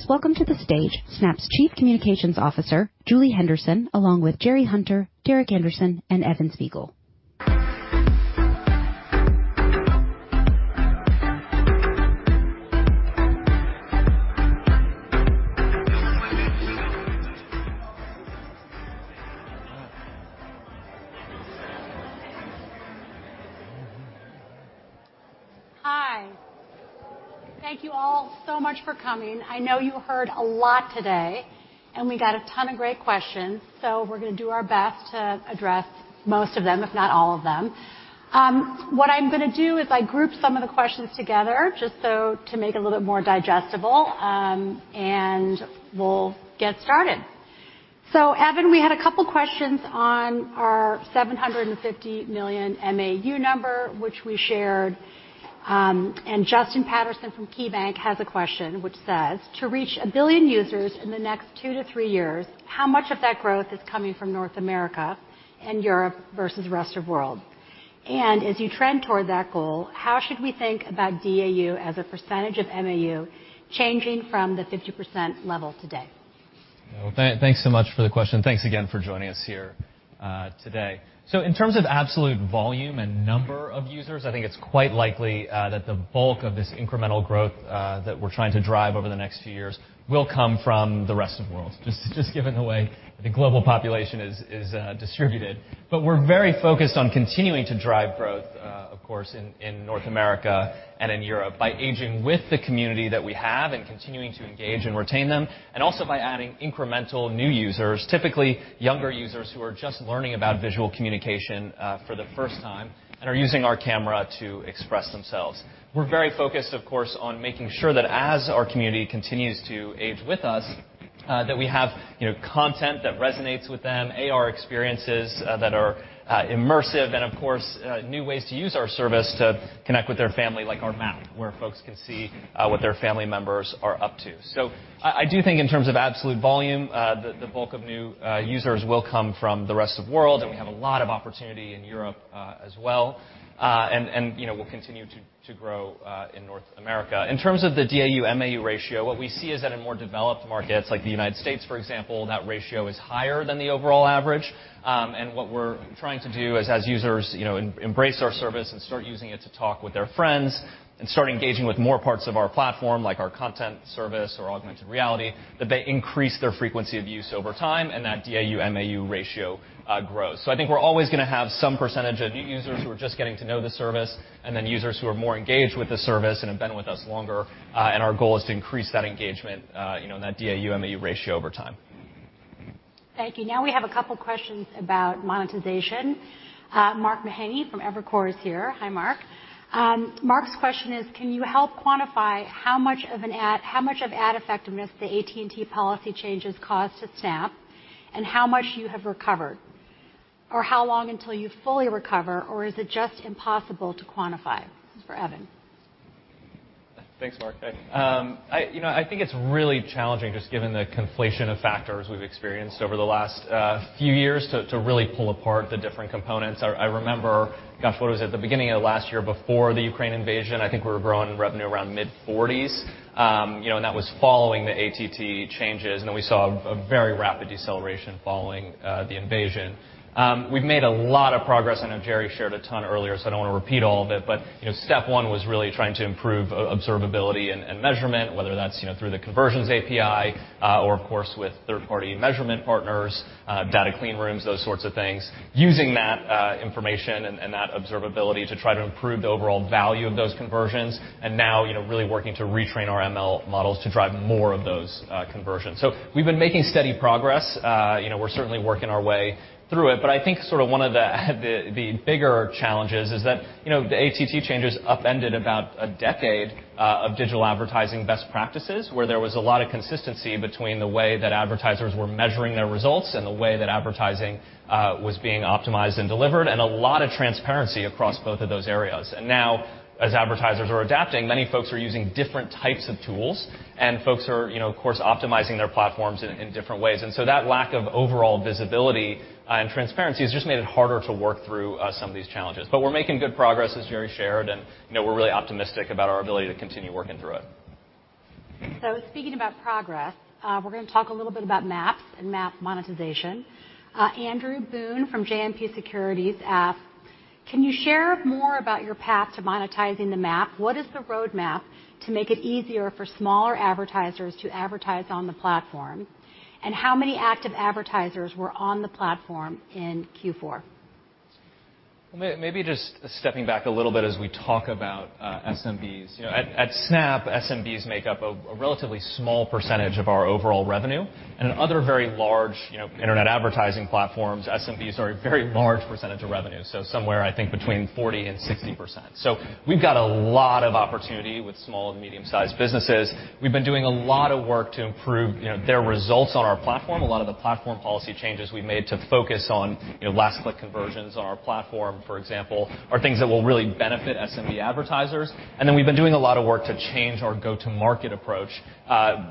Please welcome to the stage Snap's Chief Communications Officer, Julie Henderson, along with Jerry Hunter, Derek Andersen, and Evan Spiegel. Hi. Thank you all so much for coming. I know you heard a lot today, and we got a ton of great questions, so we're gonna do our best to address most of them, if not all of them. What I'm gonna do is I grouped some of the questions together just so to make it a little bit more digestible, and we'll get started. Evan, we had a couple questions on our 750 million MAU number, which we shared. Justin Patterson from KeyBanc has a question which says, "To reach one billion users in the next two to three years, how much of that growth is coming from North America and Europe versus the rest of world? As you trend toward that goal, how should we think about DAU as a percentage of MAU changing from the 50% level today? Thanks so much for the question. Thanks again for joining us here today. In terms of absolute volume and number of users, I think it's quite likely that the bulk of this incremental growth that we're trying to drive over the next few years will come from the rest of world. Just given the way the global population is distributed. We're very focused on continuing to drive growth, of course, in North America and in Europe by aging with the community that we have and continuing to engage and retain them, and also by adding incremental new users, typically younger users who are just learning about visual communication for the first time and are using our camera to express themselves. We're very focused, of course, on making sure that as our community continues to age with us, that we have, you know, content that resonates with them, AR experiences that are immersive and of course, new ways to use our service to connect with their family, like our Map, where folks can see what their family members are up to. I do think in terms of absolute volume, the bulk of new users will come from the rest of world, and we have a lot of opportunity in Europe as well. You know, we'll continue to grow in North America. In terms of the DAU/MAU ratio, what we see is that in more developed markets like the United States, for example, that ratio is higher than the overall average. What we're trying to do is as users, you know, embrace our service and start using it to talk with their friends and start engaging with more parts of our platform, like our content service or augmented reality, that they increase their frequency of use over time, and that DAU/MAU ratio grows. I think we're always gonna have some percentage of new users who are just getting to know the service, and then users who are more engaged with the service and have been with us longer, and our goal is to increase that engagement, you know, and that DAU/MAU ratio over time. Thank you. Now we have a couple questions about monetization. Mark Mahaney from Evercore is here. Hi, Mark. Mark's question is, can you help quantify how much of ad effectiveness the AT&T policy changes caused to Snap and how much you have recovered? How long until you fully recover, or is it just impossible to quantify? This is for Evan. Thanks, Mark. I, you know, I think it's really challenging just given the conflation of factors we've experienced over the last few years to really pull apart the different components. I remember, gosh, what was it? The beginning of last year before the Ukraine invasion, I think we were growing revenue around mid-40s. You know, that was following the ATT changes. Then we saw a very rapid deceleration following the invasion. We've made a lot of progress, I know Jerry shared a ton earlier, so I don't want to repeat all of it, but, you know, step one was really trying to improve observability and measurement, whether that's, you know, through the Conversions API, or of course, with third-party measurement partners, data clean rooms, those sorts of things. Using that information and that observability to try to improve the overall value of those conversions. Now, you know, really working to retrain our ML models to drive more of those conversions. We've been making steady progress. You know, we're certainly working our way through it. I think sort of one of the bigger challenges is that, you know, the ATT changes upended about a decade of digital advertising best practices, where there was a lot of consistency between the way that advertisers were measuring their results and the way that advertising was being optimized and delivered, and a lot of transparency across both of those areas. Now, as advertisers are adapting, many folks are using different types of tools, and folks are, you know, of course, optimizing their platforms in different ways. That lack of overall visibility, and transparency has just made it harder to work through, some of these challenges. We're making good progress, as Jerry shared, and, you know, we're really optimistic about our ability to continue working through it. Speaking about progress, we're gonna talk a little bit about Maps and Map monetization. Andrew Boone from JMP Securities asks, "Can you share more about your path to monetizing the Map? What is the roadmap to make it easier for smaller advertisers to advertise on the platform? How many active advertisers were on the platform in Q4? Maybe just stepping back a little bit as we talk about SMBs. You know, at Snap, SMBs make up a relatively small percentage of our overall revenue. In other very large, you know, internet advertising platforms, SMBs are a very large percentage of revenue, somewhere I think between 40% and 60%. We've got a lot of opportunity with small and medium-sized businesses. We've been doing a lot of work to improve, you know, their results on our platform. A lot of the platform policy changes we made to focus on, you know, last-click conversions on our platform, for example, are things that will really benefit SMB advertisers. We've been doing a lot of work to change our go-to market approach,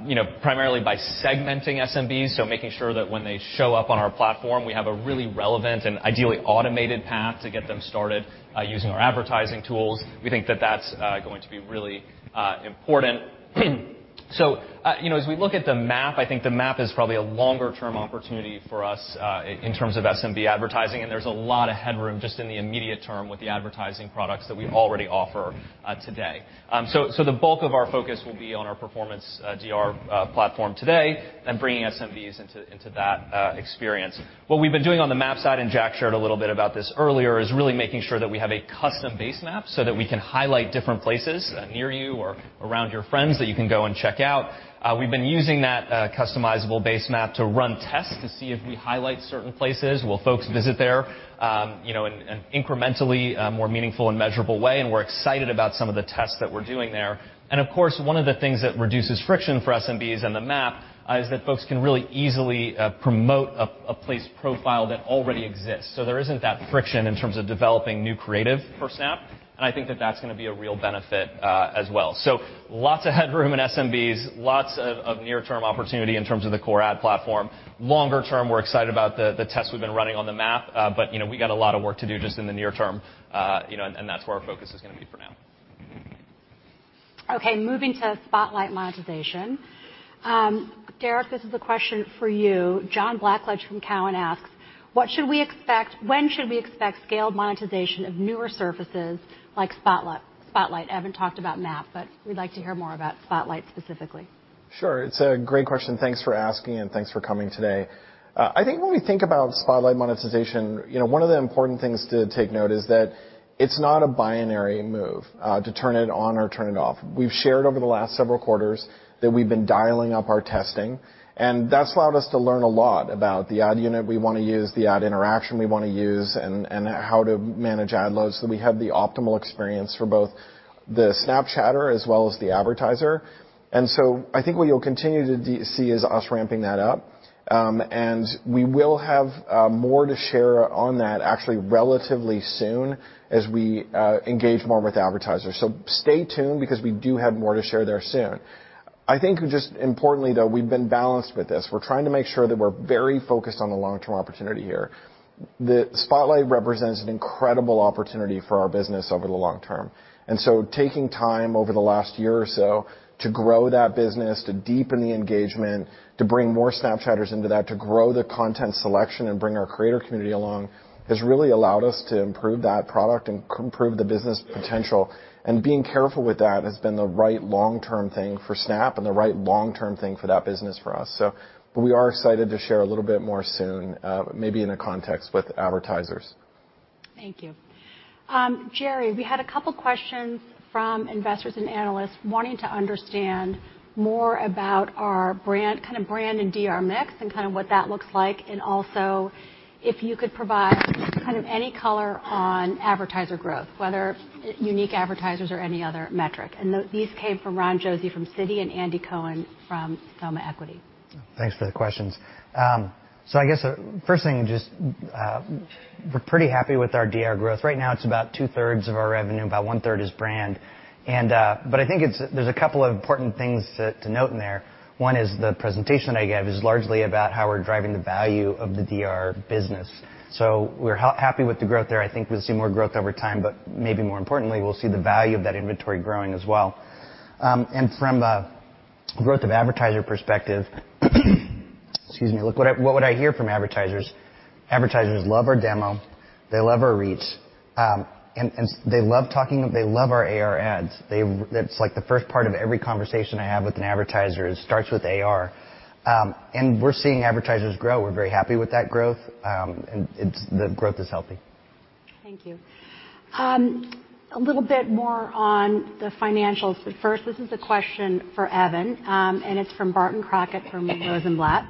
you know, primarily by segmenting SMBs, so making sure that when they show up on our platform, we have a really relevant and ideally automated path to get them started using our advertising tools. We think that that's going to be really important. You know, as we look at the Map, I think the Map is probably a longer-term opportunity for us in terms of SMB advertising, and there's a lot of headroom just in the immediate term with the advertising products that we already offer today. The bulk of our focus will be on our performance DR platform today and bringing SMBs into that experience. What we've been doing on the Map side, Jack Brody shared a little bit about this earlier, is really making sure that we have a custom basemap so that we can highlight different places near you or around your friends that you can go and check out. We've been using that customizable basemap to run tests to see if we highlight certain places, will folks visit there, you know, in an incrementally more meaningful and measurable way, we're excited about some of the tests that we're doing there. Of course, one of the things that reduces friction for SMBs and the Snap Map is that folks can really easily promote a Place Profile that already exists. There isn't that friction in terms of developing new creative for Snap, and I think that that's gonna be a real benefit, as well. Lots of headroom in SMBs, lots of near-term opportunity in terms of the core ad platform. Longer term, we're excited about the tests we've been running on the Map. You know, we got a lot of work to do just in the near term, you know, and that's where our focus is gonna be for now. Okay, moving to Spotlight monetization. Derek, this is a question for you. John Blackledge from Cowen asks, "When should we expect scaled monetization of newer surfaces like Spotlight?" Evan talked about Map. We'd like to hear more about Spotlight specifically. Sure. It's a great question. Thanks for asking, and thanks for coming today. I think when we think about Spotlight monetization, you know, one of the important things to take note is that it's not a binary move to turn it on or turn it off. We've shared over the last several quarters that we've been dialing up our testing, and that's allowed us to learn a lot about the ad unit we wanna use, the ad interaction we wanna use, and how to manage ad loads so we have the optimal experience for both the Snapchatter as well as the advertiser. I think what you'll continue to see is us ramping that up. We will have more to share on that actually relatively soon as we engage more with advertisers. Stay tuned because we do have more to share there soon. I think just importantly, though, we've been balanced with this. We're trying to make sure that we're very focused on the long-term opportunity here. The Spotlight represents an incredible opportunity for our business over the long term. Taking time over the last year or so to grow that business, to deepen the engagement, to bring more Snapchatters into that, to grow the content selection and bring our creator community along, has really allowed us to improve that product and improve the business potential. Being careful with that has been the right long-term thing for Snap and the right long-term thing for that business for us. We are excited to share a little bit more soon, maybe in a context with advertisers. Thank you. Jerry, we had a couple questions from investors and analysts wanting to understand more about our brand, kind of brand and DR mix and kind of what that looks like. Also, if you could provide kind of any color on advertiser growth, whether unique advertisers or any other metric. These came from Ronald Josey from Citi and Andy Cohen from Soma Equity. Thanks for the questions. I guess, first thing, we're pretty happy with our DR growth. Right now it's about 2/3 of our revenue, about 1/3 is brand. I think there's a couple of important things to note in there. One is the presentation I gave is largely about how we're driving the value of the DR business. We're happy with the growth there. I think we'll see more growth over time, but maybe more importantly, we'll see the value of that inventory growing as well. From a growth of advertiser perspective, excuse me. Look, what I hear from advertisers love our demo, they love our reach. They love talking, they love our AR ads. That's like the first part of every conversation I have with an advertiser. It starts with AR. We're seeing advertisers grow. We're very happy with that growth, and the growth is healthy. Thank you. A little bit more on the financials. First, this is a question for Evan. It's from Barton Crockett from Rosenblatt.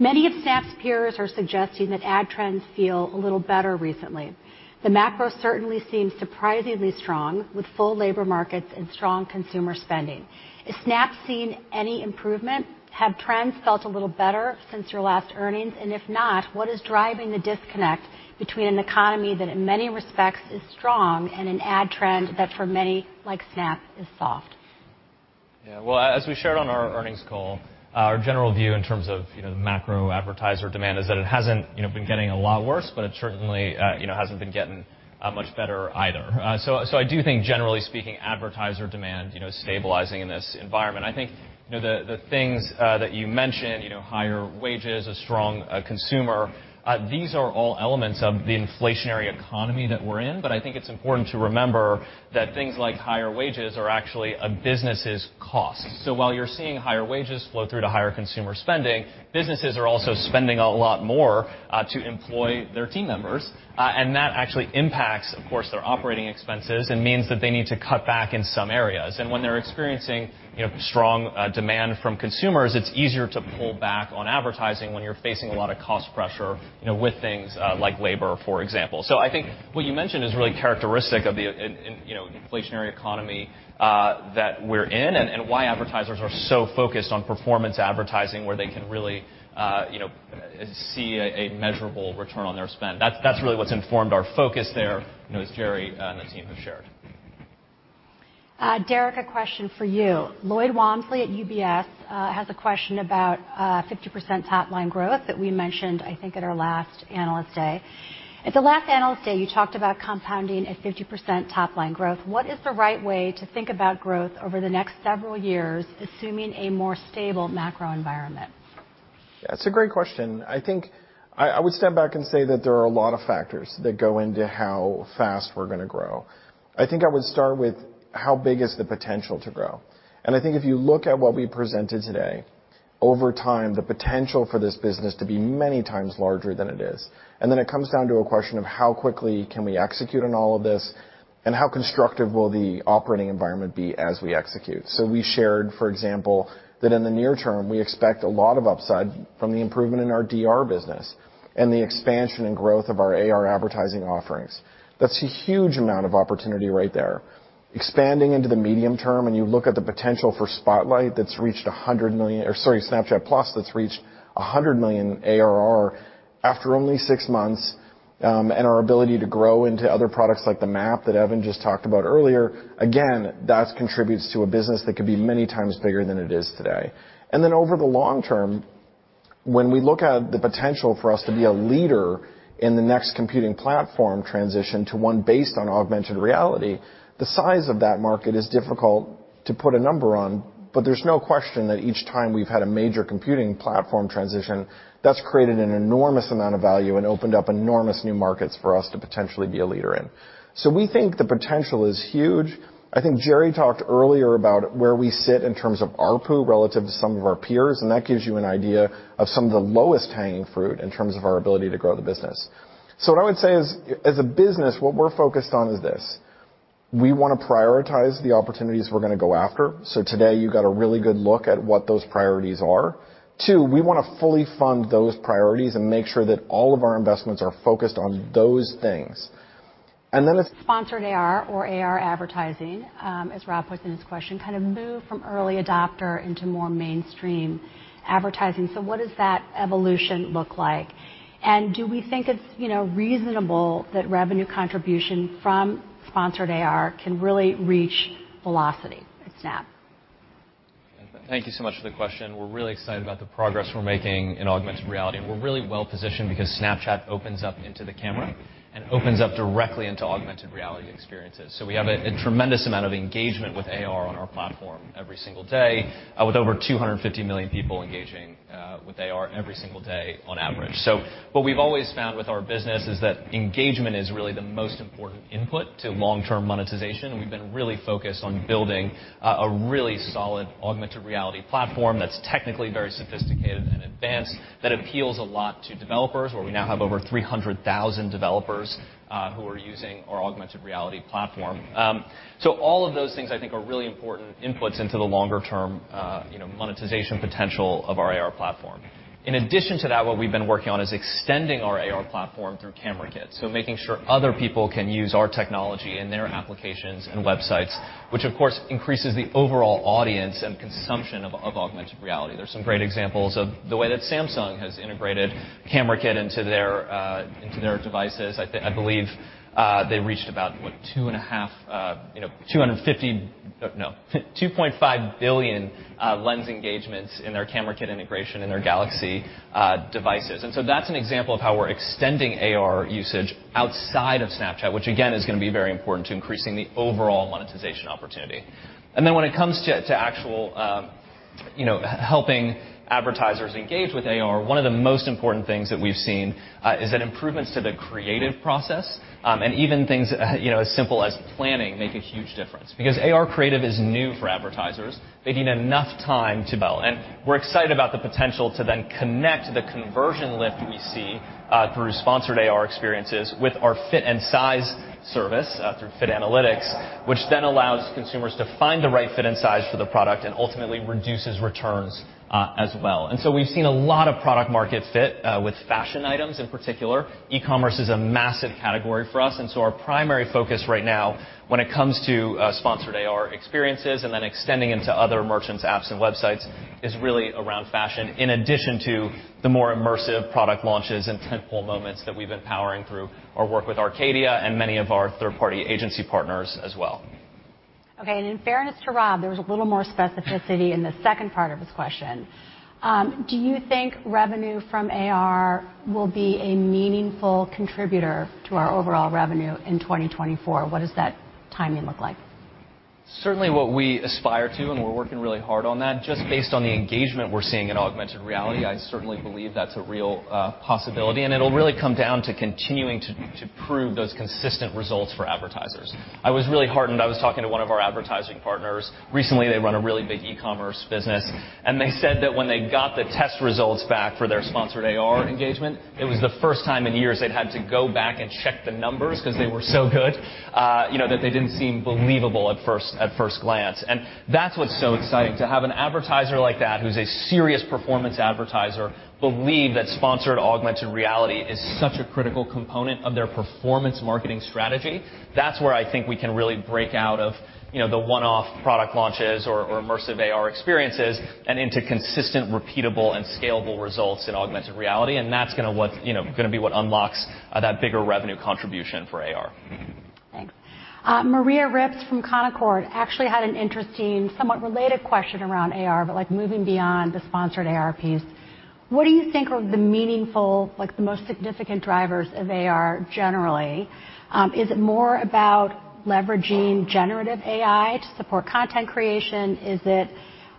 Many of Snap's peers are suggesting that ad trends feel a little better recently. The macro certainly seems surprisingly strong, with full labor markets and strong consumer spending. Is Snap seeing any improvement? Have trends felt a little better since your last earnings? And if not, what is driving the disconnect between an economy that in many respects is strong and an ad trend that for many, like Snap, is soft? Yeah. Well, as we shared on our earnings call, our general view in terms of, you know, the macro advertiser demand is that it hasn't, you know, been getting a lot worse, but it certainly, you know, hasn't been getting much better either. I do think generally speaking advertiser demand, you know, stabilizing in this environment. I think, you know, the things that you mentioned, you know, higher wages, a strong consumer, these are all elements of the inflationary economy that we're in. I think it's important to remember that things like higher wages are actually a business's cost. While you're seeing higher wages flow through to higher consumer spending, businesses are also spending a lot more to employ their team members, and that actually impacts, of course, their operating expenses and means that they need to cut back in some areas. When they're experiencing, you know, strong demand from consumers, it's easier to pull back on advertising when you're facing a lot of cost pressure, you know, with things like labor, for example. I think what you mentioned is really characteristic of the in, you know, inflationary economy that we're in and why advertisers are so focused on performance advertising where they can really, you know, see a measurable return on their spend. That's really what's informed our focus there, you know, as Jerry Hunter and the team have shared. Derek, a question for you. Lloyd Walmsley at UBS, has a question about, 50% top-line growth that we mentioned, I think in our last Analyst Day. At the last Analyst Day, you talked about compounding a 50% top-line growth. What is the right way to think about growth over the next several years, assuming a more stable macro environment? That's a great question. I think I would step back and say that there are a lot of factors that go into how fast we're gonna grow. I think I would start with how big is the potential to grow. I think if you look at what we presented today, over time, the potential for this business to be many times larger than it is. It comes down to a question of how quickly can we execute on all of this, and how constructive will the operating environment be as we execute. We shared, for example, that in the near term, we expect a lot of upside from the improvement in our DR business and the expansion and growth of our AR advertising offerings. That's a huge amount of opportunity right there. Expanding into the medium term, you look at the potential for Snapchat+ that's reached $100 million ARR after only six months, our ability to grow into other products like the Snap Map that Evan just talked about earlier, again, that contributes to a business that could be many times bigger than it is today. Over the long term, when we look at the potential for us to be a leader in the next computing platform transition to one based on augmented reality, the size of that market is difficult to put a number on, but there's no question that each time we've had a major computing platform transition, that's created an enormous amount of value and opened up enormous new markets for us to potentially be a leader in. We think the potential is huge. I think Jerry talked earlier about where we sit in terms of ARPU relative to some of our peers, and that gives you an idea of some of the lowest hanging fruit in terms of our ability to grow the business. What I would say is, as a business, what we're focused on is this: We wanna prioritize the opportunities we're gonna go after. Today you got a really good look at what those priorities are. Two, we wanna fully fund those priorities and make sure that all of our investments are focused on those things. It's- Sponsored AR or AR advertising, as Rob puts in his question, kind of move from early adopter into more mainstream advertising. What does that evolution look like? Do we think it's, you know, reasonable that revenue contribution from sponsored AR can really reach velocity at Snap? Thank you so much for the question. We're really excited about the progress we're making in augmented reality. We're really well positioned because Snapchat opens up into the camera and opens up directly into augmented reality experiences. We have a tremendous amount of engagement with AR on our platform every single day, with over 250 million people engaging with AR every single day on average. What we've always found with our business is that engagement is really the most important input to long-term monetization. We've been really focused on building a really solid augmented reality platform that's technically very sophisticated and advanced, that appeals a lot to developers, where we now have over 300,000 developers who are using our augmented reality platform. All of those things, I think, are really important inputs into the longer term, you know, monetization potential of our AR platform. In addition to that, what we've been working on is extending our AR platform through Camera Kit, so making sure other people can use our technology in their applications and websites, which of course increases the overall audience and consumption of augmented reality. There's some great examples of the way that Samsung has integrated Camera Kit into their devices. I believe they reached about, what, 2.5 billion Lens engagements in their Camera Kit integration in their Galaxy devices. That's an example of how we're extending AR usage outside of Snapchat, which again is gonna be very important to increasing the overall monetization opportunity. When it comes to actual, you know, helping advertisers engage with AR, one of the most important things that we've seen is that improvements to the creative process, and even things, you know, as simple as planning make a huge difference because AR creative is new for advertisers. They need enough time to develop. We're excited about the potential to then connect the Conversion Lift we see through sponsored AR experiences with our fit and size service through Fit Analytics, which then allows consumers to find the right fit and size for the product and ultimately reduces returns as well. We've seen a lot of product market fit with fashion items in particular. E-commerce is a massive category for us, and so our primary focus right now when it comes to sponsored AR experiences and then extending into other merchants, apps, and websites is really around fashion, in addition to the more immersive product launches and tentpole moments that we've been powering through our work with Arcadia and many of our third-party agency partners as well. Okay. In fairness to Rob, there was a little more specificity in the second part of his question. Do you think revenue from AR will be a meaningful contributor to our overall revenue in 2024? What does that timing look like? Certainly what we aspire to, we're working really hard on that. Just based on the engagement we're seeing in augmented reality, I certainly believe that's a real possibility, and it'll really come down to continuing to prove those consistent results for advertisers. I was really heartened. I was talking to one of our advertising partners recently. They run a really big e-commerce business, and they said that when they got the test results back for their sponsored AR engagement, it was the first time in years they'd had to go back and check the numbers 'cause they were so good, you know, that they didn't seem believable at first, at first glance. That's what's so exciting, to have an advertiser like that who's a serious performance advertiser believe that sponsored augmented reality is such a critical component of their performance marketing strategy. That's where I think we can really break out of, you know, the one-off product launches or immersive AR experiences and into consistent, repeatable, and scalable results in augmented reality, and that's gonna be what unlocks, that bigger revenue contribution for AR. Thanks. Maria Ripps from Canaccord actually had an interesting, somewhat related question around AR, but moving beyond the sponsored AR piece. What do you think are the meaningful, the most significant drivers of AR generally? Is it more about leveraging generative AI to support content creation? Is it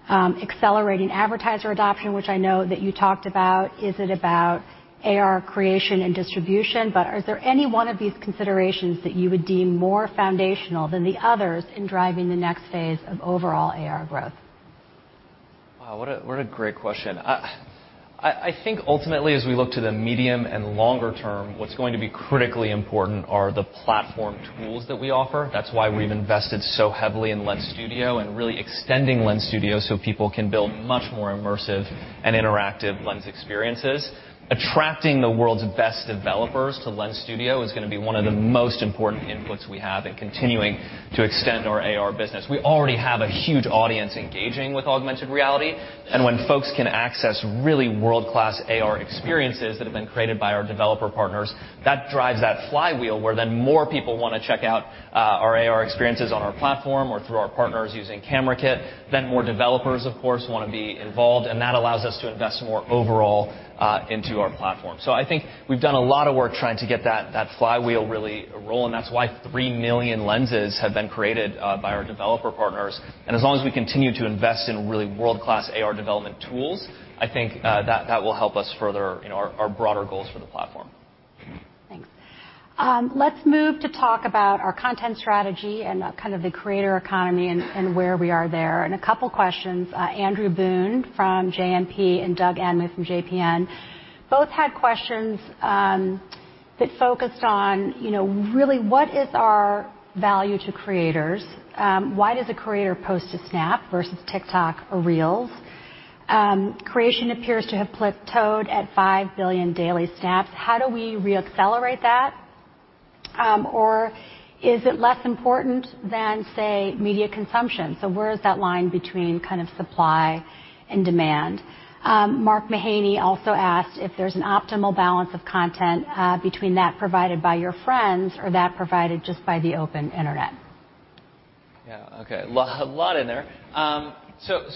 accelerating advertiser adoption, which I know that you talked about? Is it about AR creation and distribution? Is there any one of these considerations that you would deem more foundational than the others in driving the next phase of overall AR growth? Wow, what a great question. I think ultimately, as we look to the medium and longer term, what's going to be critically important are the platform tools that we offer. That's why we've invested so heavily in Lens Studio and really extending Lens Studio so people can build much more immersive and interactive lens experiences. Attracting the world's best developers to Lens Studio is gonna be one of the most important inputs we have in continuing to extend our AR business. We already have a huge audience engaging with augmented reality. When folks can access really world-class AR experiences that have been created by our developer partners, that drives that flywheel, where then more people wanna check out our AR experiences on our platform or through our partners using Camera Kit. More developers, of course, wanna be involved, and that allows us to invest more overall into our platform. I think we've done a lot of work trying to get that flywheel really rolling, and that's why three million lenses have been created by our developer partners. As long as we continue to invest in really world-class AR development tools, I think that will help us further in our broader goals for the platform. Thanks. Let's move to talk about our content strategy and kind of the creator economy and where we are there. A couple questions. Andrew Boone from JMP and Doug Anmuth from J.P. Morgan both had questions that focused on, you know, really what is our value to creators. Why does a creator post to Snap versus TikTok or Reels? Creation appears to have plateaued at five billion daily snaps. How do we re-accelerate that? Or is it less important than, say, media consumption? Where is that line between kind of supply and demand? Mark Mahaney also asked if there's an optimal balance of content between that provided by your friends or that provided just by the open internet. Okay. Lot, lot in there.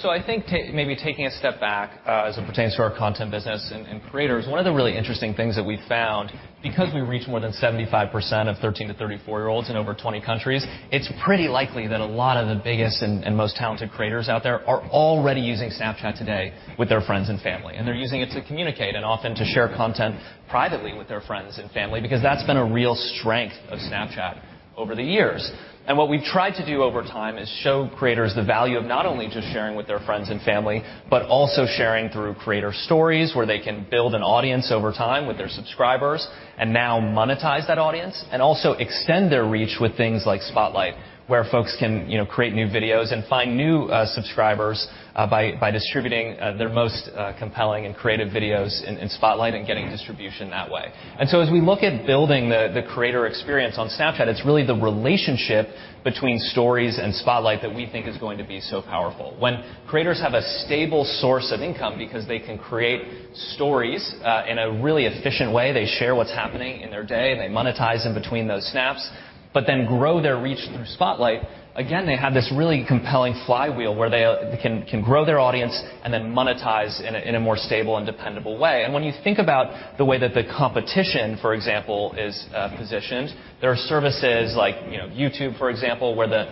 I think maybe taking a step back, as it pertains to our content business and creators, one of the really interesting things that we found, because we reach more than 75% of 13-34-year-olds in over 20 countries, it's pretty likely that a lot of the biggest and most talented creators out there are already using Snapchat today with their friends and family, and they're using it to communicate and often to share content privately with their friends and family because that's been a real strength of Snapchat over the years. What we've tried to do over time is show creators the value of not only just sharing with their friends and family, but also sharing through Creator Stories where they can build an audience over time with their subscribers and now monetize that audience and also extend their reach with things like Spotlight, where folks can, you know, create new videos and find new subscribers by distributing their most compelling and creative videos in Spotlight and getting distribution that way. As we look at building the creator experience on Snapchat, it's really the relationship between Stories and Spotlight that we think is going to be so powerful. When creators have a stable source of income because they can create stories, in a really efficient way, they share what's happening in their day, they monetize in between those snaps, but then grow their reach through Spotlight, again, they have this really compelling flywheel where they can grow their audience and then monetize in a more stable and dependable way. When you think about the way that the competition, for example, is positioned, there are services like, you know, YouTube, for example, where the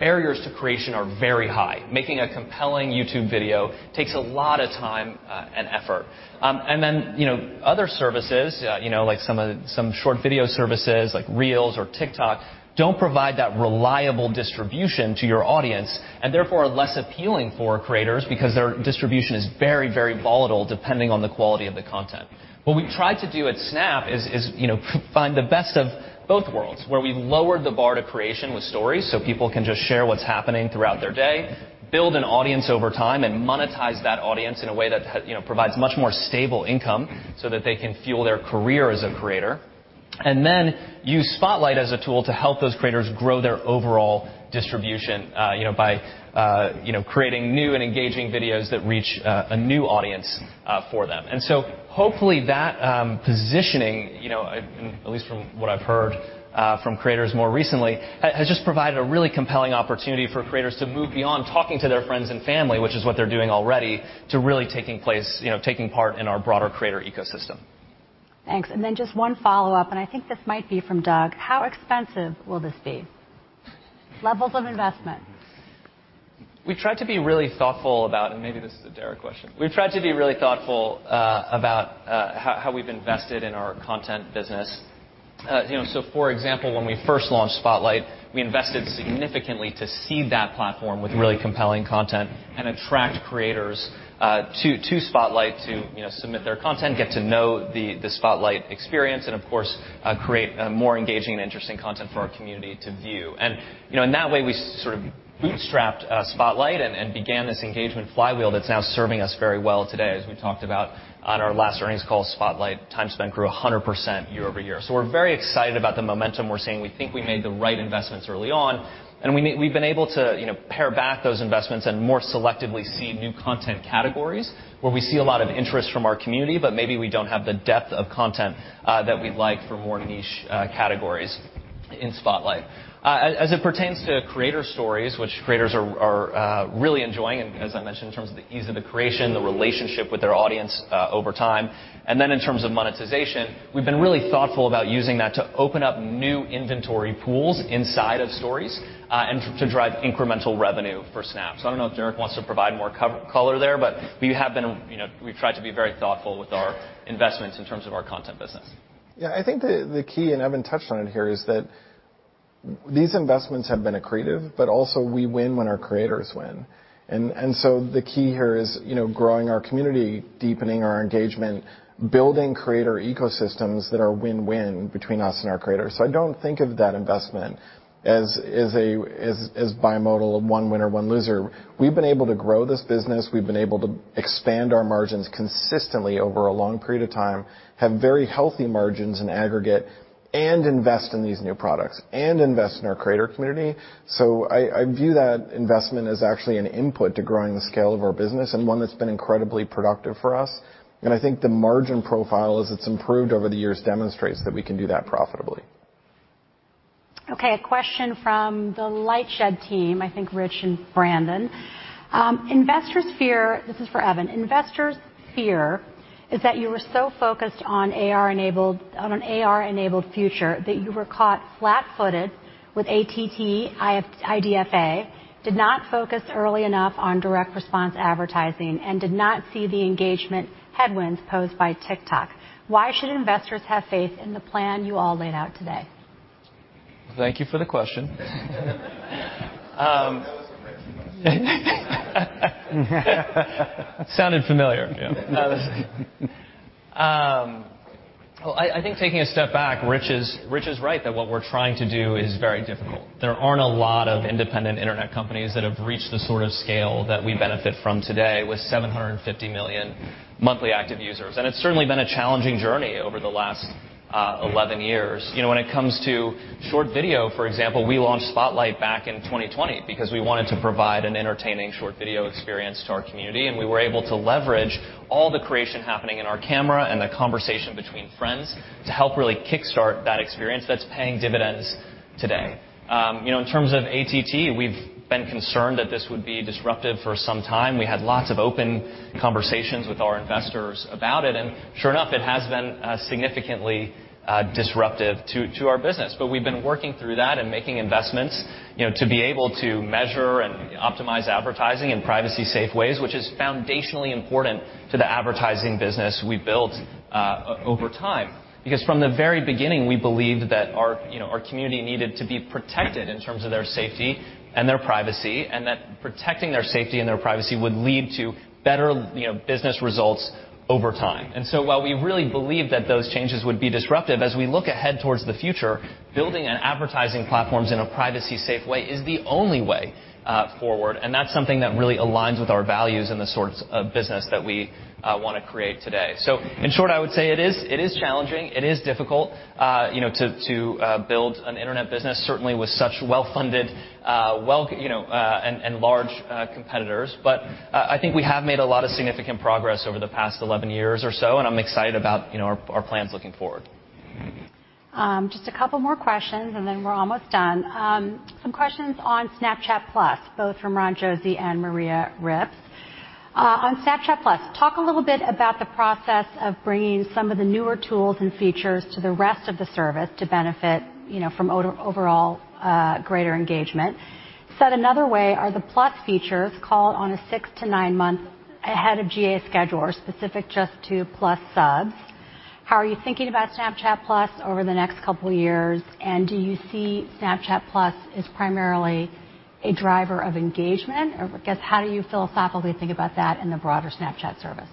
barriers to creation are very high. Making a compelling YouTube video takes a lot of time, and effort. You know, other services, you know, like some short video services like Reels or TikTok don't provide that reliable distribution to your audience and therefore are less appealing for creators because their distribution is very volatile depending on the quality of the content. What we've tried to do at Snap is, you know, find the best of both worlds, where we've lowered the bar to creation with Stories so people can just share what's happening throughout their day, build an audience over time, and monetize that audience in a way that, you know, provides much more stable income so that they can fuel their career as a creator. Then use Spotlight as a tool to help those creators grow their overall distribution, you know, by, you know, creating new and engaging videos that reach a new audience for them. Hopefully that positioning, you know, at least from what I've heard, from creators more recently, has just provided a really compelling opportunity for creators to move beyond talking to their friends and family, which is what they're doing already, to really taking place, you know, taking part in our broader creator ecosystem. Thanks. Just one follow-up, I think this might be from Doug. How expensive will this be? Levels of investment. We try to be really thoughtful about. Maybe this is a Derek Andersen question. We try to be really thoughtful about how we've invested in our content business. You know, for example, when we first launched Spotlight, we invested significantly to seed that platform with really compelling content and attract creators to Spotlight to, you know, submit their content, get to know the Spotlight experience, and of course, create a more engaging and interesting content for our community to view. You know, in that way, we sort of bootstrapped Spotlight and began this engagement flywheel that's now serving us very well today. As we talked about on our last earnings call, Spotlight time spent grew 100% year-over-year. We're very excited about the momentum we're seeing. We think we made the right investments early on, and we've been able to, you know, pare back those investments and more selectively see new content categories where we see a lot of interest from our community, but maybe we don't have the depth of content that we'd like for more niche categories in Spotlight. As it pertains to creator stories, which creators are really enjoying, and as I mentioned, in terms of the ease of the creation, the relationship with their audience over time. In terms of monetization, we've been really thoughtful about using that to open up new inventory pools inside of stories, and to drive incremental revenue for Snap. I don't know if Derek wants to provide more color there, but we have been, you know, we've tried to be very thoughtful with our investments in terms of our content business. Yeah. I think the key, and Evan touched on it here, is that these investments have been accretive, but also we win when our creators win. The key here is, you know, growing our community, deepening our engagement, building creator ecosystems that are win-win between us and our creators. I don't think of that investment as a bimodal, one winner, one loser. We've been able to grow this business. We've been able to expand our margins consistently over a long period of time, have very healthy margins in aggregate, and invest in these new products and invest in our creator community. I view that investment as actually an input to growing the scale of our business and one that's been incredibly productive for us. I think the margin profile as it's improved over the years demonstrates that we can do that profitably. Okay, a question from the Lightshed Partners team, I think Rich and Brandon. Investors fear... This is for Evan. Investors fear is that you were so focused on an AR-enabled future that you were caught flat-footed with ATT, IDFA, did not focus early enough on direct response advertising, and did not see the engagement headwinds posed by TikTok. Why should investors have faith in the plan you all laid out today? Thank you for the question. That was a Rich question. Sounded familiar, yeah. Well, I think taking a step back, Rich is right that what we're trying to do is very difficult. There aren't a lot of independent internet companies that have reached the sort of scale that we benefit from today with 750 million monthly active users. It's certainly been a challenging journey over the last 11 years. You know, when it comes to short video, for example, we launched Spotlight back in 2020 because we wanted to provide an entertaining short video experience to our community, and we were able to leverage all the creation happening in our camera and the conversation between friends to help really kickstart that experience that's paying dividends today. You know, in terms of ATT, we've been concerned that this would be disruptive for some time. We had lots of open conversations with our investors about it. Sure enough, it has been significantly disruptive to our business. We've been working through that and making investments, you know, to be able to measure and optimize advertising in privacy-safe ways, which is foundationally important to the advertising business we've built over time. From the very beginning, we believed that our, you know, our community needed to be protected in terms of their safety and their privacy, and that protecting their safety and their privacy would lead to better, you know, business results over time. While we really believe that those changes would be disruptive, as we look ahead towards the future, building an advertising platforms in a privacy-safe way is the only way forward, and that's something that really aligns with our values and the sorts of business that we wanna create today. In short, I would say it is, it is challenging. It is difficult, you know, to build an internet business, certainly with such well-funded, well, you know, and large competitors. I think we have made a lot of significant progress over the past 11 years or so, and I'm excited about, you know, our plans looking forward. Just a couple more questions, and then we're almost done. Some questions on Snapchat Plus, both from Ron Josey and Maria Ripps. On Snapchat Plus, talk a little bit about the process of bringing some of the newer tools and features to the rest of the service to benefit, you know, from overall greater engagement. Said another way, are the Plus features called on a six to nine month ahead of GA schedule or specific just to Plus subs? How are you thinking about Snapchat Plus over the next couple of years? Do you see Snapchat Plus as primarily a driver of engagement? I guess how do you philosophically think about that in the broader Snapchat service?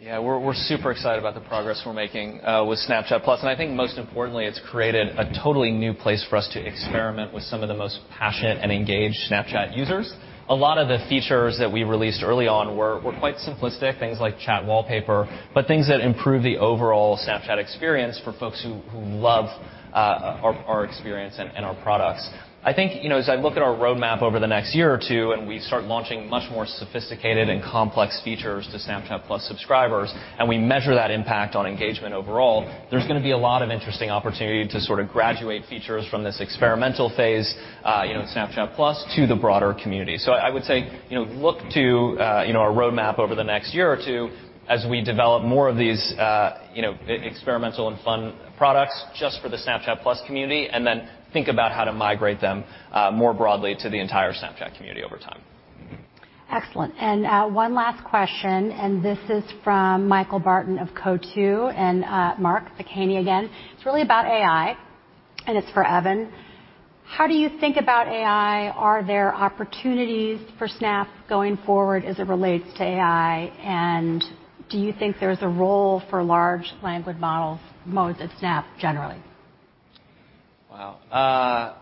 Yeah, we're super excited about the progress we're making with Snapchat+. I think most importantly, it's created a totally new place for us to experiment with some of the most passionate and engaged Snapchat users. A lot of the features that we released early on were quite simplistic, things like Chat Wallpapers, but things that improve the overall Snapchat experience for folks who love our experience and our products. I think, you know, as I look at our roadmap over the next year or two, we start launching much more sophisticated and complex features to Snapchat+ subscribers, we measure that impact on engagement overall, there's gonna be a lot of interesting opportunity to sort of graduate features from this experimental phase, you know, Snapchat+ to the broader community. I would say, you know, look to, you know, our roadmap over the next year or two as we develop more of these, you know, e-experimental and fun products just for the Snapchat Plus community, and then think about how to migrate them, more broadly to the entire Snapchat community over time. Excellent. One last question. This is from Michael Nathanson of MoffettNathanson and Mark Mahaney again. It's really about AI. It's for Evan. How do you think about AI? Are there opportunities for Snap going forward as it relates to AI? Do you think there's a role for large language models at Snap generally? Wow.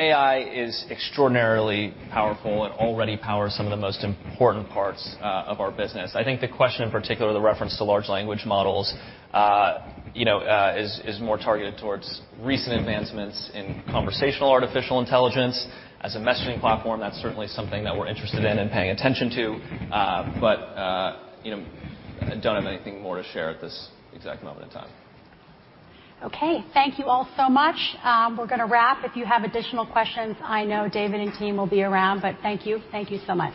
AI is extraordinarily powerful and already powers some of the most important parts of our business. I think the question in particular, the reference to large language models, you know, is more targeted towards recent advancements in conversational artificial intelligence. As a messaging platform, that's certainly something that we're interested in and paying attention to. You know, I don't have anything more to share at this exact moment in time. Okay. Thank you all so much. We're gonna wrap. If you have additional questions, I know David and team will be around. Thank you. Thank you so much.